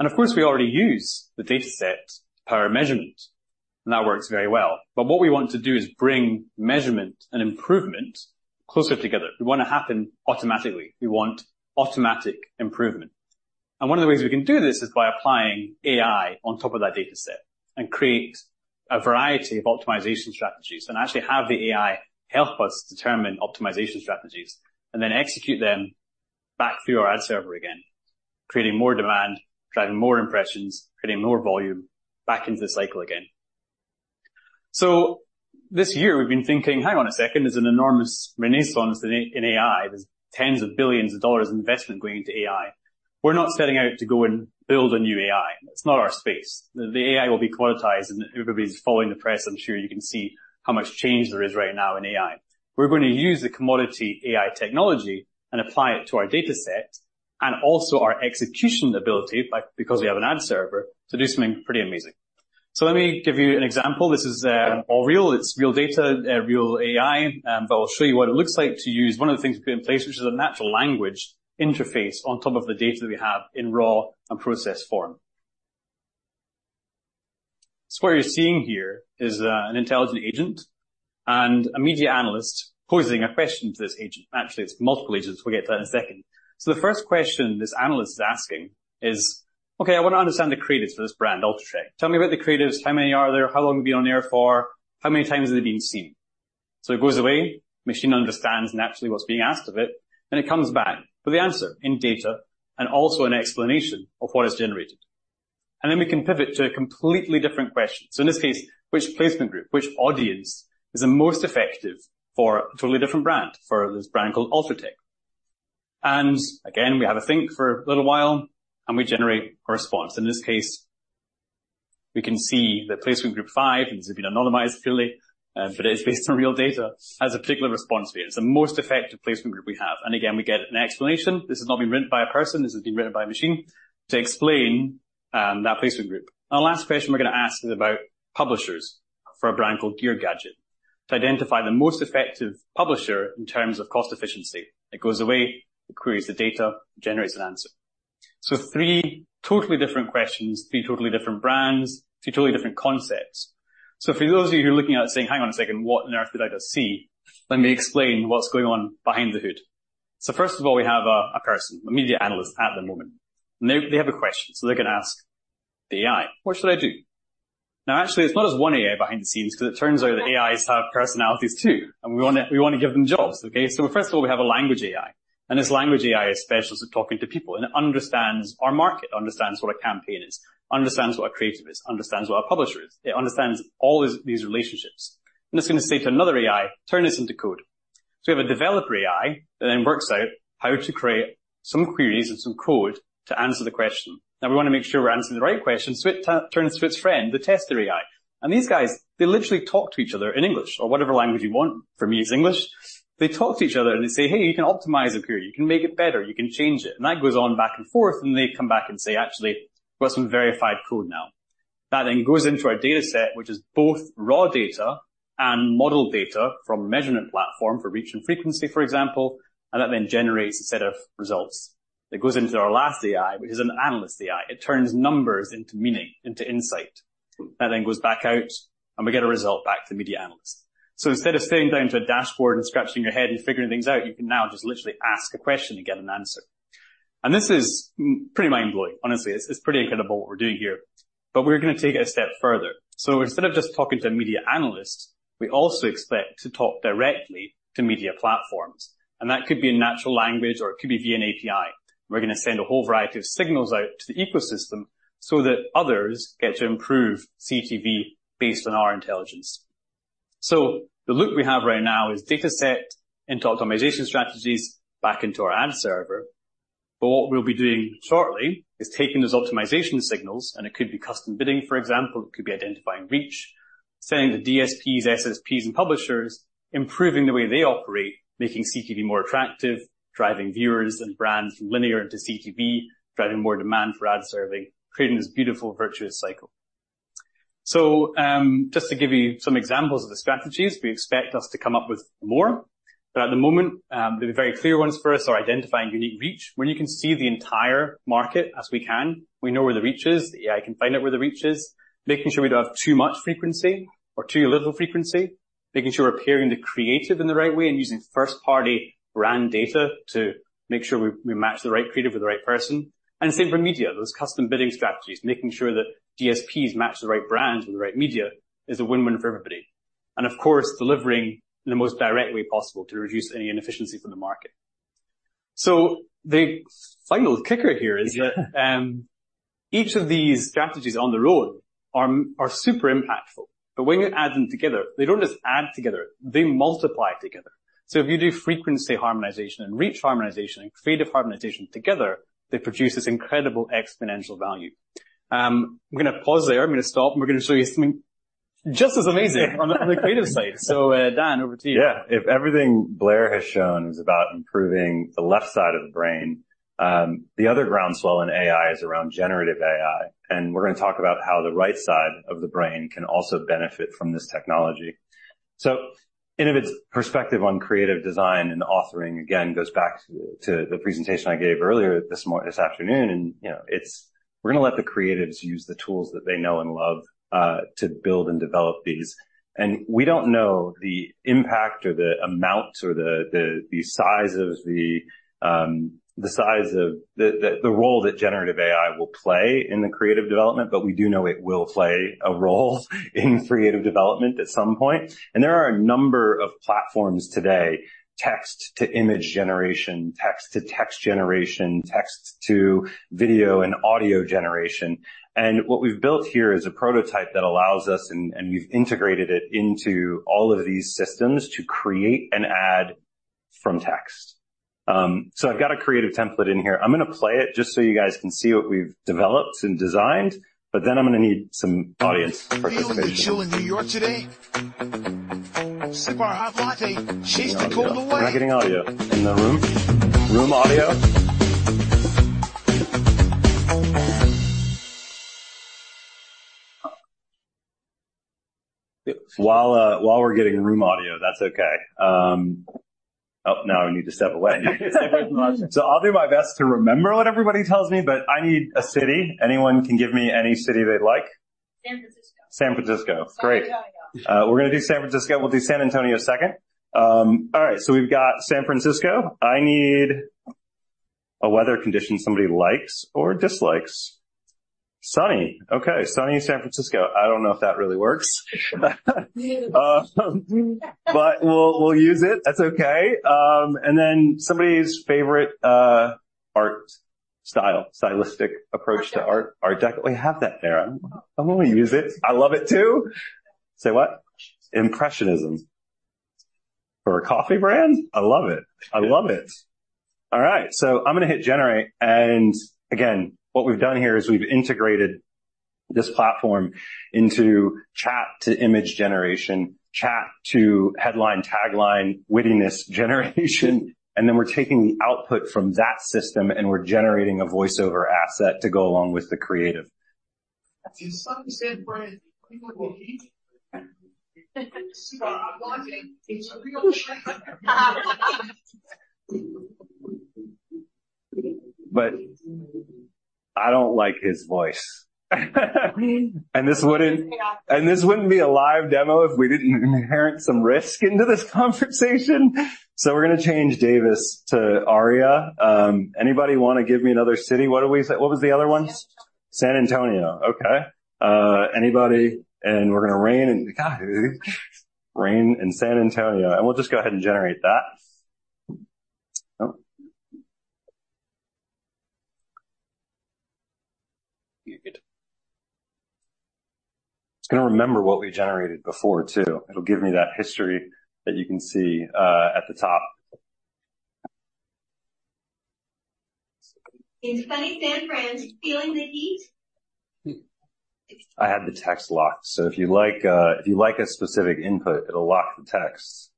And of course, we already use the dataset to power measurement, and that works very well. But what we want to do is bring measurement and improvement closer together. We want it to happen automatically. We want automatic improvement. And one of the ways we can do this is by applying AI on top of that dataset and create a variety of optimization strategies, and actually have the AI help us determine optimization strategies, and then execute them back through our ad server again, creating more demand, driving more impressions, creating more volume back into the cycle again. So this year we've been thinking, "Hang on a second, there's an enormous renaissance in AI." There's tens of billions of dollars of investment going into AI. We're not setting out to go and build a new AI. That's not our space. The AI will be commoditized, and if everybody's following the press, I'm sure you can see how much change there is right now in AI. We're going to use the commodity AI technology and apply it to our dataset, and also our execution ability by, because we have an ad server, to do something pretty amazing. So let me give you an example. This is all real, it's real data, real AI, but I'll show you what it looks like to use one of the things we put in place, which is a natural language interface on top of the data that we have in raw and processed form. So what you're seeing here is an intelligent agent and a media analyst posing a question to this agent. Actually, it's multiple agents. We'll get to that in a second. So the first question this analyst is asking is: "Okay, I want to understand the creatives for this brand, Ultratech. Tell me about the creatives. How many are there? How long have they been on the air for? How many times have they been seen?" So it goes away, machine understands naturally what's being asked of it, then it comes back with the answer in data and also an explanation of what is generated. And then we can Pivot to a completely different question. So in this case, which placement group, which audience, is the most effective for a totally different brand, for this brand called Ultratech? And again, we have a think for a little while, and we generate our response. In this case, we can see that placement group 5, and these have been anonymized clearly, but it's based on real data, has a particular response rate. It's the most effective placement group we have. And again, we get an explanation. This has not been written by a person, this has been written by a machine to explain that placement group. The last question we're gonna ask is about publishers for a brand called Gear Gadget, to identify the most effective publisher in terms of cost efficiency. It goes away, it queries the data, generates an answer. So three totally different questions, three totally different brands, three totally different concepts. So for those of you who are looking out and saying: "Hang on a second, what on earth did I just see?" Let me explain what's going on under the hood. First of all, we have a person, a media analyst at the moment, and they have a question, so they're gonna ask the AI, "What should I do?" Now, actually, it's not just one AI behind the scenes, 'cause it turns out that AIs have personalities too, and we want to give them jobs. Okay, so first of all, we have a language AI, and this language AI is specialist at talking to people and it understands our market, understands what a campaign is, understands what a creative is, understands what a publisher is. It understands all these relationships. And it's going to say to another AI, "Turn this into code." So we have a developer AI that then works out how to create some queries and some code to answer the question. Now, we want to make sure we're answering the right question, so it turns to its friend, the tester AI. And these guys, they literally talk to each other in English or whatever language you want. For me, it's English. They talk to each other and they say: "Hey, you can optimize a query, you can make it better, you can change it." And that goes on back and forth, and they come back and say: "Actually, we've got some verified code now." That then goes into our dataset, which is both raw data and model data from measurement platform for reach and frequency, for example, and that then generates a set of results. It goes into our last AI, which is an analyst AI. It turns numbers into meaning, into insight. That then goes back out, and we get a result back to the media analyst. So instead of staring down into a dashboard and scratching your head and figuring things out, you can now just literally ask a question and get an answer. And this is pretty mind-blowing. Honestly, it's, it's pretty incredible what we're doing here, but we're gonna take it a step further. So instead of just talking to media analysts, we also expect to talk directly to media platforms, and that could be in natural language or it could be via an API. We're gonna send a whole variety of signals out to the ecosystem so that others get to improve CTV based on our intelligence. So the loop we have right now is dataset into optimization strategies, back into our ad server. But what we'll be doing shortly is taking those optimization signals, and it could be custom bidding, for example, it could be identifying reach, sending to DSPs, SSPs, and publishers, improving the way they operate, making CTV more attractive, driving viewers and brands from linear into CTV, driving more demand for ad serving, creating this beautiful virtuous cycle. So, just to give you some examples of the strategies, we expect us to come up with more, but at the moment, the very clear ones for us are identifying unique reach, where you can see the entire market as we can. We know where the reach is, the AI can find out where the reach is, making sure we don't have too much frequency or too little frequency, making sure we're appearing the creative in the right way, and using first-party brand data to make sure we match the right creative with the right person. And same for media. Those custom bidding strategies, making sure that DSPs match the right brands with the right media is a win-win for everybody. And of course, delivering in the most direct way possible to reduce any inefficiencies in the market. So the final kicker here is that each of these strategies on their own are super impactful, but when you add them together, they don't just add together, they multiply together. So if you do frequency harmonization and reach harmonization and creative harmonization together, they produce this incredible exponential value. I'm going to pause there. I'm going to stop, and we're going to show you something just as amazing on the creative side. So, Dan, over to you. Yeah. If everything Blair has shown is about improving the left side of the brain, the other groundswell in AI is around generative AI, and we're going to talk about how the right side of the brain can also benefit from this technology. So Innovid's perspective on creative design and authoring, again, goes back to the presentation I gave earlier this afternoon, and, you know, it's we're going to let the creatives use the tools that they know and love to build and develop these. And we don't know the impact or the amount or the size of the role that generative AI will play in the creative development, but we do know it will play a role in creative development at some point. There are a number of platforms today, text-to-image generation, text-to-text generation, text-to-video and audio generation. What we've built here is a prototype that allows us, and we've integrated it into all of these systems, to create an ad from text. So I've got a creative template in here. I'm going to play it just so you guys can see what we've developed and designed, but then I'm going to need some audience participation. Feeling the chill in New York today? Sip our hot latte. Chase the cold away. We're not getting audio. In the room? Room audio? While we're getting room audio, that's okay. Oh, now I need to step away. So I'll do my best to remember what everybody tells me, but I need a city. Anyone can give me any city they'd like. San Francisco. San Francisco. Great. Sorry, y'all. We're gonna do San Francisco. We'll do San Antonio second. All right, so we've got San Francisco. I need a weather condition somebody likes or dislikes. Sunny. Okay, sunny in San Francisco. I don't know if that really works. It's new. But we'll use it. That's okay. And then somebody's favorite art style, stylistic approach to art. Art Deco. Art Deco. We have that there. I'm gonna use it. I love it, too. Say what? Impressionism. Impressionism. For a coffee brand? I love it. I love it. All right, so I'm gonna hit Generate, and again, what we've done here is we've integrated this platform into chat-to-image generation, chat to headline, tagline, wittiness generation, and then we're taking the output from that system, and we're generating a voice-over asset to go along with the creative. In sunny San Fran, feeling the heat? Sip our latte, it's a real treat. But I don't like his voice. And this wouldn't- Yeah. And this wouldn't be a live demo if we didn't inherit some risk into this conversation. So we're gonna change Davis to Aria. Anybody want to give me another city? What did we say? What was the other one? San Antonio. San Antonio. Okay. Anybody... And we're gonna rain in—God, rain in San Antonio, and we'll just go ahead and generate that. Oh. It's gonna remember what we generated before, too. It'll give me that history that you can see at the top. In sunny San Fran, feeling the heat? I have the text locked, so if you like, if you like a specific input, it'll lock the text.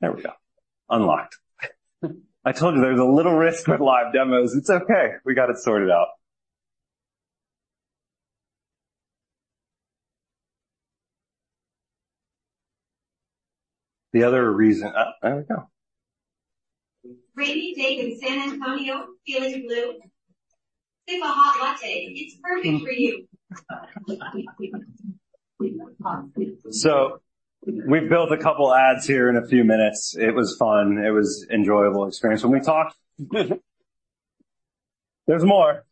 There we go. Unlocked. I told you there was a little risk with live demos. It's okay. We got it sorted out. The other reason... Oh, there we go. Rainy day in San Antonio, feeling blue? Sip a hot latte. It's perfect for you. So we've built a couple ads here in a few minutes. It was fun. It was enjoyable experience. When we talk... There's more.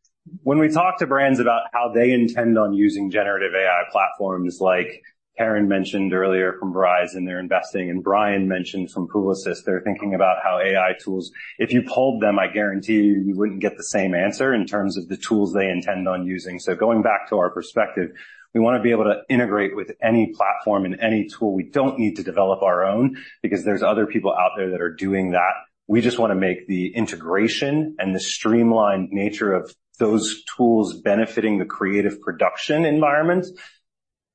When we talk to brands about how they intend on using generative AI platforms, like Karen mentioned earlier, from Verizon, they're investing, and Bryan mentioned from Publicis, they're thinking about how AI tools, if you polled them, I guarantee you, you wouldn't get the same answer in terms of the tools they intend on using. So going back to our perspective, we want to be able to integrate with any platform and any tool. We don't need to develop our own because there's other people out there that are doing that. We just want to make the integration and the streamlined nature of those tools benefiting the creative production environment.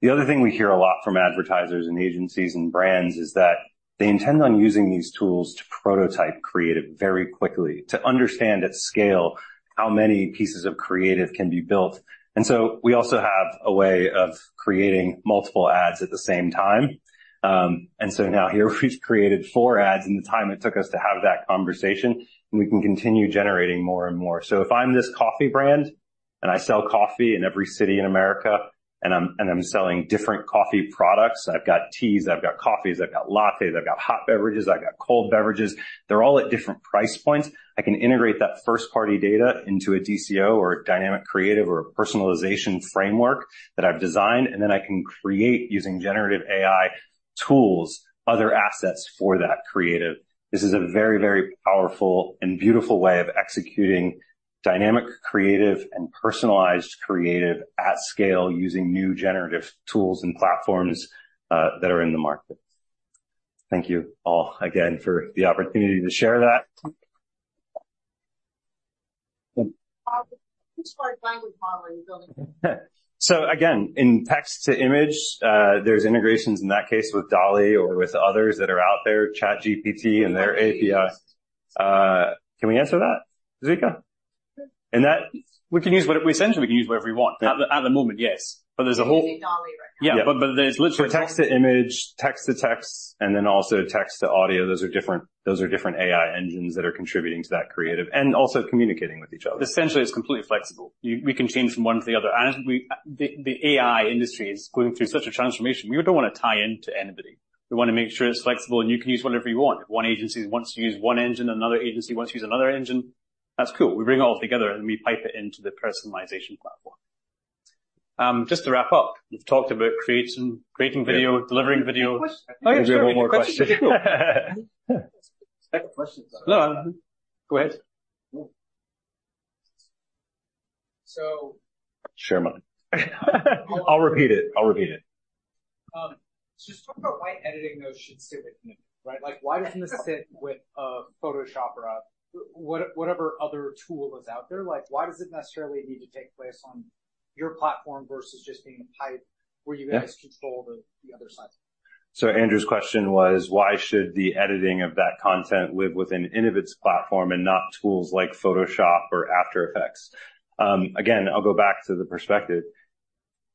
The other thing we hear a lot from advertisers and agencies and brands is that they intend on using these tools to prototype creative very quickly, to understand at scale how many pieces of creative can be built. And so we also have a way of creating multiple ads at the same time. And so now here we've created four ads in the time it took us to have that conversation, and we can continue generating more and more. So if I'm this coffee brand, and I sell coffee in every city in America, and I'm selling different coffee products, I've got teas, I've got coffees, I've got lattes, I've got hot beverages, I've got cold beverages. They're all at different price points. I can integrate that first-party data into a DCO or a dynamic creative or a personalization framework that I've designed, and then I can create, using Generative AI tools, other assets for that creative. This is a very, very powerful and beautiful way of executing dynamic, creative, and personalized creative at scale, using new generative tools and platforms, that are in the market. Thank you all again for the opportunity to share that. Which large language model are you building? So again, in text to image, there's integrations in that case with DALL-E or with others that are out there, ChatGPT and their API. Can we answer that, Zvika? that we can use, but essentially, we can use whatever we want. At the moment, yes, but there's a whole- Using DALL-E right now? Yeah. But there's literally- So text to image, text to text, and then also text to audio. Those are different, those are different AI engines that are contributing to that creative and also communicating with each other. Essentially, it's completely flexible. We can change from one to the other, and the AI industry is going through such a transformation. We don't want to tie in to anybody. We want to make sure it's flexible, and you can use whatever you want. If one agency wants to use one engine and another agency wants to use another engine, that's cool. We bring it all together, and we pipe it into the personalization platform. Just to wrap up, we've talked about creating video, delivering video. Question. One more question. Questions. No, go ahead. So- Share mine. I'll repeat it. I'll repeat it. Just talk about why editing those should sit with me, right? Like, why doesn't this sit with Photoshop or whatever other tool is out there? Like, why does it necessarily need to take place on your platform versus just being a pipe where you guys control the other side? Andrew's question was why should the editing of that content live within Innovid's platform and not tools like Photoshop or After Effects? Again, I'll go back to the perspective.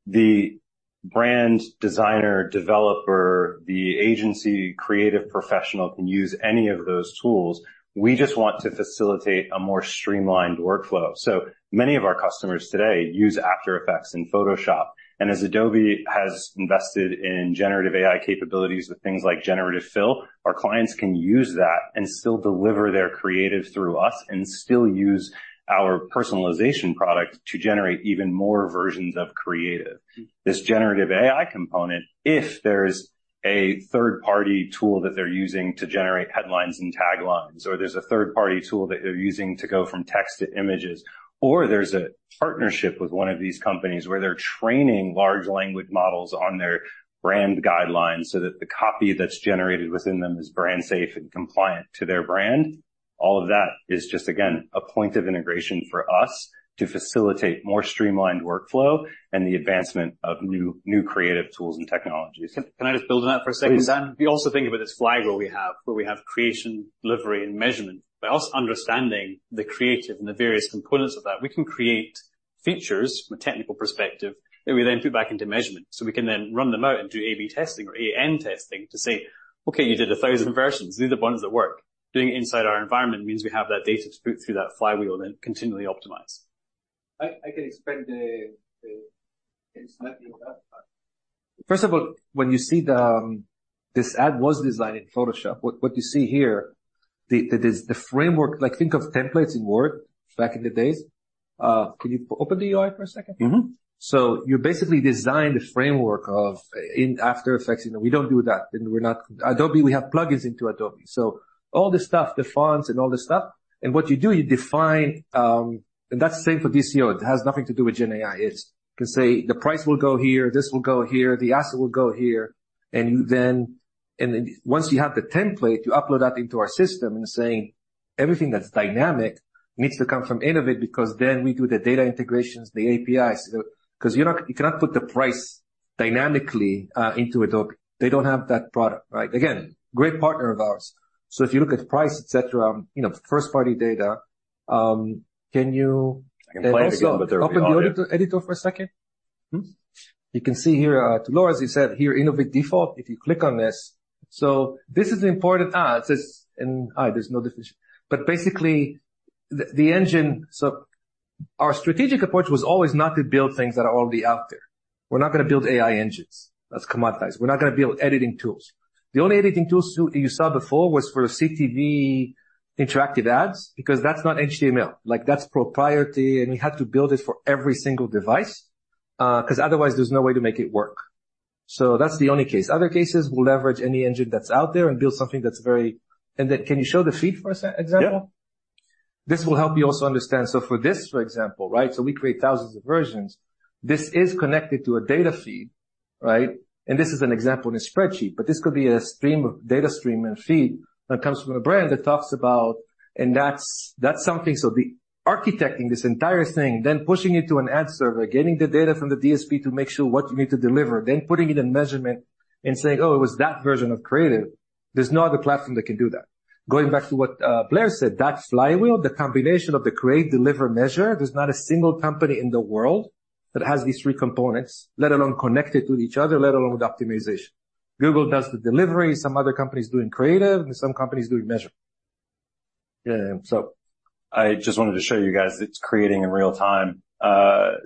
The brand designer, developer, the agency creative professional can use any of those tools. We just want to facilitate a more streamlined workflow. So many of our customers today use After Effects and Photoshop, and as Adobe has invested in generative AI capabilities with things like Generative Fill, our clients can use that and still deliver their creative through us, and still use our personalization product to generate even more versions of creative. This generative AI component, if there's a third-party tool that they're using to generate headlines and taglines, or there's a third-party tool that they're using to go from text to images, or there's a partnership with one of these companies where they're training large language models on their brand guidelines so that the copy that's generated within them is brand safe and compliant to their brand, all of that is just, again, a point of integration for us to facilitate more streamlined workflow and the advancement of new, new creative tools and technologies. Can I just build on that for a second, Dan? Please. We also think about this flywheel we have, where we have creation, delivery, and measurement. By us understanding the creative and the various components of that, we can create features from a technical perspective that we then put back into measurement. So we can then run them out and do A/B testingor A/N testing to say, "Okay, you did 1,000 versions. These are the ones that work." Doing it inside our environment means we have that data to put through that flywheel and continually optimize. I can explain the... First of all, when you see this ad was designed in Photoshop. What you see here, the framework, like, think of templates in Word back in the days. Can you open the UI for a second? Mm-hmm. So you basically design the framework of in After Effects, you know, we don't do that, and we're not Adobe, we have plugins into Adobe, so all this stuff, the fonts and all this stuff, and what you do, you define. And that's the same for DCO. It has nothing to do with Gen AI. It's to say the price will go here, this will go here, the asset will go here, and you then- and then once you have the template, you upload that into our system and saying everything that's dynamic needs to come from Innovid, because then we do the data integrations, the APIs, 'cause you're not- you cannot put the price dynamically into Adobe. They don't have that product, right? Again, great partner of ours. So if you look at price, et cetera, you know, first-party data, can you- I can play it again, but there will be audio. Open the editor, editor for a second. Mm-hmm. You can see here, Laura, as you said here, Innovid default, if you click on this. So this is important. It says... And there's no definition, but basically the, the engine. So our strategic approach was always not to build things that are already out there. We're not gonna build AI engines. That's commoditized. We're not gonna build editing tools. The only editing tools you, you saw before was for CTV interactive ads, because that's not HTML. Like, that's proprietary, and we had to build it for every single device, 'cause otherwise there's no way to make it work. So that's the only case. Other cases, we'll leverage any engine that's out there and build something that's very... And then can you show the feed for a sec, example? Yeah. This will help you also understand. So for this, for example, right? So we create thousands of versions. This is connected to a data feed, right? And this is an example in a spreadsheet, but this could be a stream of data stream and feed that comes from a brand that talks about... And that's something. So the architecting this entire thing, then pushing it to an ad server, getting the data from the DSP to make sure what you need to deliver, then putting it in measurement and saying, "Oh, it was that version of creative." There's no other platform that can do that. Going back to what Blair said, that flywheel, the combination of the create, deliver, measure, there's not a single company in the world that has these three components, let alone connected to each other, let alone with optimization. Google does the delivery, some other company is doing creative, and some company is doing measurement. Yeah, so. I just wanted to show you guys it's creating in real time.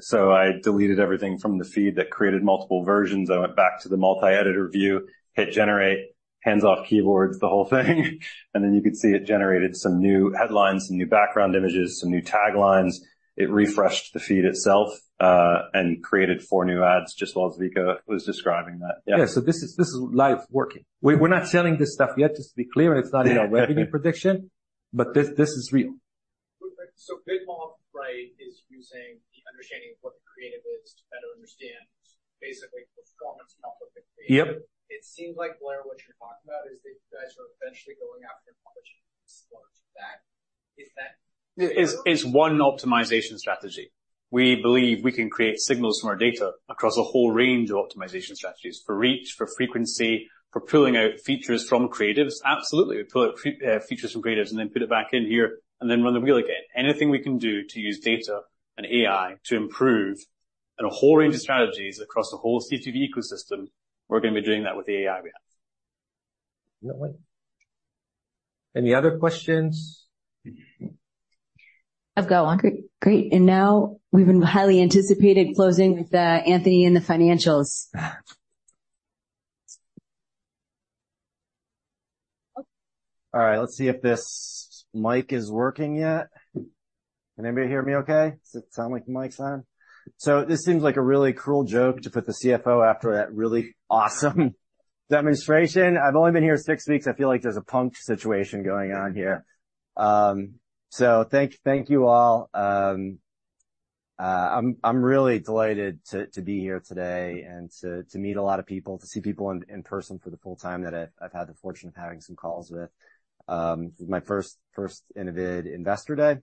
So I deleted everything from the feed that created multiple versions. I went back to the multi-editor view, hit Generate, hands-off keyboards, the whole thing. And then you could see it generated some new headlines, some new background images, some new taglines. It refreshed the feed itself, and created four new ads just while Zvika was describing that. Yeah. Yeah, so this is live working. We're not selling this stuff yet, just to be clear, it's not in our revenue prediction, but this is real. Big Lots, right, is using the understanding of what the creative is to better understand basically performance off of the creative. Yep. It seems like, Blair, what you're talking about is that you guys are eventually going after publishing more to that effect. It's, it's one optimization strategy. We believe we can create signals from our data across a whole range of optimization strategies, for reach, for frequency, for pulling out features from creatives. Absolutely, we pull out features from creatives and then put it back in here and then run the wheel again. Anything we can do to use data and AI to improve in a whole range of strategies across the whole CTV ecosystem, we're gonna be doing that with the AI we have. Any other questions? I've got one. Great, great. And now we've been highly anticipated closing with Anthony and the financials. All right, let's see if this mic is working yet. Can anybody hear me okay? Does it sound like the mic's on? So this seems like a really cruel joke to put the CFO after that really awesome demonstration. I've only been here six weeks. I feel like there's a punk situation going on here. So thank you all. I'm really delighted to be here today and to meet a lot of people, to see people in person for the full time that I've had the fortune of having some calls with. This is my first Innovid Investor Day.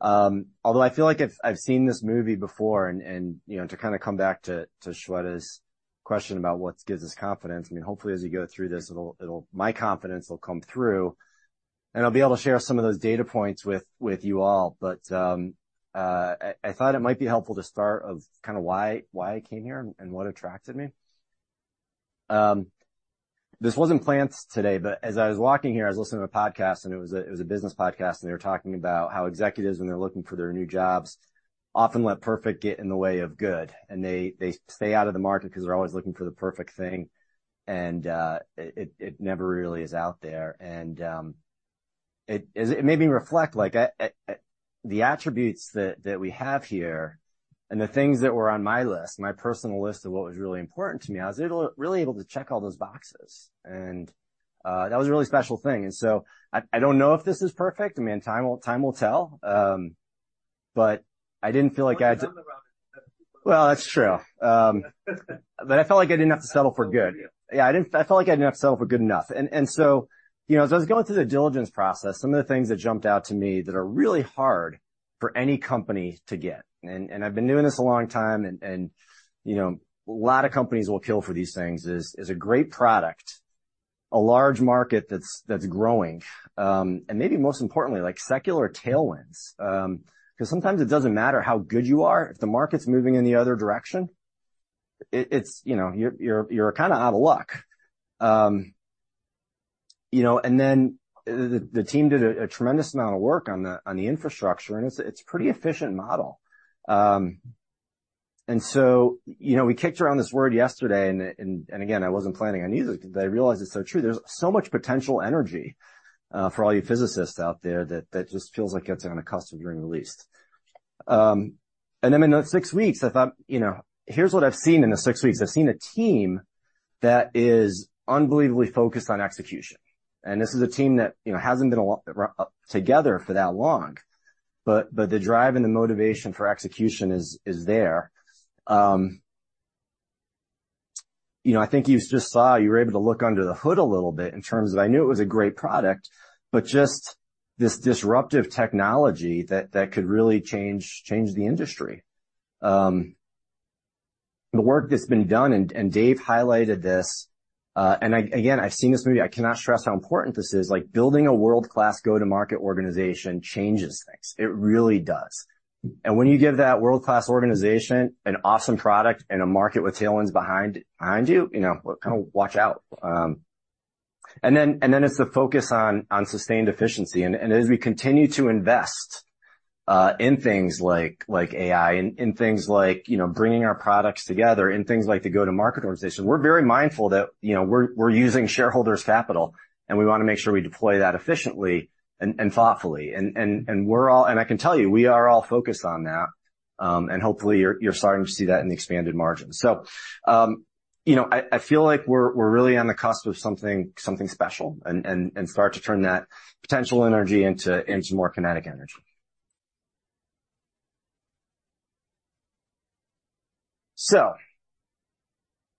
Although I feel like I've seen this movie before and, you know, to kind of come back to Shweta's question about what gives us confidence, I mean, hopefully, as you go through this, it'll... My confidence will come through, and I'll be able to share some of those data points with you all. But I thought it might be helpful to start off kind of why I came here and what attracted me. This wasn't planned today, but as I was walking here, I was listening to a podcast, and it was a business podcast, and they were talking about how executives, when they're looking for their new jobs, often let perfect get in the way of good, and they stay out of the market because they're always looking for the perfect thing, and it never really is out there. And it made me reflect, like, at... The attributes that we have here and the things that were on my list, my personal list of what was really important to me, I was really able to check all those boxes, and that was a really special thing. And so I don't know if this is perfect. I mean, time will tell, but I didn't feel like I had to- Well, that's true. But I felt like I didn't have to settle for good. Yeah, I didn't—I felt like I didn't have to settle for good enough. And so, you know, as I was going through the diligence process, some of the things that jumped out to me that are really hard for any company to get, and I've been doing this a long time, and, you know, a lot of companies will kill for these things, is a great product, a large market that's growing, and maybe most importantly, like, secular tailwinds. Because sometimes it doesn't matter how good you are, if the market's moving in the other direction, it's, you know, you're kind of out of luck. You know, and then the team did a tremendous amount of work on the infrastructure, and it's pretty efficient model. And so, you know, we kicked around this word yesterday, and again, I wasn't planning on using it, but I realized it's so true. There's so much potential energy for all you physicists out there that just feels like it's on the cusp of being released. And then in the six weeks, I thought, you know, here's what I've seen in the six weeks. I've seen a team that is unbelievably focused on execution, and this is a team that, you know, hasn't been a lot together for that long, but the drive and the motivation for execution is there. You know, I think you just saw, you were able to look under the hood a little bit in terms of I knew it was a great product, but just this disruptive technology that could really change the industry. The work that's been done, and Dave highlighted this, and I... Again, I've seen this movie. I cannot stress how important this is. Like, building a world-class go-to-market organization changes things. It really does. And when you give that world-class organization an awesome product and a market with tailwinds behind you, you know, kind of watch out. And then it's the focus on sustained efficiency. And as we continue to invest in things like AI, in things like, you know, bringing our products together, in things like the go-to-market organization, we're very mindful that, you know, we're using shareholders' capital, and we want to make sure we deploy that efficiently and thoughtfully. And we're all--and I can tell you, we are all focused on that. And hopefully, you're starting to see that in the expanded margins. So, you know, I feel like we're really on the cusp of something special and start to turn that potential energy into more kinetic energy... So,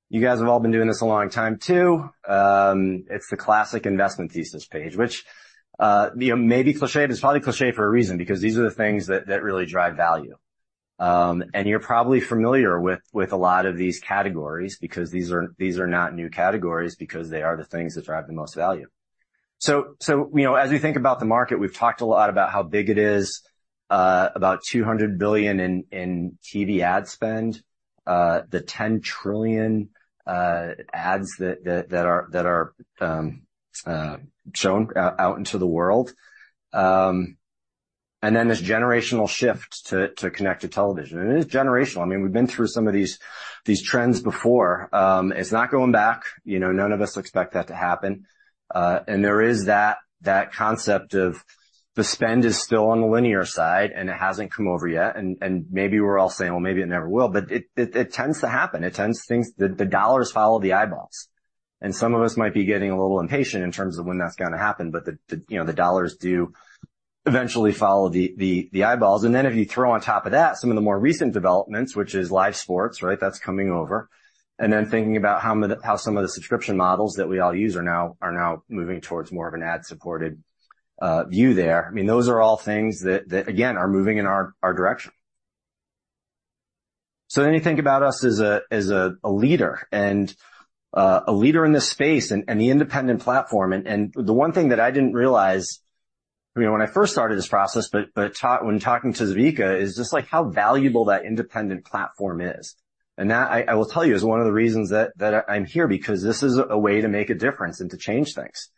you guys have all been doing this a long time, too. It's the classic investment thesis page, which, you know, may be cliché, but it's probably cliché for a reason, because these are the things that really drive value. And you're probably familiar with a lot of these categories because these are not new categories, because they are the things that drive the most value. So, you know, as we think about the market, we've talked a lot about how big it is, about $200 billion in TV ad spend, the 10 trillion ads that are shown out into the world. And then this generational shift to connected television. And it is generational. I mean, we've been through some of these trends before. It's not going back. You know, none of us expect that to happen. And there is that concept of the spend is still on the linear side, and it hasn't come over yet. And maybe we're all saying, well, maybe it never will, but it tends to happen. The dollars follow the eyeballs. And some of us might be getting a little impatient in terms of when that's going to happen, but you know, the dollars do eventually follow the eyeballs. And then if you throw on top of that some of the more recent developments, which is live sports, right? That's coming over. And then thinking about how some of the subscription models that we all use are now moving towards more of an ad-supported view there. I mean, those are all things that again are moving in our direction. So then you think about us as a leader and a leader in this space and the independent platform. And the one thing that I didn't realize, I mean, when I first started this process, but when talking to Zvika, is just like, how valuable that independent platform is. And that, I will tell you, is one of the reasons that I'm here, because this is a way to make a difference and to change things.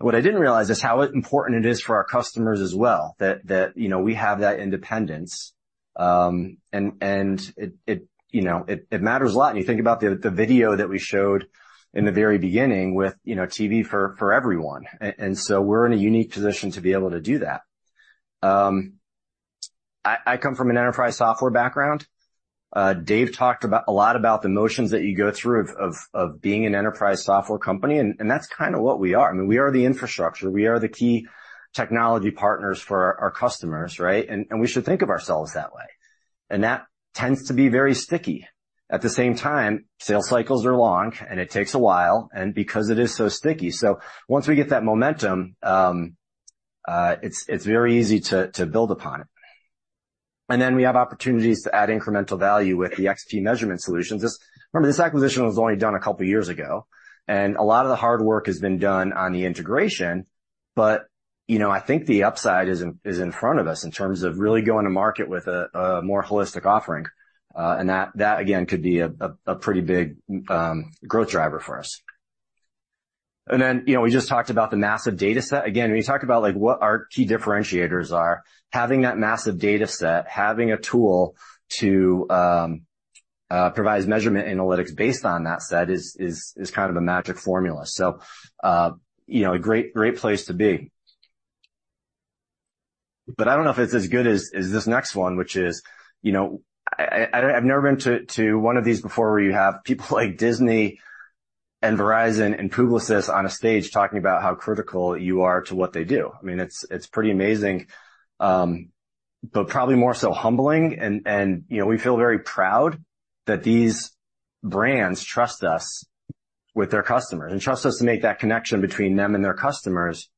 What I didn't realize is how important it is for our customers as well, that, you know, we have that independence. And it, you know, it matters a lot. And you think about the video that we showed in the very beginning with, you know, TV for everyone. And so we're in a unique position to be able to do that. I come from an enterprise software background. Dave talked about a lot about the motions that you go through of being an enterprise software company, and that's kind of what we are. I mean, we are the infrastructure. We are the key technology partners for our customers, right? And we should think of ourselves that way. And that tends to be very sticky. At the same time, sales cycles are long, and it takes a while, and because it is so sticky. So once we get that momentum, it's very easy to build upon it. And then we have opportunities to add incremental value with the XP measurement solutions. Remember, this acquisition was only done a couple of years ago, and a lot of the hard work has been done on the integration. But, you know, I think the upside is in front of us in terms of really going to market with a more holistic offering. And that, again, could be a pretty big growth driver for us. And then, you know, we just talked about the massive data set. Again, we talked about, like, what our key differentiators are. Having that massive data set, having a tool to provide measurement analytics based on that set is kind of the magic formula. So, you know, a great place to be. But I don't know if it's as good as this next one, which is, you know, I've never been to one of these before, where you have people like Disney and Verizon and Publicis on a stage talking about how critical you are to what they do. I mean, it's pretty amazing, but probably more so humbling. And you know, we feel very proud that these brands trust us with their customers and trust us to make that connection between them and their customers.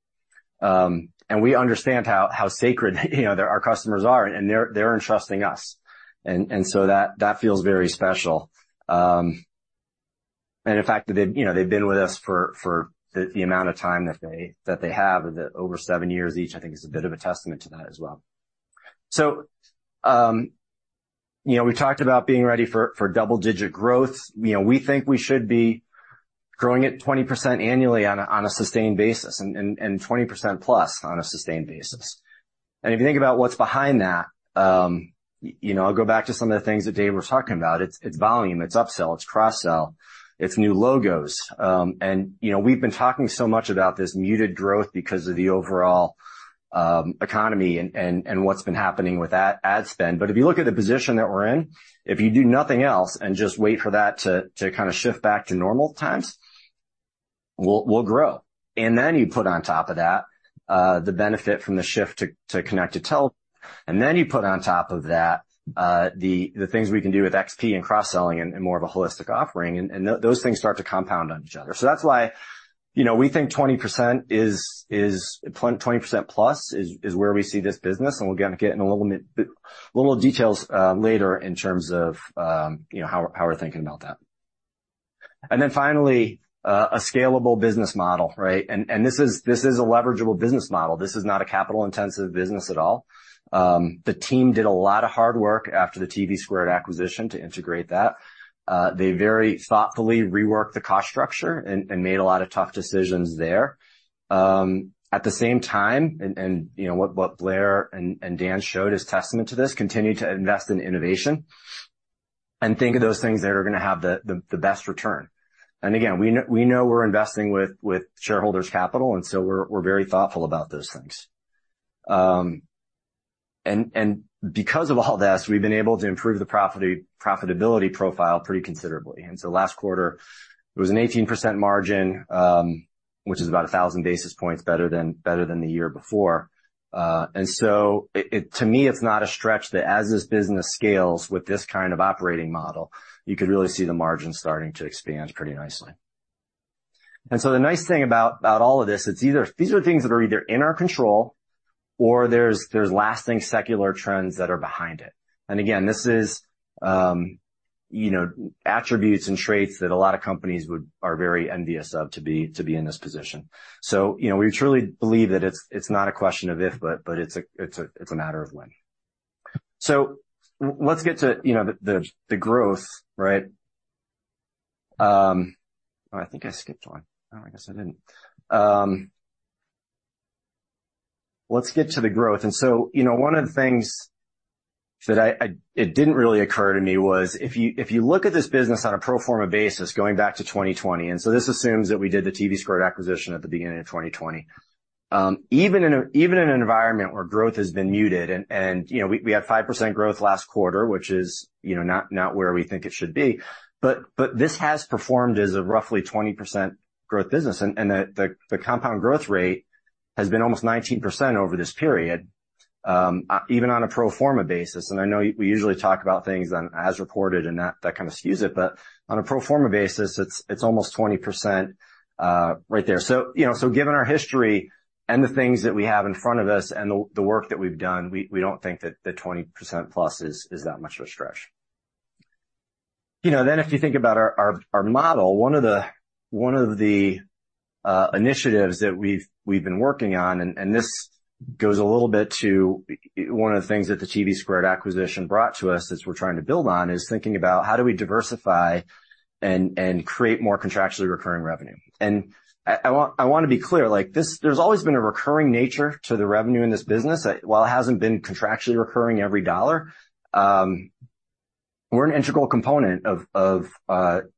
And we understand how sacred, you know, their our customers are, and they're entrusting us. And so that feels very special. And in fact, that they've, you know, they've been with us for the amount of time that they have, over seven years each, I think is a bit of a testament to that as well. So, you know, we talked about being ready for double-digit growth. You know, we think we should be growing at 20% annually on a sustained basis, and 20% plus on a sustained basis. And if you think about what's behind that, you know, I'll go back to some of the things that Dave was talking about. It's volume, it's upsell, it's cross-sell, it's new logos. And, you know, we've been talking so much about this muted growth because of the overall economy and what's been happening with ad spend. But if you look at the position that we're in, if you do nothing else and just wait for that to kind of shift back to normal times, we'll grow. And then you put on top of that, the benefit from the shift to connected TV. And then you put on top of that, the things we can do with XP and cross-selling and more of a holistic offering, and those things start to compound on each other. So that's why, you know, we think 20% is... 20% plus is where we see this business. And we'll get in a little bit, little details later in terms of, you know, how we're thinking about that. And then finally, a scalable business model, right? This is a leverageable business model. This is not a capital-intensive business at all. The team did a lot of hard work after the TVSquared acquisition to integrate that. They very thoughtfully reworked the cost structure and made a lot of tough decisions there. At the same time, you know, what Blair and Dan showed is testament to this, continue to invest in innovation and think of those things that are gonna have the best return. And again, we know we're investing with shareholders' capital, and so we're very thoughtful about those things. Because of all this, we've been able to improve the profitability profile pretty considerably. So last quarter, it was an 18% margin. which is about 1,000 basis points better than the year before. And so it to me, it's not a stretch that as this business scales with this kind of operating model, you could really see the margins starting to expand pretty nicely. And so the nice thing about all of this, it's either these are things that are either in our control or there's lasting secular trends that are behind it. And again, this is, you know, attributes and traits that a lot of companies are very envious of to be in this position. So, you know, we truly believe that it's not a question of if, but it's a matter of when. So let's get to, you know, the growth, right? I think I skipped one. Oh, I guess I didn't. Let's get to the growth. And so, you know, one of the things that It didn't really occur to me, was if you, if you look at this business on a pro forma basis, going back to 2020, and so this assumes that we did the TVSquared acquisition at the beginning of 2020. Even in an environment where growth has been muted, and, you know, we had 5% growth last quarter, which is, you know, not where we think it should be, but this has performed as a roughly 20% growth business. And the compound growth rate has been almost 19% over this period, even on a pro forma basis. I know we usually talk about things on as reported and that, that kind of skews it, but on a pro forma basis, it's, it's almost 20%, right there. So, you know, so given our history and the things that we have in front of us and the, the work that we've done, we, we don't think that the 20% plus is, is that much of a stretch. You know, then if you think about our, our, our model, one of the, one of the, initiatives that we've, we've been working on, and, and this goes a little bit to one of the things that the TVSquared acquisition brought to us, that we're trying to build on, is thinking about how do we diversify and, and create more contractually recurring revenue? And I want to be clear, like, this, there's always been a recurring nature to the revenue in this business. While it hasn't been contractually recurring, every dollar, we're an integral component of the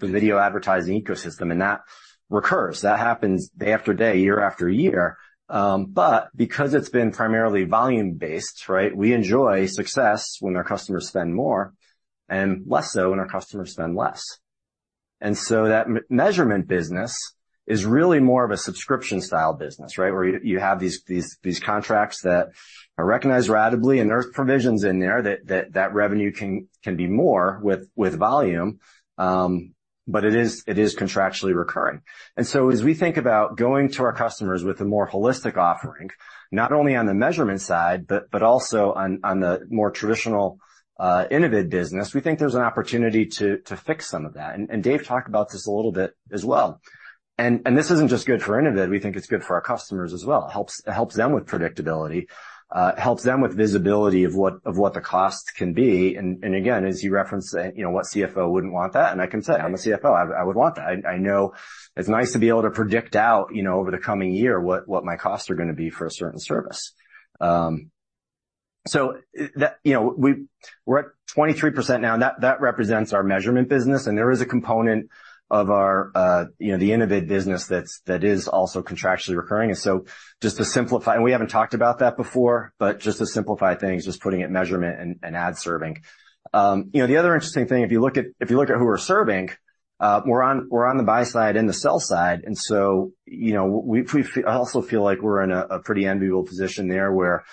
video advertising ecosystem, and that recurs. That happens day after day, year after year. But because it's been primarily volume-based, right? We enjoy success when our customers spend more, and less so when our customers spend less. And so that measurement business is really more of a subscription-style business, right? Where you have these contracts that are recognized ratably, and there's provisions in there that revenue can be more with volume, but it is contractually recurring. And so as we think about going to our customers with a more holistic offering, not only on the measurement side, but also on the more traditional Innovid business, we think there's an opportunity to fix some of that. And Dave talked about this a little bit as well, and this isn't just good for Innovid; we think it's good for our customers as well. It helps them with predictability. It helps them with visibility of what the cost can be. And again, as you referenced, you know, what CFO wouldn't want that? And I can say, I'm a CFO; I would want that. I know it's nice to be able to predict out, you know, over the coming year, what my costs are going to be for a certain service. So that... You know, we're at 23% now, and that represents our measurement business. And there is a component of our, you know, the Innovid business that's also contractually recurring. And so just to simplify, and we haven't talked about that before, but just to simplify things, just putting it measurement and ad serving. You know, the other interesting thing, if you look at who we're serving, we're on the buy side and the sell side. And so, you know, we feel—I also feel like we're in a pretty enviable position there, where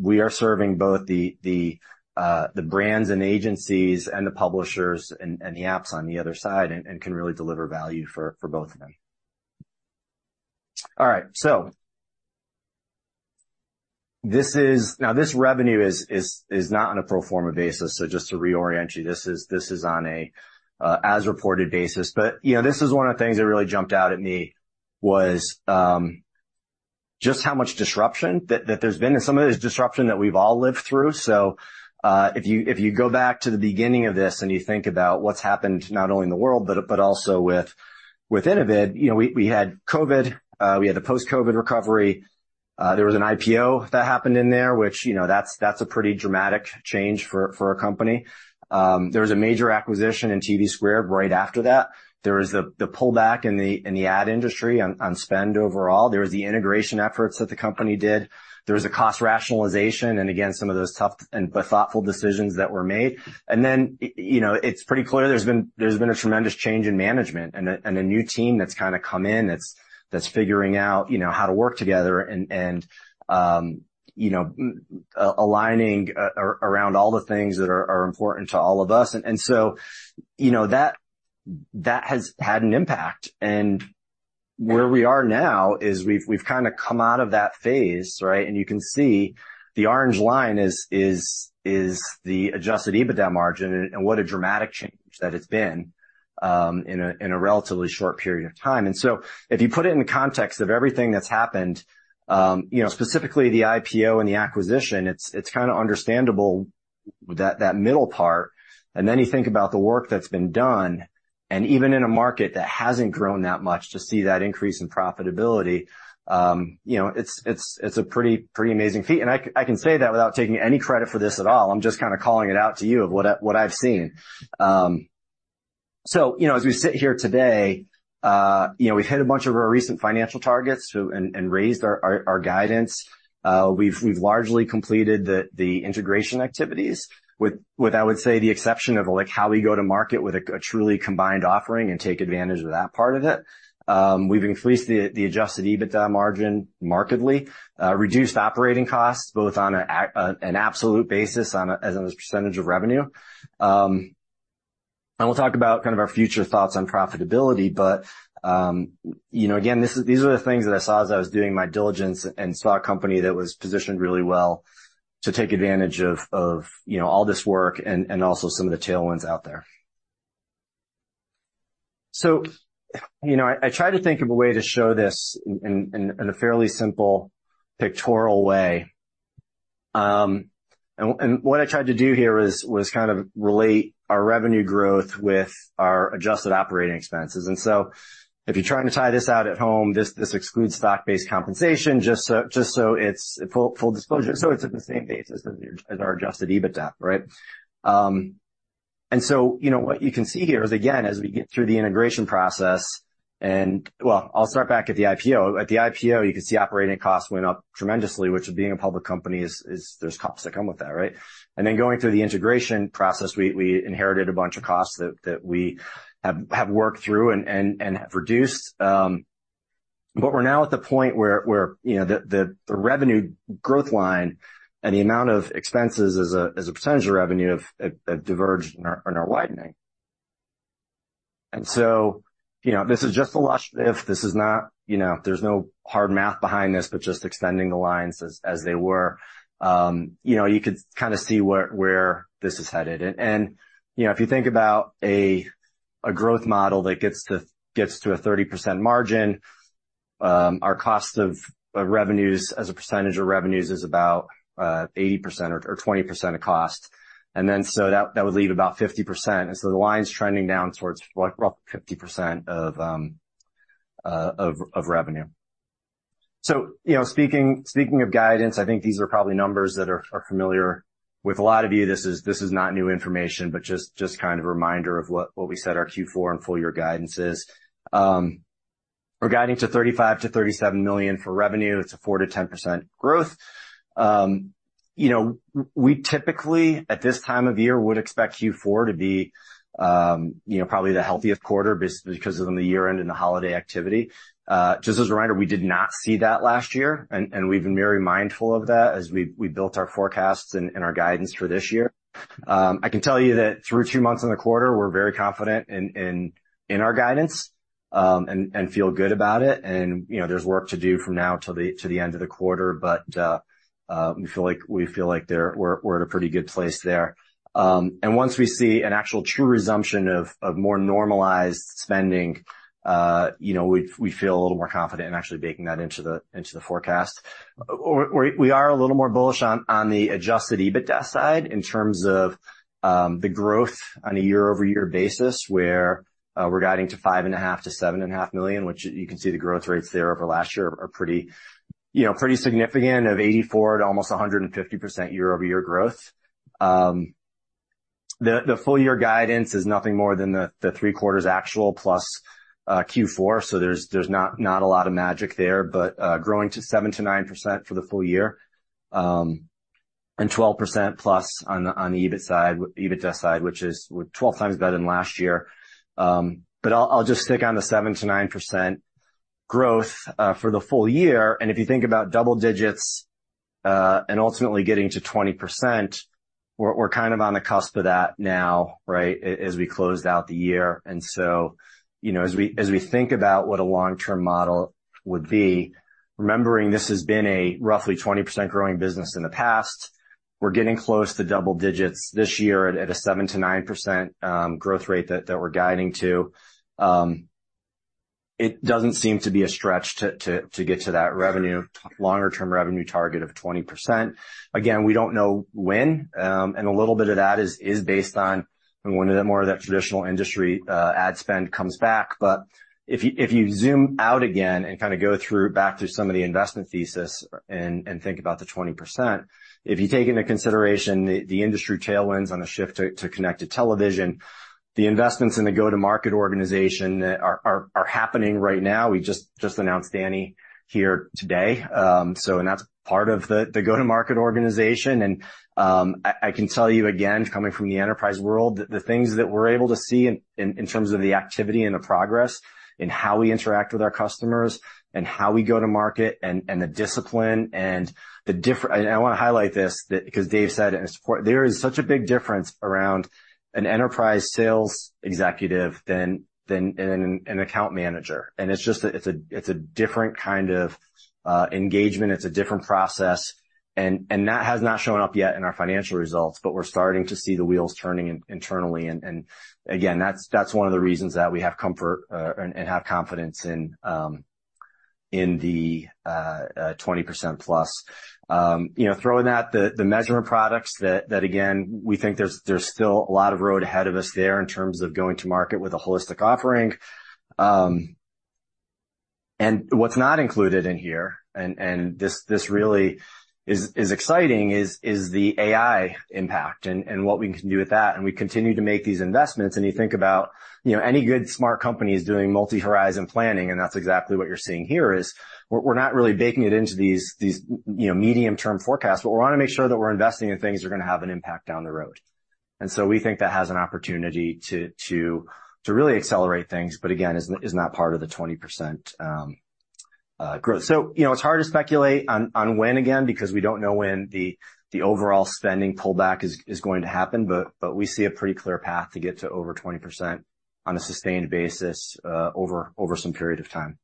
we are serving both the brands and agencies and the publishers and the apps on the other side, and can really deliver value for both of them. All right, so... This is now this revenue is not on a pro forma basis. So just to reorient you, this is on a as reported basis. But you know this is one of the things that really jumped out at me was just how much disruption that there's been and some of it is disruption that we've all lived through. So if you go back to the beginning of this and you think about what's happened not only in the world but also with Innovid you know we had COVID we had the post-COVID recovery there was an IPO that happened in there which you know that's a pretty dramatic change for a company. There was a major acquisition in TVSquared right after that. There was the pullback in the ad industry on spend overall. There was the integration efforts that the company did. There was a cost rationalization and again, some of those tough, but thoughtful decisions that were made. And then, you know, it's pretty clear there's been a tremendous change in management and a new team that's kind of come in, that's figuring out, you know, how to work together and aligning around all the things that are important to all of us. And so, you know, that has had an impact. Where we are now is we've kind of come out of that phase, right? You can see the orange line is the adjusted EBITDA margin, and what a dramatic change that it's been in a relatively short period of time. So if you put it in the context of everything that's happened, you know, specifically the IPO and the acquisition, it's kind of understandable that middle part. Then you think about the work that's been done, and even in a market that hasn't grown that much, to see that increase in profitability, you know, it's a pretty amazing feat. I can say that without taking any credit for this at all. I'm just kind of calling it out to you of what I've seen. So, you know, as we sit here today, you know, we've hit a bunch of our recent financial targets and raised our guidance. We've largely completed the integration activities, with, I would say, the exception of, like, how we go to market with a truly combined offering and take advantage of that part of it. We've increased the adjusted EBITDA margin markedly, reduced operating costs, both on an absolute basis, as a percentage of revenue. And we'll talk about kind of our future thoughts on profitability, but, you know, again, these are the things that I saw as I was doing my diligence and saw a company that was positioned really well to take advantage of, you know, all this work and also some of the tailwinds out there. So, you know, I tried to think of a way to show this in a fairly simple, pictorial way. And what I tried to do here was kind of relate our revenue growth with our adjusted operating expenses. So if you're trying to tie this out at home, this excludes stock-based compensation, just so it's full disclosure, so it's at the same basis as our adjusted EBITDA, right? And so, you know, what you can see here is, again, as we get through the integration process and... Well, I'll start back at the IPO. At the IPO, you can see operating costs went up tremendously, which being a public company is, there's costs that come with that, right? And then going through the integration process, we inherited a bunch of costs that we have worked through and have reduced. But we're now at the point where, you know, the revenue growth line and the amount of expenses as a percentage of revenue have diverged and are widening. And so, you know, this is just a lush if- this is not... You know, there's no hard math behind this, but just extending the lines as they were, you know, you could kind of see where this is headed. And, you know, if you think about a growth model that gets to a 30% margin, our cost of revenues as a percentage of revenues is about 80% or 20% of cost. And then, so that would leave about 50%. And so the line's trending down towards, like, roughly 50% of revenue. So, you know, speaking of guidance, I think these are probably numbers that are familiar with a lot of you. This is not new information, but just kind of a reminder of what we said our Q4 and full year guidance is. We're guiding to $35 million-$37 million for revenue. It's a 4%-10% growth. You know, we typically, at this time of year, would expect Q4 to be, you know, probably the healthiest quarter because of the year-end and the holiday activity. Just as a reminder, we did not see that last year, and we've been very mindful of that as we built our forecasts and our guidance for this year. I can tell you that through 2 months in the quarter, we're very confident in our guidance, and feel good about it. And, you know, there's work to do from now till the end of the quarter, but we feel like we're in a pretty good place there. Once we see an actual true resumption of more normalized spending, you know, we feel a little more confident in actually baking that into the forecast. We are a little more bullish on the adjusted EBITDA side in terms of the growth on a year-over-year basis, where we're guiding to $5.5 million-$7.5 million, which you can see the growth rates there over last year are pretty, you know, pretty significant, of 84% to almost 150% year-over-year growth. The full year guidance is nothing more than the three quarters actual plus Q4. So there's not a lot of magic there, but growing to 7%-9% for the full year, and 12%+ on the EBIT side, EBITDA side, which is 12x better than last year. But I'll just stick on the 7%-9% growth for the full year. And if you think about double digits, and ultimately getting to 20%, we're kind of on the cusp of that now, right? As we closed out the year. And so, you know, as we think about what a long-term model would be, remembering this has been a roughly 20% growing business in the past, we're getting close to double digits this year at a 7%-9% growth rate that we're guiding to. It doesn't seem to be a stretch to get to that revenue, longer term revenue target of 20%. Again, we don't know when, and a little bit of that is based on when more of that traditional industry ad spend comes back. But if you zoom out again and kind of go through, back through some of the investment thesis and think about the 20%, if you take into consideration the industry tailwinds on the shift to connected television, the investments in the go-to-market organization that are happening right now. We've just announced Dani here today. So and that's part of the go-to-market organization. And I can tell you again, coming from the enterprise world, the things that we're able to see in terms of the activity and the progress in how we interact with our customers and how we go to market and the discipline. And I want to highlight this because Dave said it, and it's important. There is such a big difference around an enterprise sales executive than an account manager. And it's just a different kind of engagement, it's a different process. And that has not shown up yet in our financial results, but we're starting to see the wheels turning internally. And again, that's one of the reasons that we have comfort and have confidence in the 20%+. You know, throw in that the measurement products that again, we think there's still a lot of road ahead of us there in terms of going to market with a holistic offering. What's not included in here, and this really is exciting, is the AI impact and what we can do with that. We continue to make these investments. You think about, you know, any good, smart company is doing multi-horizon planning, and that's exactly what you're seeing here, is we're not really baking it into these, you know, medium-term forecasts, but we wanna make sure that we're investing in things that are gonna have an impact down the road. So we think that has an opportunity to really accelerate things, but again, is not part of the 20%, growth. So, you know, it's hard to speculate on when, again, because we don't know when the overall spending pullback is going to happen, but we see a pretty clear path to get to over 20% on a sustained basis, over some period of time.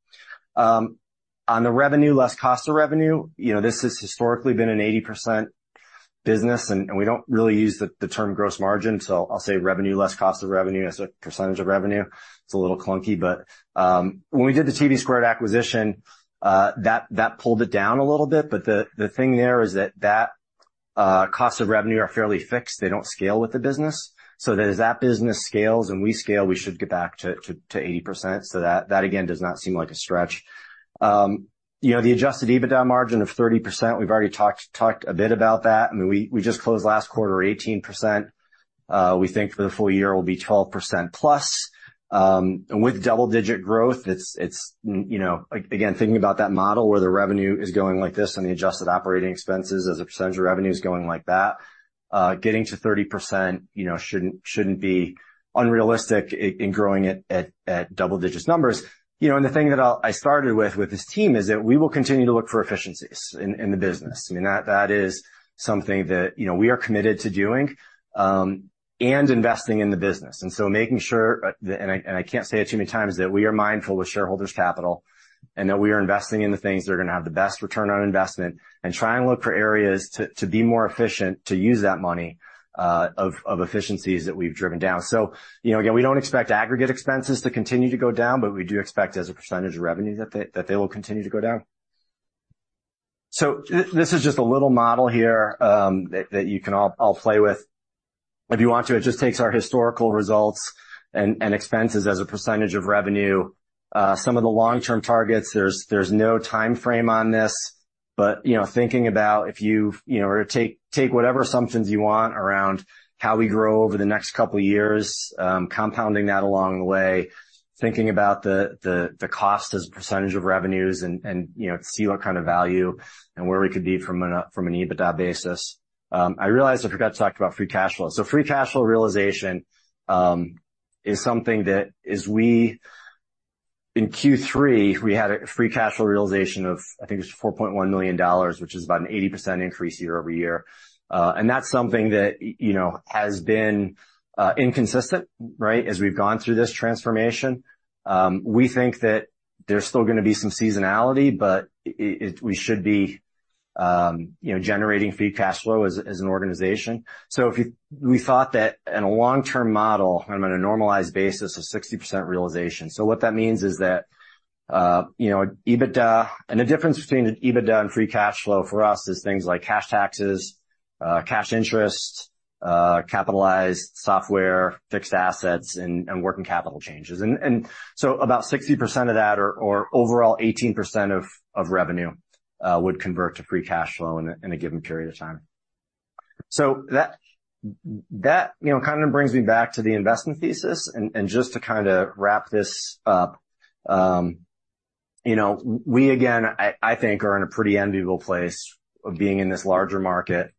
On the revenue, less cost of revenue, you know, this has historically been an 80% business, and we don't really use the term gross margin, so I'll say revenue, less cost of revenue as a percentage of revenue. It's a little clunky, but when we did the TVSquared acquisition, that pulled it down a little bit. But the thing there is that cost of revenue are fairly fixed. They don't scale with the business. So that as that business scales and we scale, we should get back to 80%. So that again does not seem like a stretch. You know, the adjusted EBITDA margin of 30%, we've already talked a bit about that. I mean, we just closed last quarter, 18%. We think for the full year will be 12%+. And with double-digit growth, it's you know... Again, thinking about that model where the revenue is going like this, and the adjusted operating expenses as a percentage of revenue is going like that, getting to 30%, you know, shouldn't be unrealistic in growing it at double-digit numbers. You know, and the thing that I started with, with this team is that we will continue to look for efficiencies in, in the business. I mean, that, that is something that, you know, we are committed to doing, and investing in the business. And so making sure, and I can't say it too many times, that we are mindful with shareholders' capital, and that we are investing in the things that are gonna have the best return on investment, and try and look for areas to, to be more efficient, to use that money, of efficiencies that we've driven down. So, you know, again, we don't expect aggregate expenses to continue to go down, but we do expect as a percentage of revenue, that they, that they will continue to go down. So this is just a little model here, that you can all play with if you want to. It just takes our historical results and expenses as a percentage of revenue. Some of the long-term targets, there's no time frame on this, but you know, thinking about if you've... You know, or take whatever assumptions you want around how we grow over the next couple of years, compounding that along the way, thinking about the cost as a percentage of revenues and you know, to see what kind of value and where we could be from an from an EBITDA basis. I realized I forgot to talk about free cash flow. So free cash flow realization is something. In Q3, we had a free cash flow realization of, I think it was $4.1 million, which is about an 80% increase year-over-year. And that's something that, you know, has been inconsistent, right? As we've gone through this transformation. We think that there's still gonna be some seasonality, but we should be, you know, generating free cash flow as an organization. So we thought that in a long-term model, I'm on a normalized basis of 60% realization. So what that means is that, you know, EBITDA. And the difference between EBITDA and free cash flow for us is things like cash taxes, cash interest, capitalized software, fixed assets, and working capital changes. About 60% of that or overall 18% of revenue would convert to free cash flow in a given period of time. So, you know, kind of brings me back to the investment thesis. Just to kind of wrap this up, you know, we again, I think, are in a pretty enviable place of being in this larger market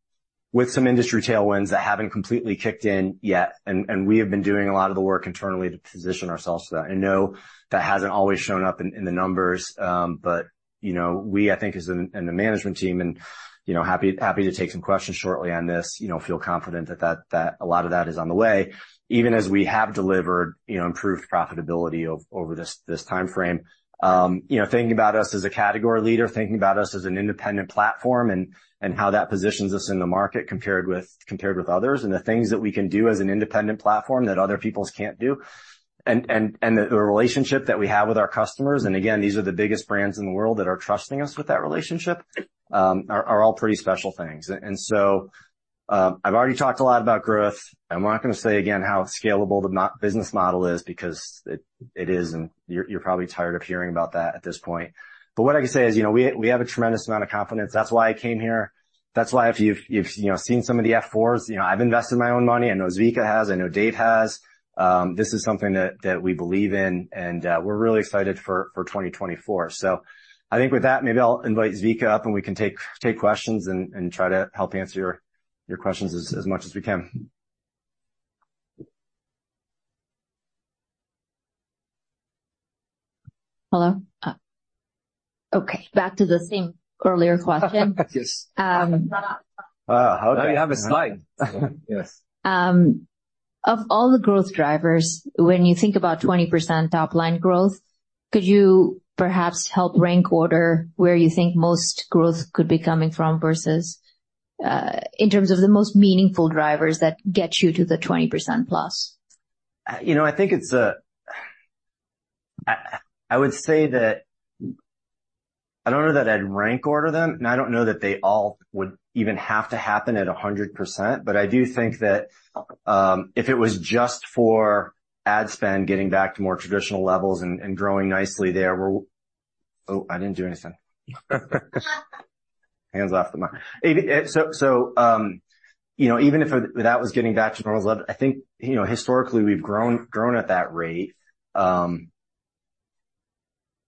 with some industry tailwinds that haven't completely kicked in yet, and we have been doing a lot of the work internally to position ourselves to that. I know that hasn't always shown up in the numbers, but you know, we, I think, as in the management team and, you know, happy to take some questions shortly on this, you know, feel confident that a lot of that is on the way, even as we have delivered, you know, improved profitability over this time frame. You know, thinking about us as a category leader, thinking about us as an independent platform, and how that positions us in the market compared with others, and the things that we can do as an independent platform that other peoples can't do, and the relationship that we have with our customers, and again, these are the biggest brands in the world that are trusting us with that relationship, are all pretty special things. And so, I've already talked a lot about growth, and we're not gonna say again how scalable the business model is because it, it is, and you're, you're probably tired of hearing about that at this point. But what I can say is, you know, we, we have a tremendous amount of confidence. That's why I came here. That's why if you've, you've, you know, seen some of the Form 4s, you know, I've invested my own money. I know Zvika has, I know David has. This is something that, that we believe in, and we're really excited for 2024. So I think with that, maybe I'll invite Zvika up, and we can take, take questions and, and try to help answer your, your questions as, as much as we can. Hello? Okay, back to the same earlier question. Yes. Um- Ah, now you have a slide. Yes. Of all the growth drivers, when you think about 20% top-line growth, could you perhaps help rank order where you think most growth could be coming from versus, in terms of the most meaningful drivers that get you to the 20%+? You know, I think it's a I would say that I don't know that I'd rank order them, and I don't know that they all would even have to happen at 100%. But I do think that if it was just for ad spend getting back to more traditional levels and growing nicely there, we're. Oh, I didn't do anything. Hands off the mic. So, you know, even if that was getting back to normal level, I think, you know, historically, we've grown at that rate.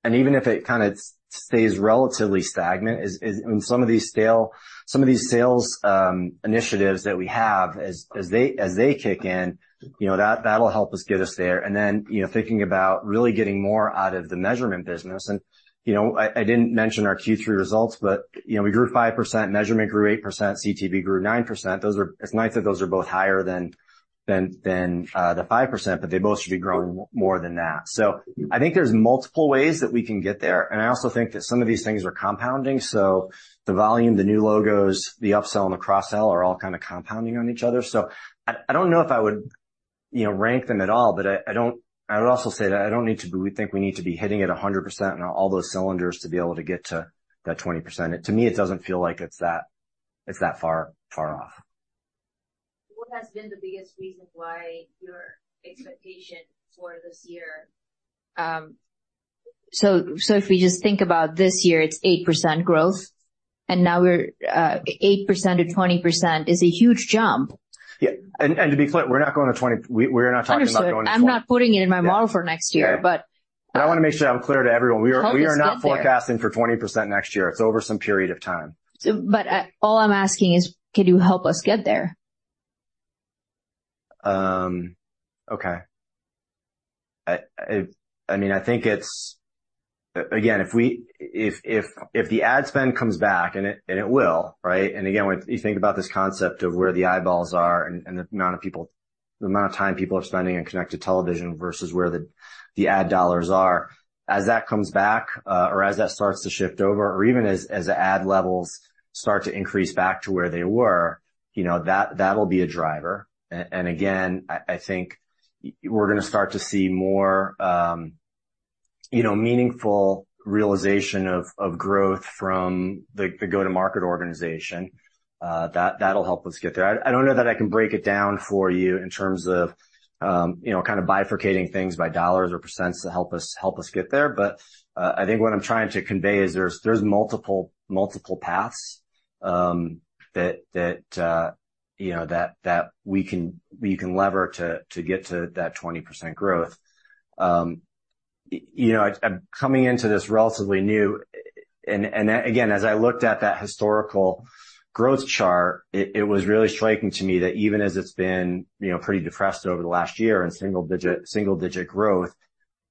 And even if it kind of stays relatively stagnant, and some of these sales initiatives that we have, as they kick in, you know, that, that'll help us get us there. And then, you know, thinking about really getting more out of the measurement business. You know, I didn't mention our Q3 results, but, you know, we grew 5%, measurement grew 8%, CTV grew 9%. Those are... It's nice that those are both higher than the 5%, but they both should be growing more than that. So I think there's multiple ways that we can get there, and I also think that some of these things are compounding. So the volume, the new logos, the upsell and the cross-sell are all kind of compounding on each other. So I don't know if I would, you know, rank them at all, but I don't... I would also say that I don't need to be, we think we need to be hitting at 100% on all those cylinders to be able to get to that 20%. To me, it doesn't feel like it's that, it's that far, far off. What has been the biggest reason why your expectation for this year? So, so if we just think about this year, it's 8% growth, and now we're, 8%-20% is a huge jump. Yeah, and, and to be clear, we're not going to 20%, we're not talking about going- Understood. I'm not putting it in my model for next year, but- I want to make sure I'm clear to everyone. Help us get there. We are not forecasting for 20% next year. It's over some period of time. But, all I'm asking is, can you help us get there? Okay. I mean, I think it's... Again, if the ad spend comes back and it will, right? And again, when you think about this concept of where the eyeballs are and the amount of people, the amount of time people are spending on connected television versus where the ad dollars are, as that comes back, or as that starts to shift over, or even as the ad levels start to increase back to where they were, you know, that'll be a driver. And again, I think we're gonna start to see more, you know, meaningful realization of growth from the go-to-market organization. That'll help us get there. I don't know that I can break it down for you in terms of, you know, kind of bifurcating things by dollars or percents to help us get there. But, I think what I'm trying to convey is there's multiple paths that we can lever to get to that 20% growth. You know, I'm coming into this relatively new. And again, as I looked at that historical growth chart, it was really striking to me that even as it's been, you know, pretty depressed over the last year in single-digit growth,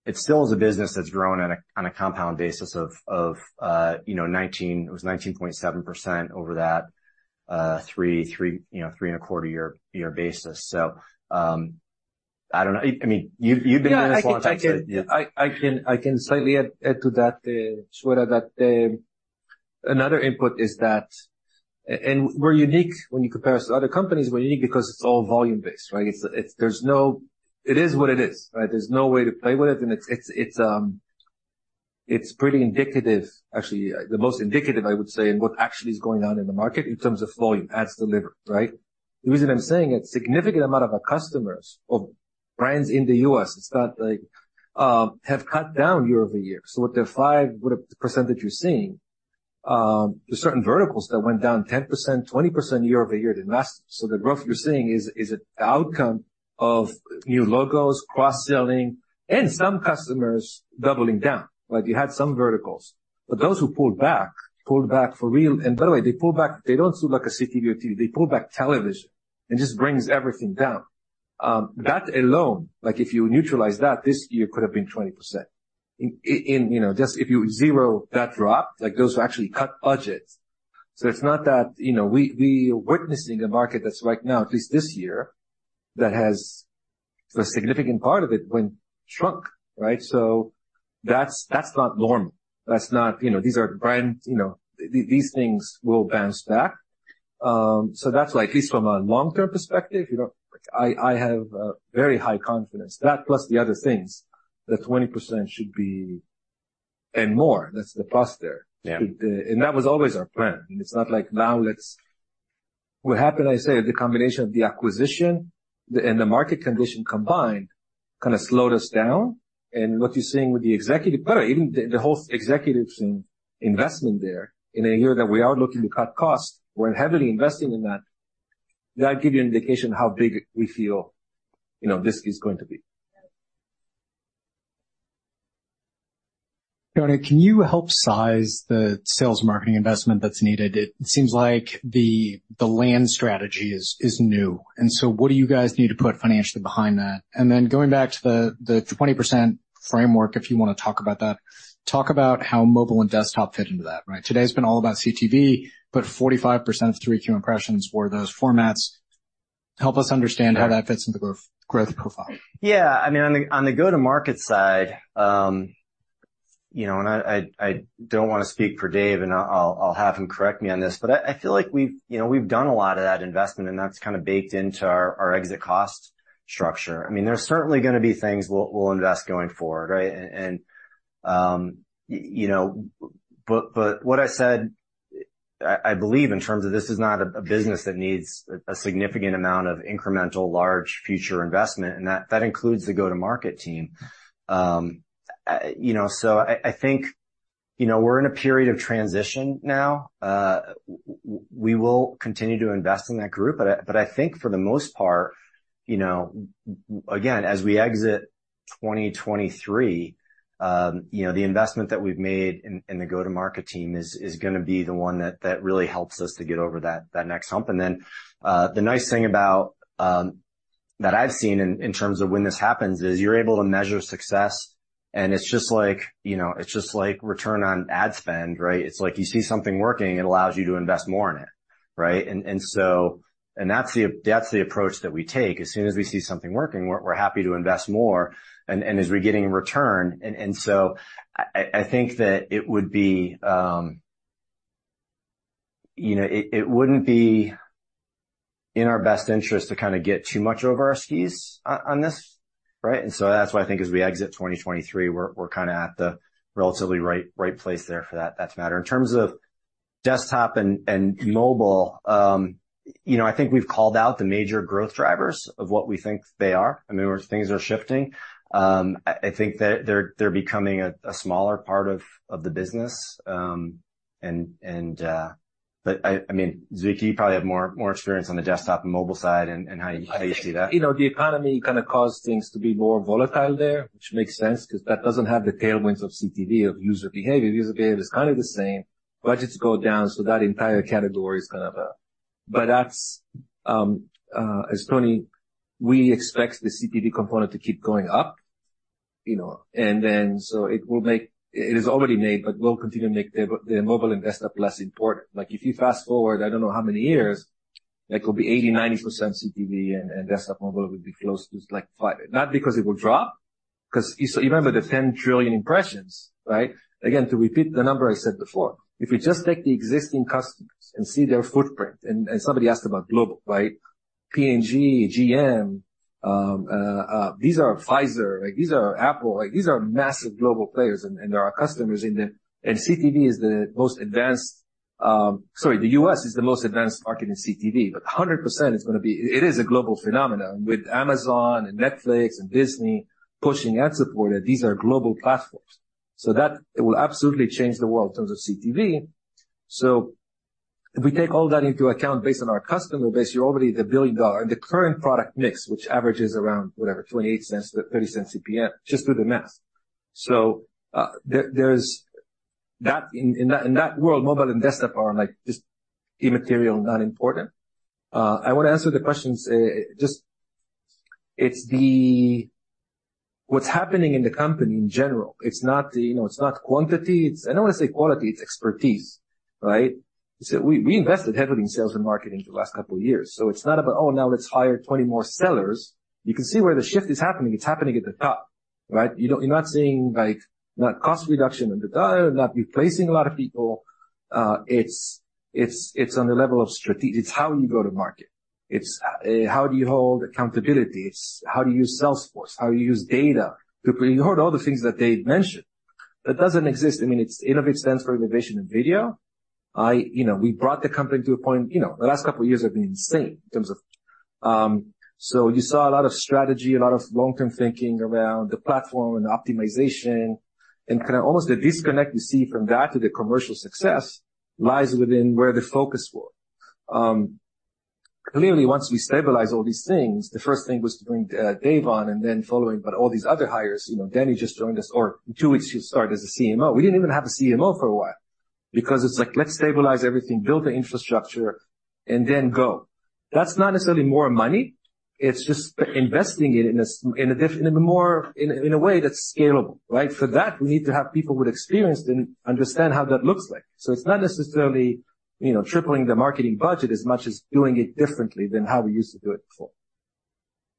it still is a business that's grown on a compound basis of, you know, 19%, it was 19.7% over that 3.25-year basis. So, I don't know. I mean, you've been doing this for a long time. Yeah, I can slightly add to that, Shweta, that another input is that... And we're unique when you compare us to other companies, we're unique because it's all volume-based, right? It's, there's no— It is what it is, right? There's no way to play with it, and it's pretty indicative, actually, the most indicative, I would say, in what actually is going on in the market in terms of volume, ads delivered, right? The reason I'm saying it, significant amount of our customers or brands in the US, it's not like have cut down year-over-year. So what the 5%, what percentage you're seeing, there's certain verticals that went down 10%, 20% year-over-year did last. So the growth you're seeing is an outcome of new logos, cross-selling, and some customers doubling down. Like, you had some verticals, but those who pulled back, pulled back for real. And by the way, they pulled back. They don't suit like a CTV, they pulled back television and just brings everything down. That alone, like, if you neutralize that, this year could have been 20%. You know, just if you zero that drop, like those who actually cut budgets. So it's not that, you know, we, we are witnessing a market that's right now, at least this year, that has a significant part of it went shrunk, right? So that's, that's not normal. That's not, you know, these are brands, you know, these things will bounce back. So that's why, at least from a long-term perspective, you know, I, I have very high confidence. That plus the other things, that 20% should be, and more, that's the plus there. Yeah. That was always our plan. It's not like... What happened, I say, the combination of the acquisition and the market condition combined kind of slowed us down. What you're seeing with the executive, but even the whole executive team investment there in a year that we are looking to cut costs, we're heavily investing in that. That give you an indication of how big we feel, you know, this is going to be. Tony, can you help size the sales marketing investment that's needed? It seems like the land strategy is new, and so what do you guys need to put financially behind that? And then going back to the 20% framework, if you want to talk about that. Talk about how mobile and desktop fit into that, right? Today's been all about CTV, but 45% of 3Q impressions were those formats. Help us understand how that fits into the growth profile. Yeah, I mean, on the, on the go-to-market side, you know, and I don't want to speak for Dave, and I'll have him correct me on this, but I feel like we've, you know, we've done a lot of that investment, and that's kind of baked into our, our exit costs structure. I mean, there's certainly gonna be things we'll invest going forward, right? And, you know, but what I said, I believe in terms of this is not a business that needs a significant amount of incremental, large future investment, and that includes the go-to-market team. You know, so I think, you know, we're in a period of transition now. We will continue to invest in that group, but I think for the most part, you know, again, as we exit 2023, you know, the investment that we've made in the go-to-market team is gonna be the one that really helps us to get over that next hump. And then, the nice thing about that I've seen in terms of when this happens is you're able to measure success, and it's just like, you know, it's just like return on ad spend, right? It's like you see something working, it allows you to invest more in it, right? And so that's the approach that we take. As soon as we see something working, we're happy to invest more, and as we're getting a return. And so I think that it would be... You know, it wouldn't be in our best interest to kind of get too much over our skis on this, right? And so that's why I think as we exit 2023, we're kind of at the relatively right place there for that matter. In terms of desktop and mobile, you know, I think we've called out the major growth drivers of what we think they are. I mean, things are shifting. I think that they're becoming a smaller part of the business. But I mean, Zvika, you probably have more experience on the desktop and mobile side, and how you see that. You know, the economy kind of caused things to be more volatile there, which makes sense, 'cause that doesn't have the tailwinds of CTV, of user behavior. User behavior is kind of the same. Budgets go down, so that entire category is kind of... But that's, as Tony, we expect the CTV component to keep going up, you know, and then, so it will make... It has already made, but will continue to make the mobile and desktop less important. Like, if you fast-forward, I don't know how many years, like, it'll be 80, 90% CTV and desktop, mobile will be close to, like, five. Not because it will drop, 'cause so you remember the 10 trillion impressions, right? Again, to repeat the number I said before, if you just take the existing customers and see their footprint, and somebody asked about global, right? P&G, GM, these are— Pfizer, like, these are Apple, like these are massive global players, and they are our customers, and the... And CTV is the most advanced... Sorry, the U.S. is the most advanced market in CTV, but 100% it's gonna be— it is a global phenomenon, with Amazon and Netflix and Disney pushing ad-supported. These are global platforms, so that it will absolutely change the world in terms of CTV. So if we take all that into account based on our customer base, you're already the billion dollar, the current product mix, which averages around, whatever, $0.28-$0.30 CPM, just do the math. So, there, there's... That, in that, in that world, mobile and desktop are, like, just immaterial, not important. I want to answer the questions, just... It's the- what's happening in the company in general. It's not the, you know, it's not quantity, it's I don't want to say quality, it's expertise, right? So we, we invested heavily in sales and marketing the last couple of years. So it's not about, Oh, now let's hire 20 more sellers. You can see where the shift is happening. It's happening at the top, right? You're, you're not seeing, like, not cost reduction on the dollar, not replacing a lot of people. It's, it's, it's on the level of strategic. It's how you go to market. It's, how do you hold accountability? It's how do you use Salesforce, how you use data to bring... You heard all the things that Dave mentioned. That doesn't exist. I mean, it's Innovid stands for innovation in video. You know, we brought the company to a point, you know, the last couple of years have been insane in terms of. So you saw a lot of strategy, a lot of long-term thinking around the platform and optimization, and kind of almost the disconnect you see from that to the commercial success lies within where the focus was. Clearly, once we stabilize all these things, the first thing was to bring Dave on, and then following, but all these other hires, you know, Dani just joined us, or two weeks, he started as a CMO. We didn't even have a CMO for a while because it's like, let's stabilize everything, build the infrastructure, and then go. That's not necessarily more money. It's just investing it in a different, in a more scalable way, right? For that, we need to have people with experience and understand how that looks like. So it's not necessarily, you know, tripling the marketing budget as much as doing it differently than how we used to do it before.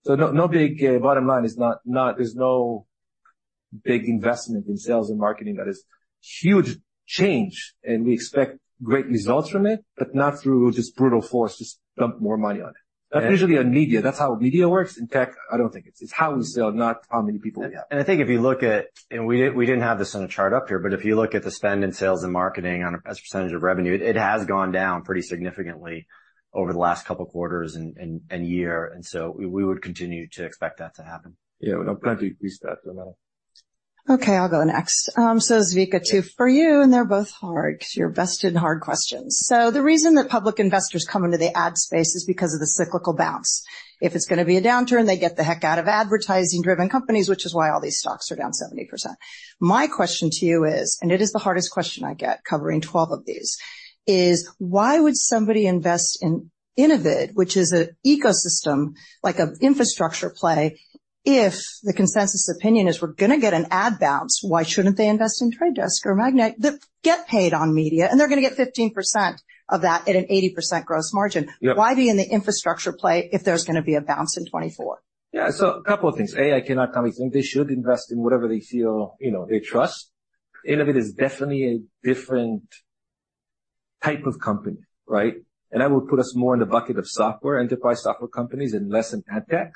So no big bottom line, it's not—there's no big investment in sales and marketing. That is huge change, and we expect great results from it, but not through just brute force, just dump more money on it. That's usually on media. That's how media works. In tech, I don't think it's how we sell, not how many people we have. I think if you look at, we didn't have this on a chart up here, but if you look at the spend in sales and marketing as a percentage of revenue, it has gone down pretty significantly over the last couple of quarters and year, and so we would continue to expect that to happen. Yeah, we plan to increase that as well. Okay, I'll go next. So Zvika, two for you, and they're both hard, 'cause you're vested in hard questions. So the reason that public investors come into the ad space is because of the cyclical bounce. If it's gonna be a downturn, they get the heck out of advertising-driven companies, which is why all these stocks are down 70%. My question to you is, and it is the hardest question I get, covering 12 of these, is: Why would somebody invest in Innovid, which is an ecosystem, like an infrastructure play, if the consensus opinion is we're gonna get an ad bounce, why shouldn't they invest in Trade Desk or Magnite? They get paid on media, and they're gonna get 15% of that at an 80% gross margin. Yeah. Why be in the infrastructure play if there's gonna be a bounce in 2024? Yeah. So a couple of things. A, I cannot tell you. I think they should invest in whatever they feel, you know, they trust. Innovid is definitely a different type of company, right? And that will put us more in the bucket of software, enterprise software companies, and less in ad tech.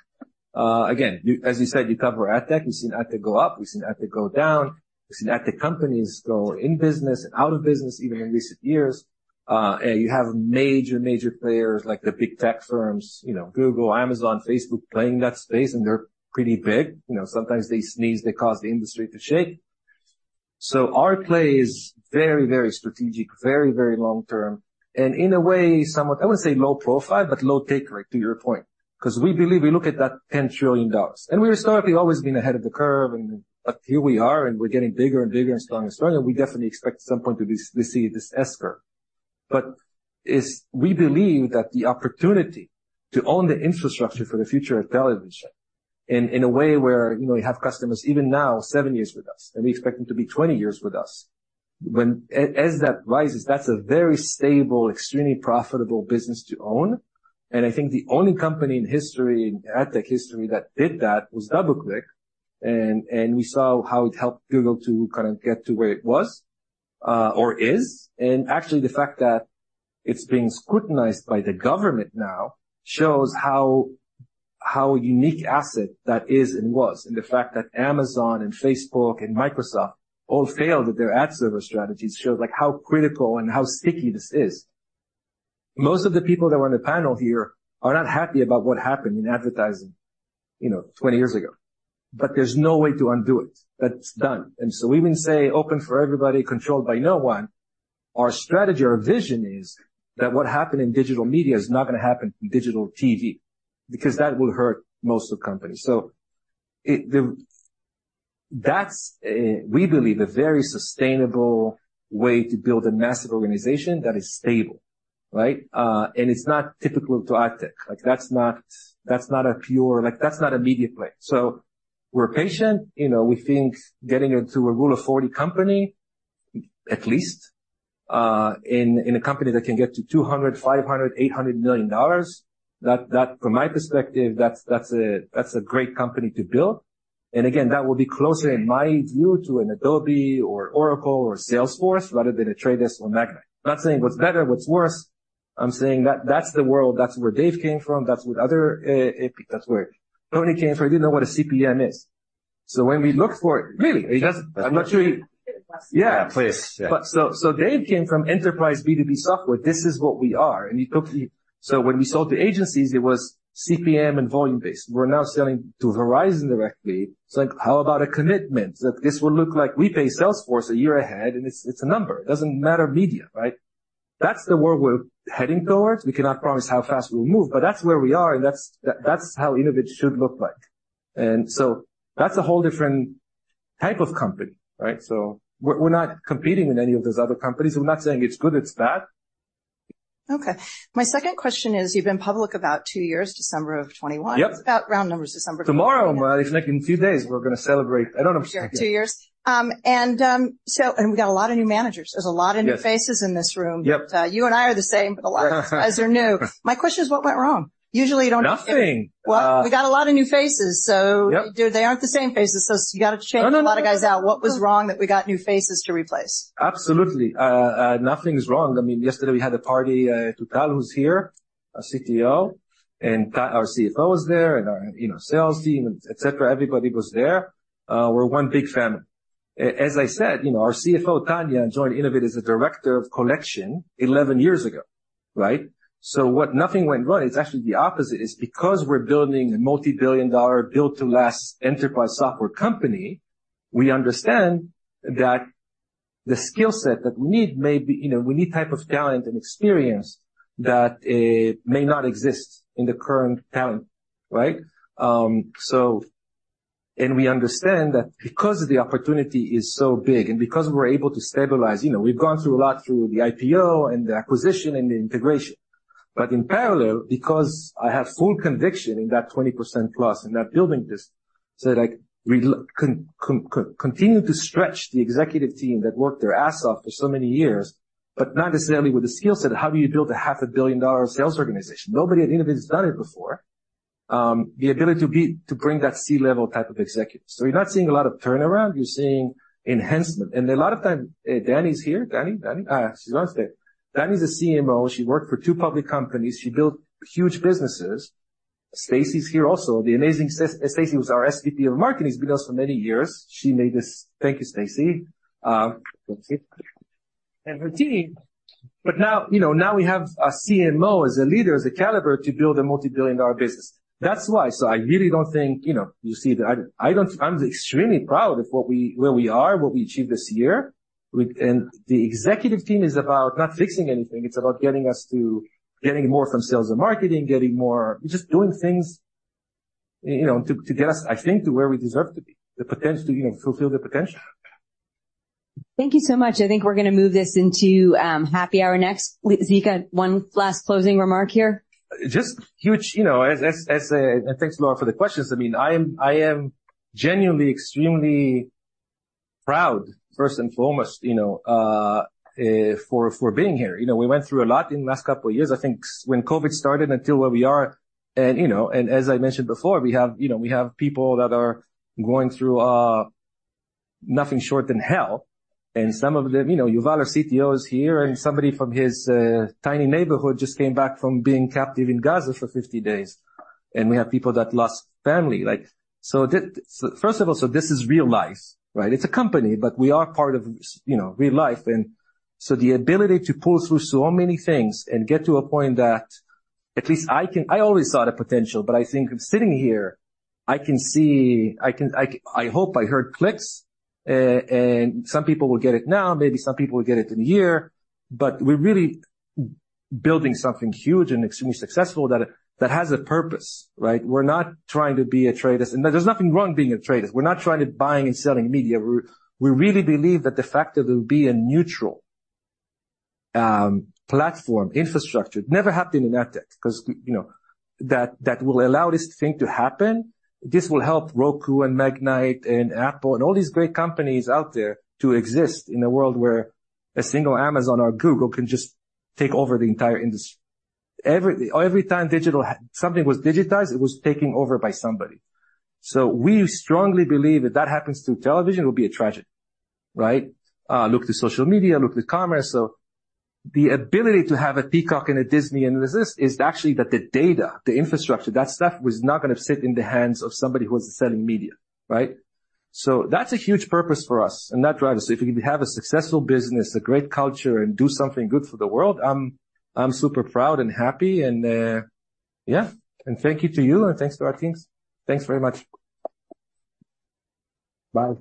Again, you, as you said, you cover ad tech, you've seen ad tech go up, we've seen ad tech go down. We've seen ad tech companies go in business and out of business, even in recent years. And you have major, major players like the big tech firms, you know, Google, Amazon, Facebook, playing that space, and they're pretty big. You know, sometimes they sneeze, they cause the industry to shake. So our play is very, very strategic, very, very long term, and in a way, somewhat. I wouldn't say low profile, but low take rate, to your point, because we believe we look at that $10 trillion. And we historically always been ahead of the curve, and but here we are, and we're getting bigger and bigger and stronger and stronger. We definitely expect at some point to be to see this S-curve. But we believe that the opportunity to own the infrastructure for the future of television in a way where, you know, you have customers even now, 7 years with us, and we expect them to be 20 years with us, when... As that rises, that's a very stable, extremely profitable business to own. I think the only company in history, in ad tech history, that did that was DoubleClick, and we saw how it helped Google to kind of get to where it was, or is. Actually, the fact that it's being scrutinized by the government now shows how a unique asset that is and was, and the fact that Amazon and Facebook and Microsoft all failed at their ad server strategies shows, like, how critical and how sticky this is. Most of the people that were on the panel here are not happy about what happened in advertising, you know, 20 years ago, but there's no way to undo it. That's done. We even say open for everybody, controlled by no one. Our strategy, our vision is that what happened in digital media is not gonna happen in digital TV, because that will hurt most of the companies. So it, the... That's, we believe, a very sustainable way to build a massive organization that is stable, right? And it's not typical to ad tech. Like, that's not, that's not a pure like, that's not a media play. So we're patient. You know, we think getting into a Rule of 40 company, at least, in a company that can get to $200 million, $500 million, $800 million, that, that from my perspective, that's, that's a, that's a great company to build. And again, that will be closer, in my view, to an Adobe or Oracle or Salesforce rather than a The Trade Desk or Magnite. I'm not saying what's better, what's worse. I'm saying that that's the world, that's where Dave came from, that's what other AP... That's where Tony came from. He didn't know what a CPM is. So when we look for it... Really, he doesn't. I'm not sure he Yeah, please. Yeah. But so, so Dave came from enterprise B2B software. This is what we are, and he took so when we sold to agencies, it was CPM and volume-based. We're now selling to Verizon directly. It's like, how about a commitment, that this will look like we pay Salesforce a year ahead, and it's, it's a number. It doesn't matter media, right? That's the world we're heading towards. We cannot promise how fast we'll move, but that's where we are, and that's, that's how Innovid should look like. And so that's a whole different type of company, right? So we're, we're not competing with any of those other companies. We're not saying it's good, it's bad. Okay. My second question is, you've been public about 2 years, December of 2021. Yep. It's about round numbers, December- Tomorrow, well, it's like in 2 days, we're gonna celebrate. I don't know if- Sure, 2 years. We got a lot of new managers. Yep. There's a lot of new faces in this room. Yep. You and I are the same, but a lot of guys are new. My question is, what went wrong? Usually, you don't- Nothing. Uh- Well, we got a lot of new faces, so- Yep. They aren't the same faces, so you got to change a lot of guys out. No, no, no. What was wrong that we got new faces to replace? Absolutely. Nothing is wrong. I mean, yesterday we had a party to Tal, who's here, our CTO, and our CFO was there, and our, you know, sales team, et cetera. Everybody was there. We're one big family. As I said, you know, our CFO, Tanya, joined Innovid as a director of collection 11 years ago, right? So what nothing went well, it's actually the opposite. It's because we're building a multi-billion-dollar built-to-last enterprise software company, we understand that the skill set that we need may be... You know, we need type of talent and experience that may not exist in the current talent, right? So, and we understand that because the opportunity is so big and because we've gone through a lot through the IPO and the acquisition and the integration. But in parallel, because I have full conviction in that 20%+, in that building this, so, like, we continue to stretch the executive team that worked their ass off for so many years, but not necessarily with the skill set of how do you build a $500 million-dollar sales organization? Nobody at Innovid has done it before. The ability to be, to bring that C-level type of executive. So you're not seeing a lot of turnaround, you're seeing enhancement. And a lot of time... Dani's here. Dani, Dani? Ah, she's on stage. Dani is a CMO. She worked for two public companies. She built huge businesses. Stacy's here also. The amazing Stacy was our SVP of Marketing. She's been with us for many years. She made this... Thank you, Stacy. And her team. But now, you know, now we have a CMO as a leader, as a caliber to build a multi-billion dollar business. That's why. So I really don't think, you know, you see the... I, I don't-- I'm extremely proud of what we-- where we are, what we achieved this year. We, and the executive team is about not fixing anything. It's about getting us to getting more from sales and marketing, getting more... Just doing things, you know, to, to get us, I think, to where we deserve to be. The potential to, you know, fulfill the potential. Thank you so much. I think we're gonna move this into, happy hour next. Zvika, one last closing remark here? Just huge, you know, as a—and thanks, Laura, for the questions. I mean, I am genuinely extremely proud, first and foremost, you know, for being here. You know, we went through a lot in the last couple of years. I think when COVID started until where we are, and, you know, and as I mentioned before, we have, you know, we have people that are going through nothing short than hell. And some of them, you know, Yuval, our CTO, is here, and somebody from his tiny neighborhood just came back from being captive in Gaza for 50 days. And we have people that lost family. Like, so first of all, so this is real life, right? It's a company, but we are part of, you know, real life. The ability to pull through so many things and get to a point that at least I always saw the potential, but I think sitting here, I can see. I hope I heard clicks, and some people will get it now, maybe some people will get it in a year, but we're really building something huge and extremely successful that has a purpose, right? We're not trying to be a trader, and there's nothing wrong with being a trader. We're not trying to buying and selling media. We really believe that the fact that there will be a neutral platform, infrastructure, never happened in ad tech, because, you know, that will allow this thing to happen. This will help Roku and Magnite and Apple and all these great companies out there to exist in a world where a single Amazon or Google can just take over the entire industry. Every time digital—something was digitized, it was taken over by somebody. So we strongly believe if that happens to television, it will be a tragedy, right? Look to social media, look to commerce. So the ability to have a Peacock and a Disney and this is actually that the data, the infrastructure, that stuff was not gonna sit in the hands of somebody who was selling media, right? So that's a huge purpose for us, and that drives us. If we can have a successful business, a great culture, and do something good for the world, I'm super proud and happy and yeah. Thank you to you, and thanks to our teams. Thanks very much. Bye.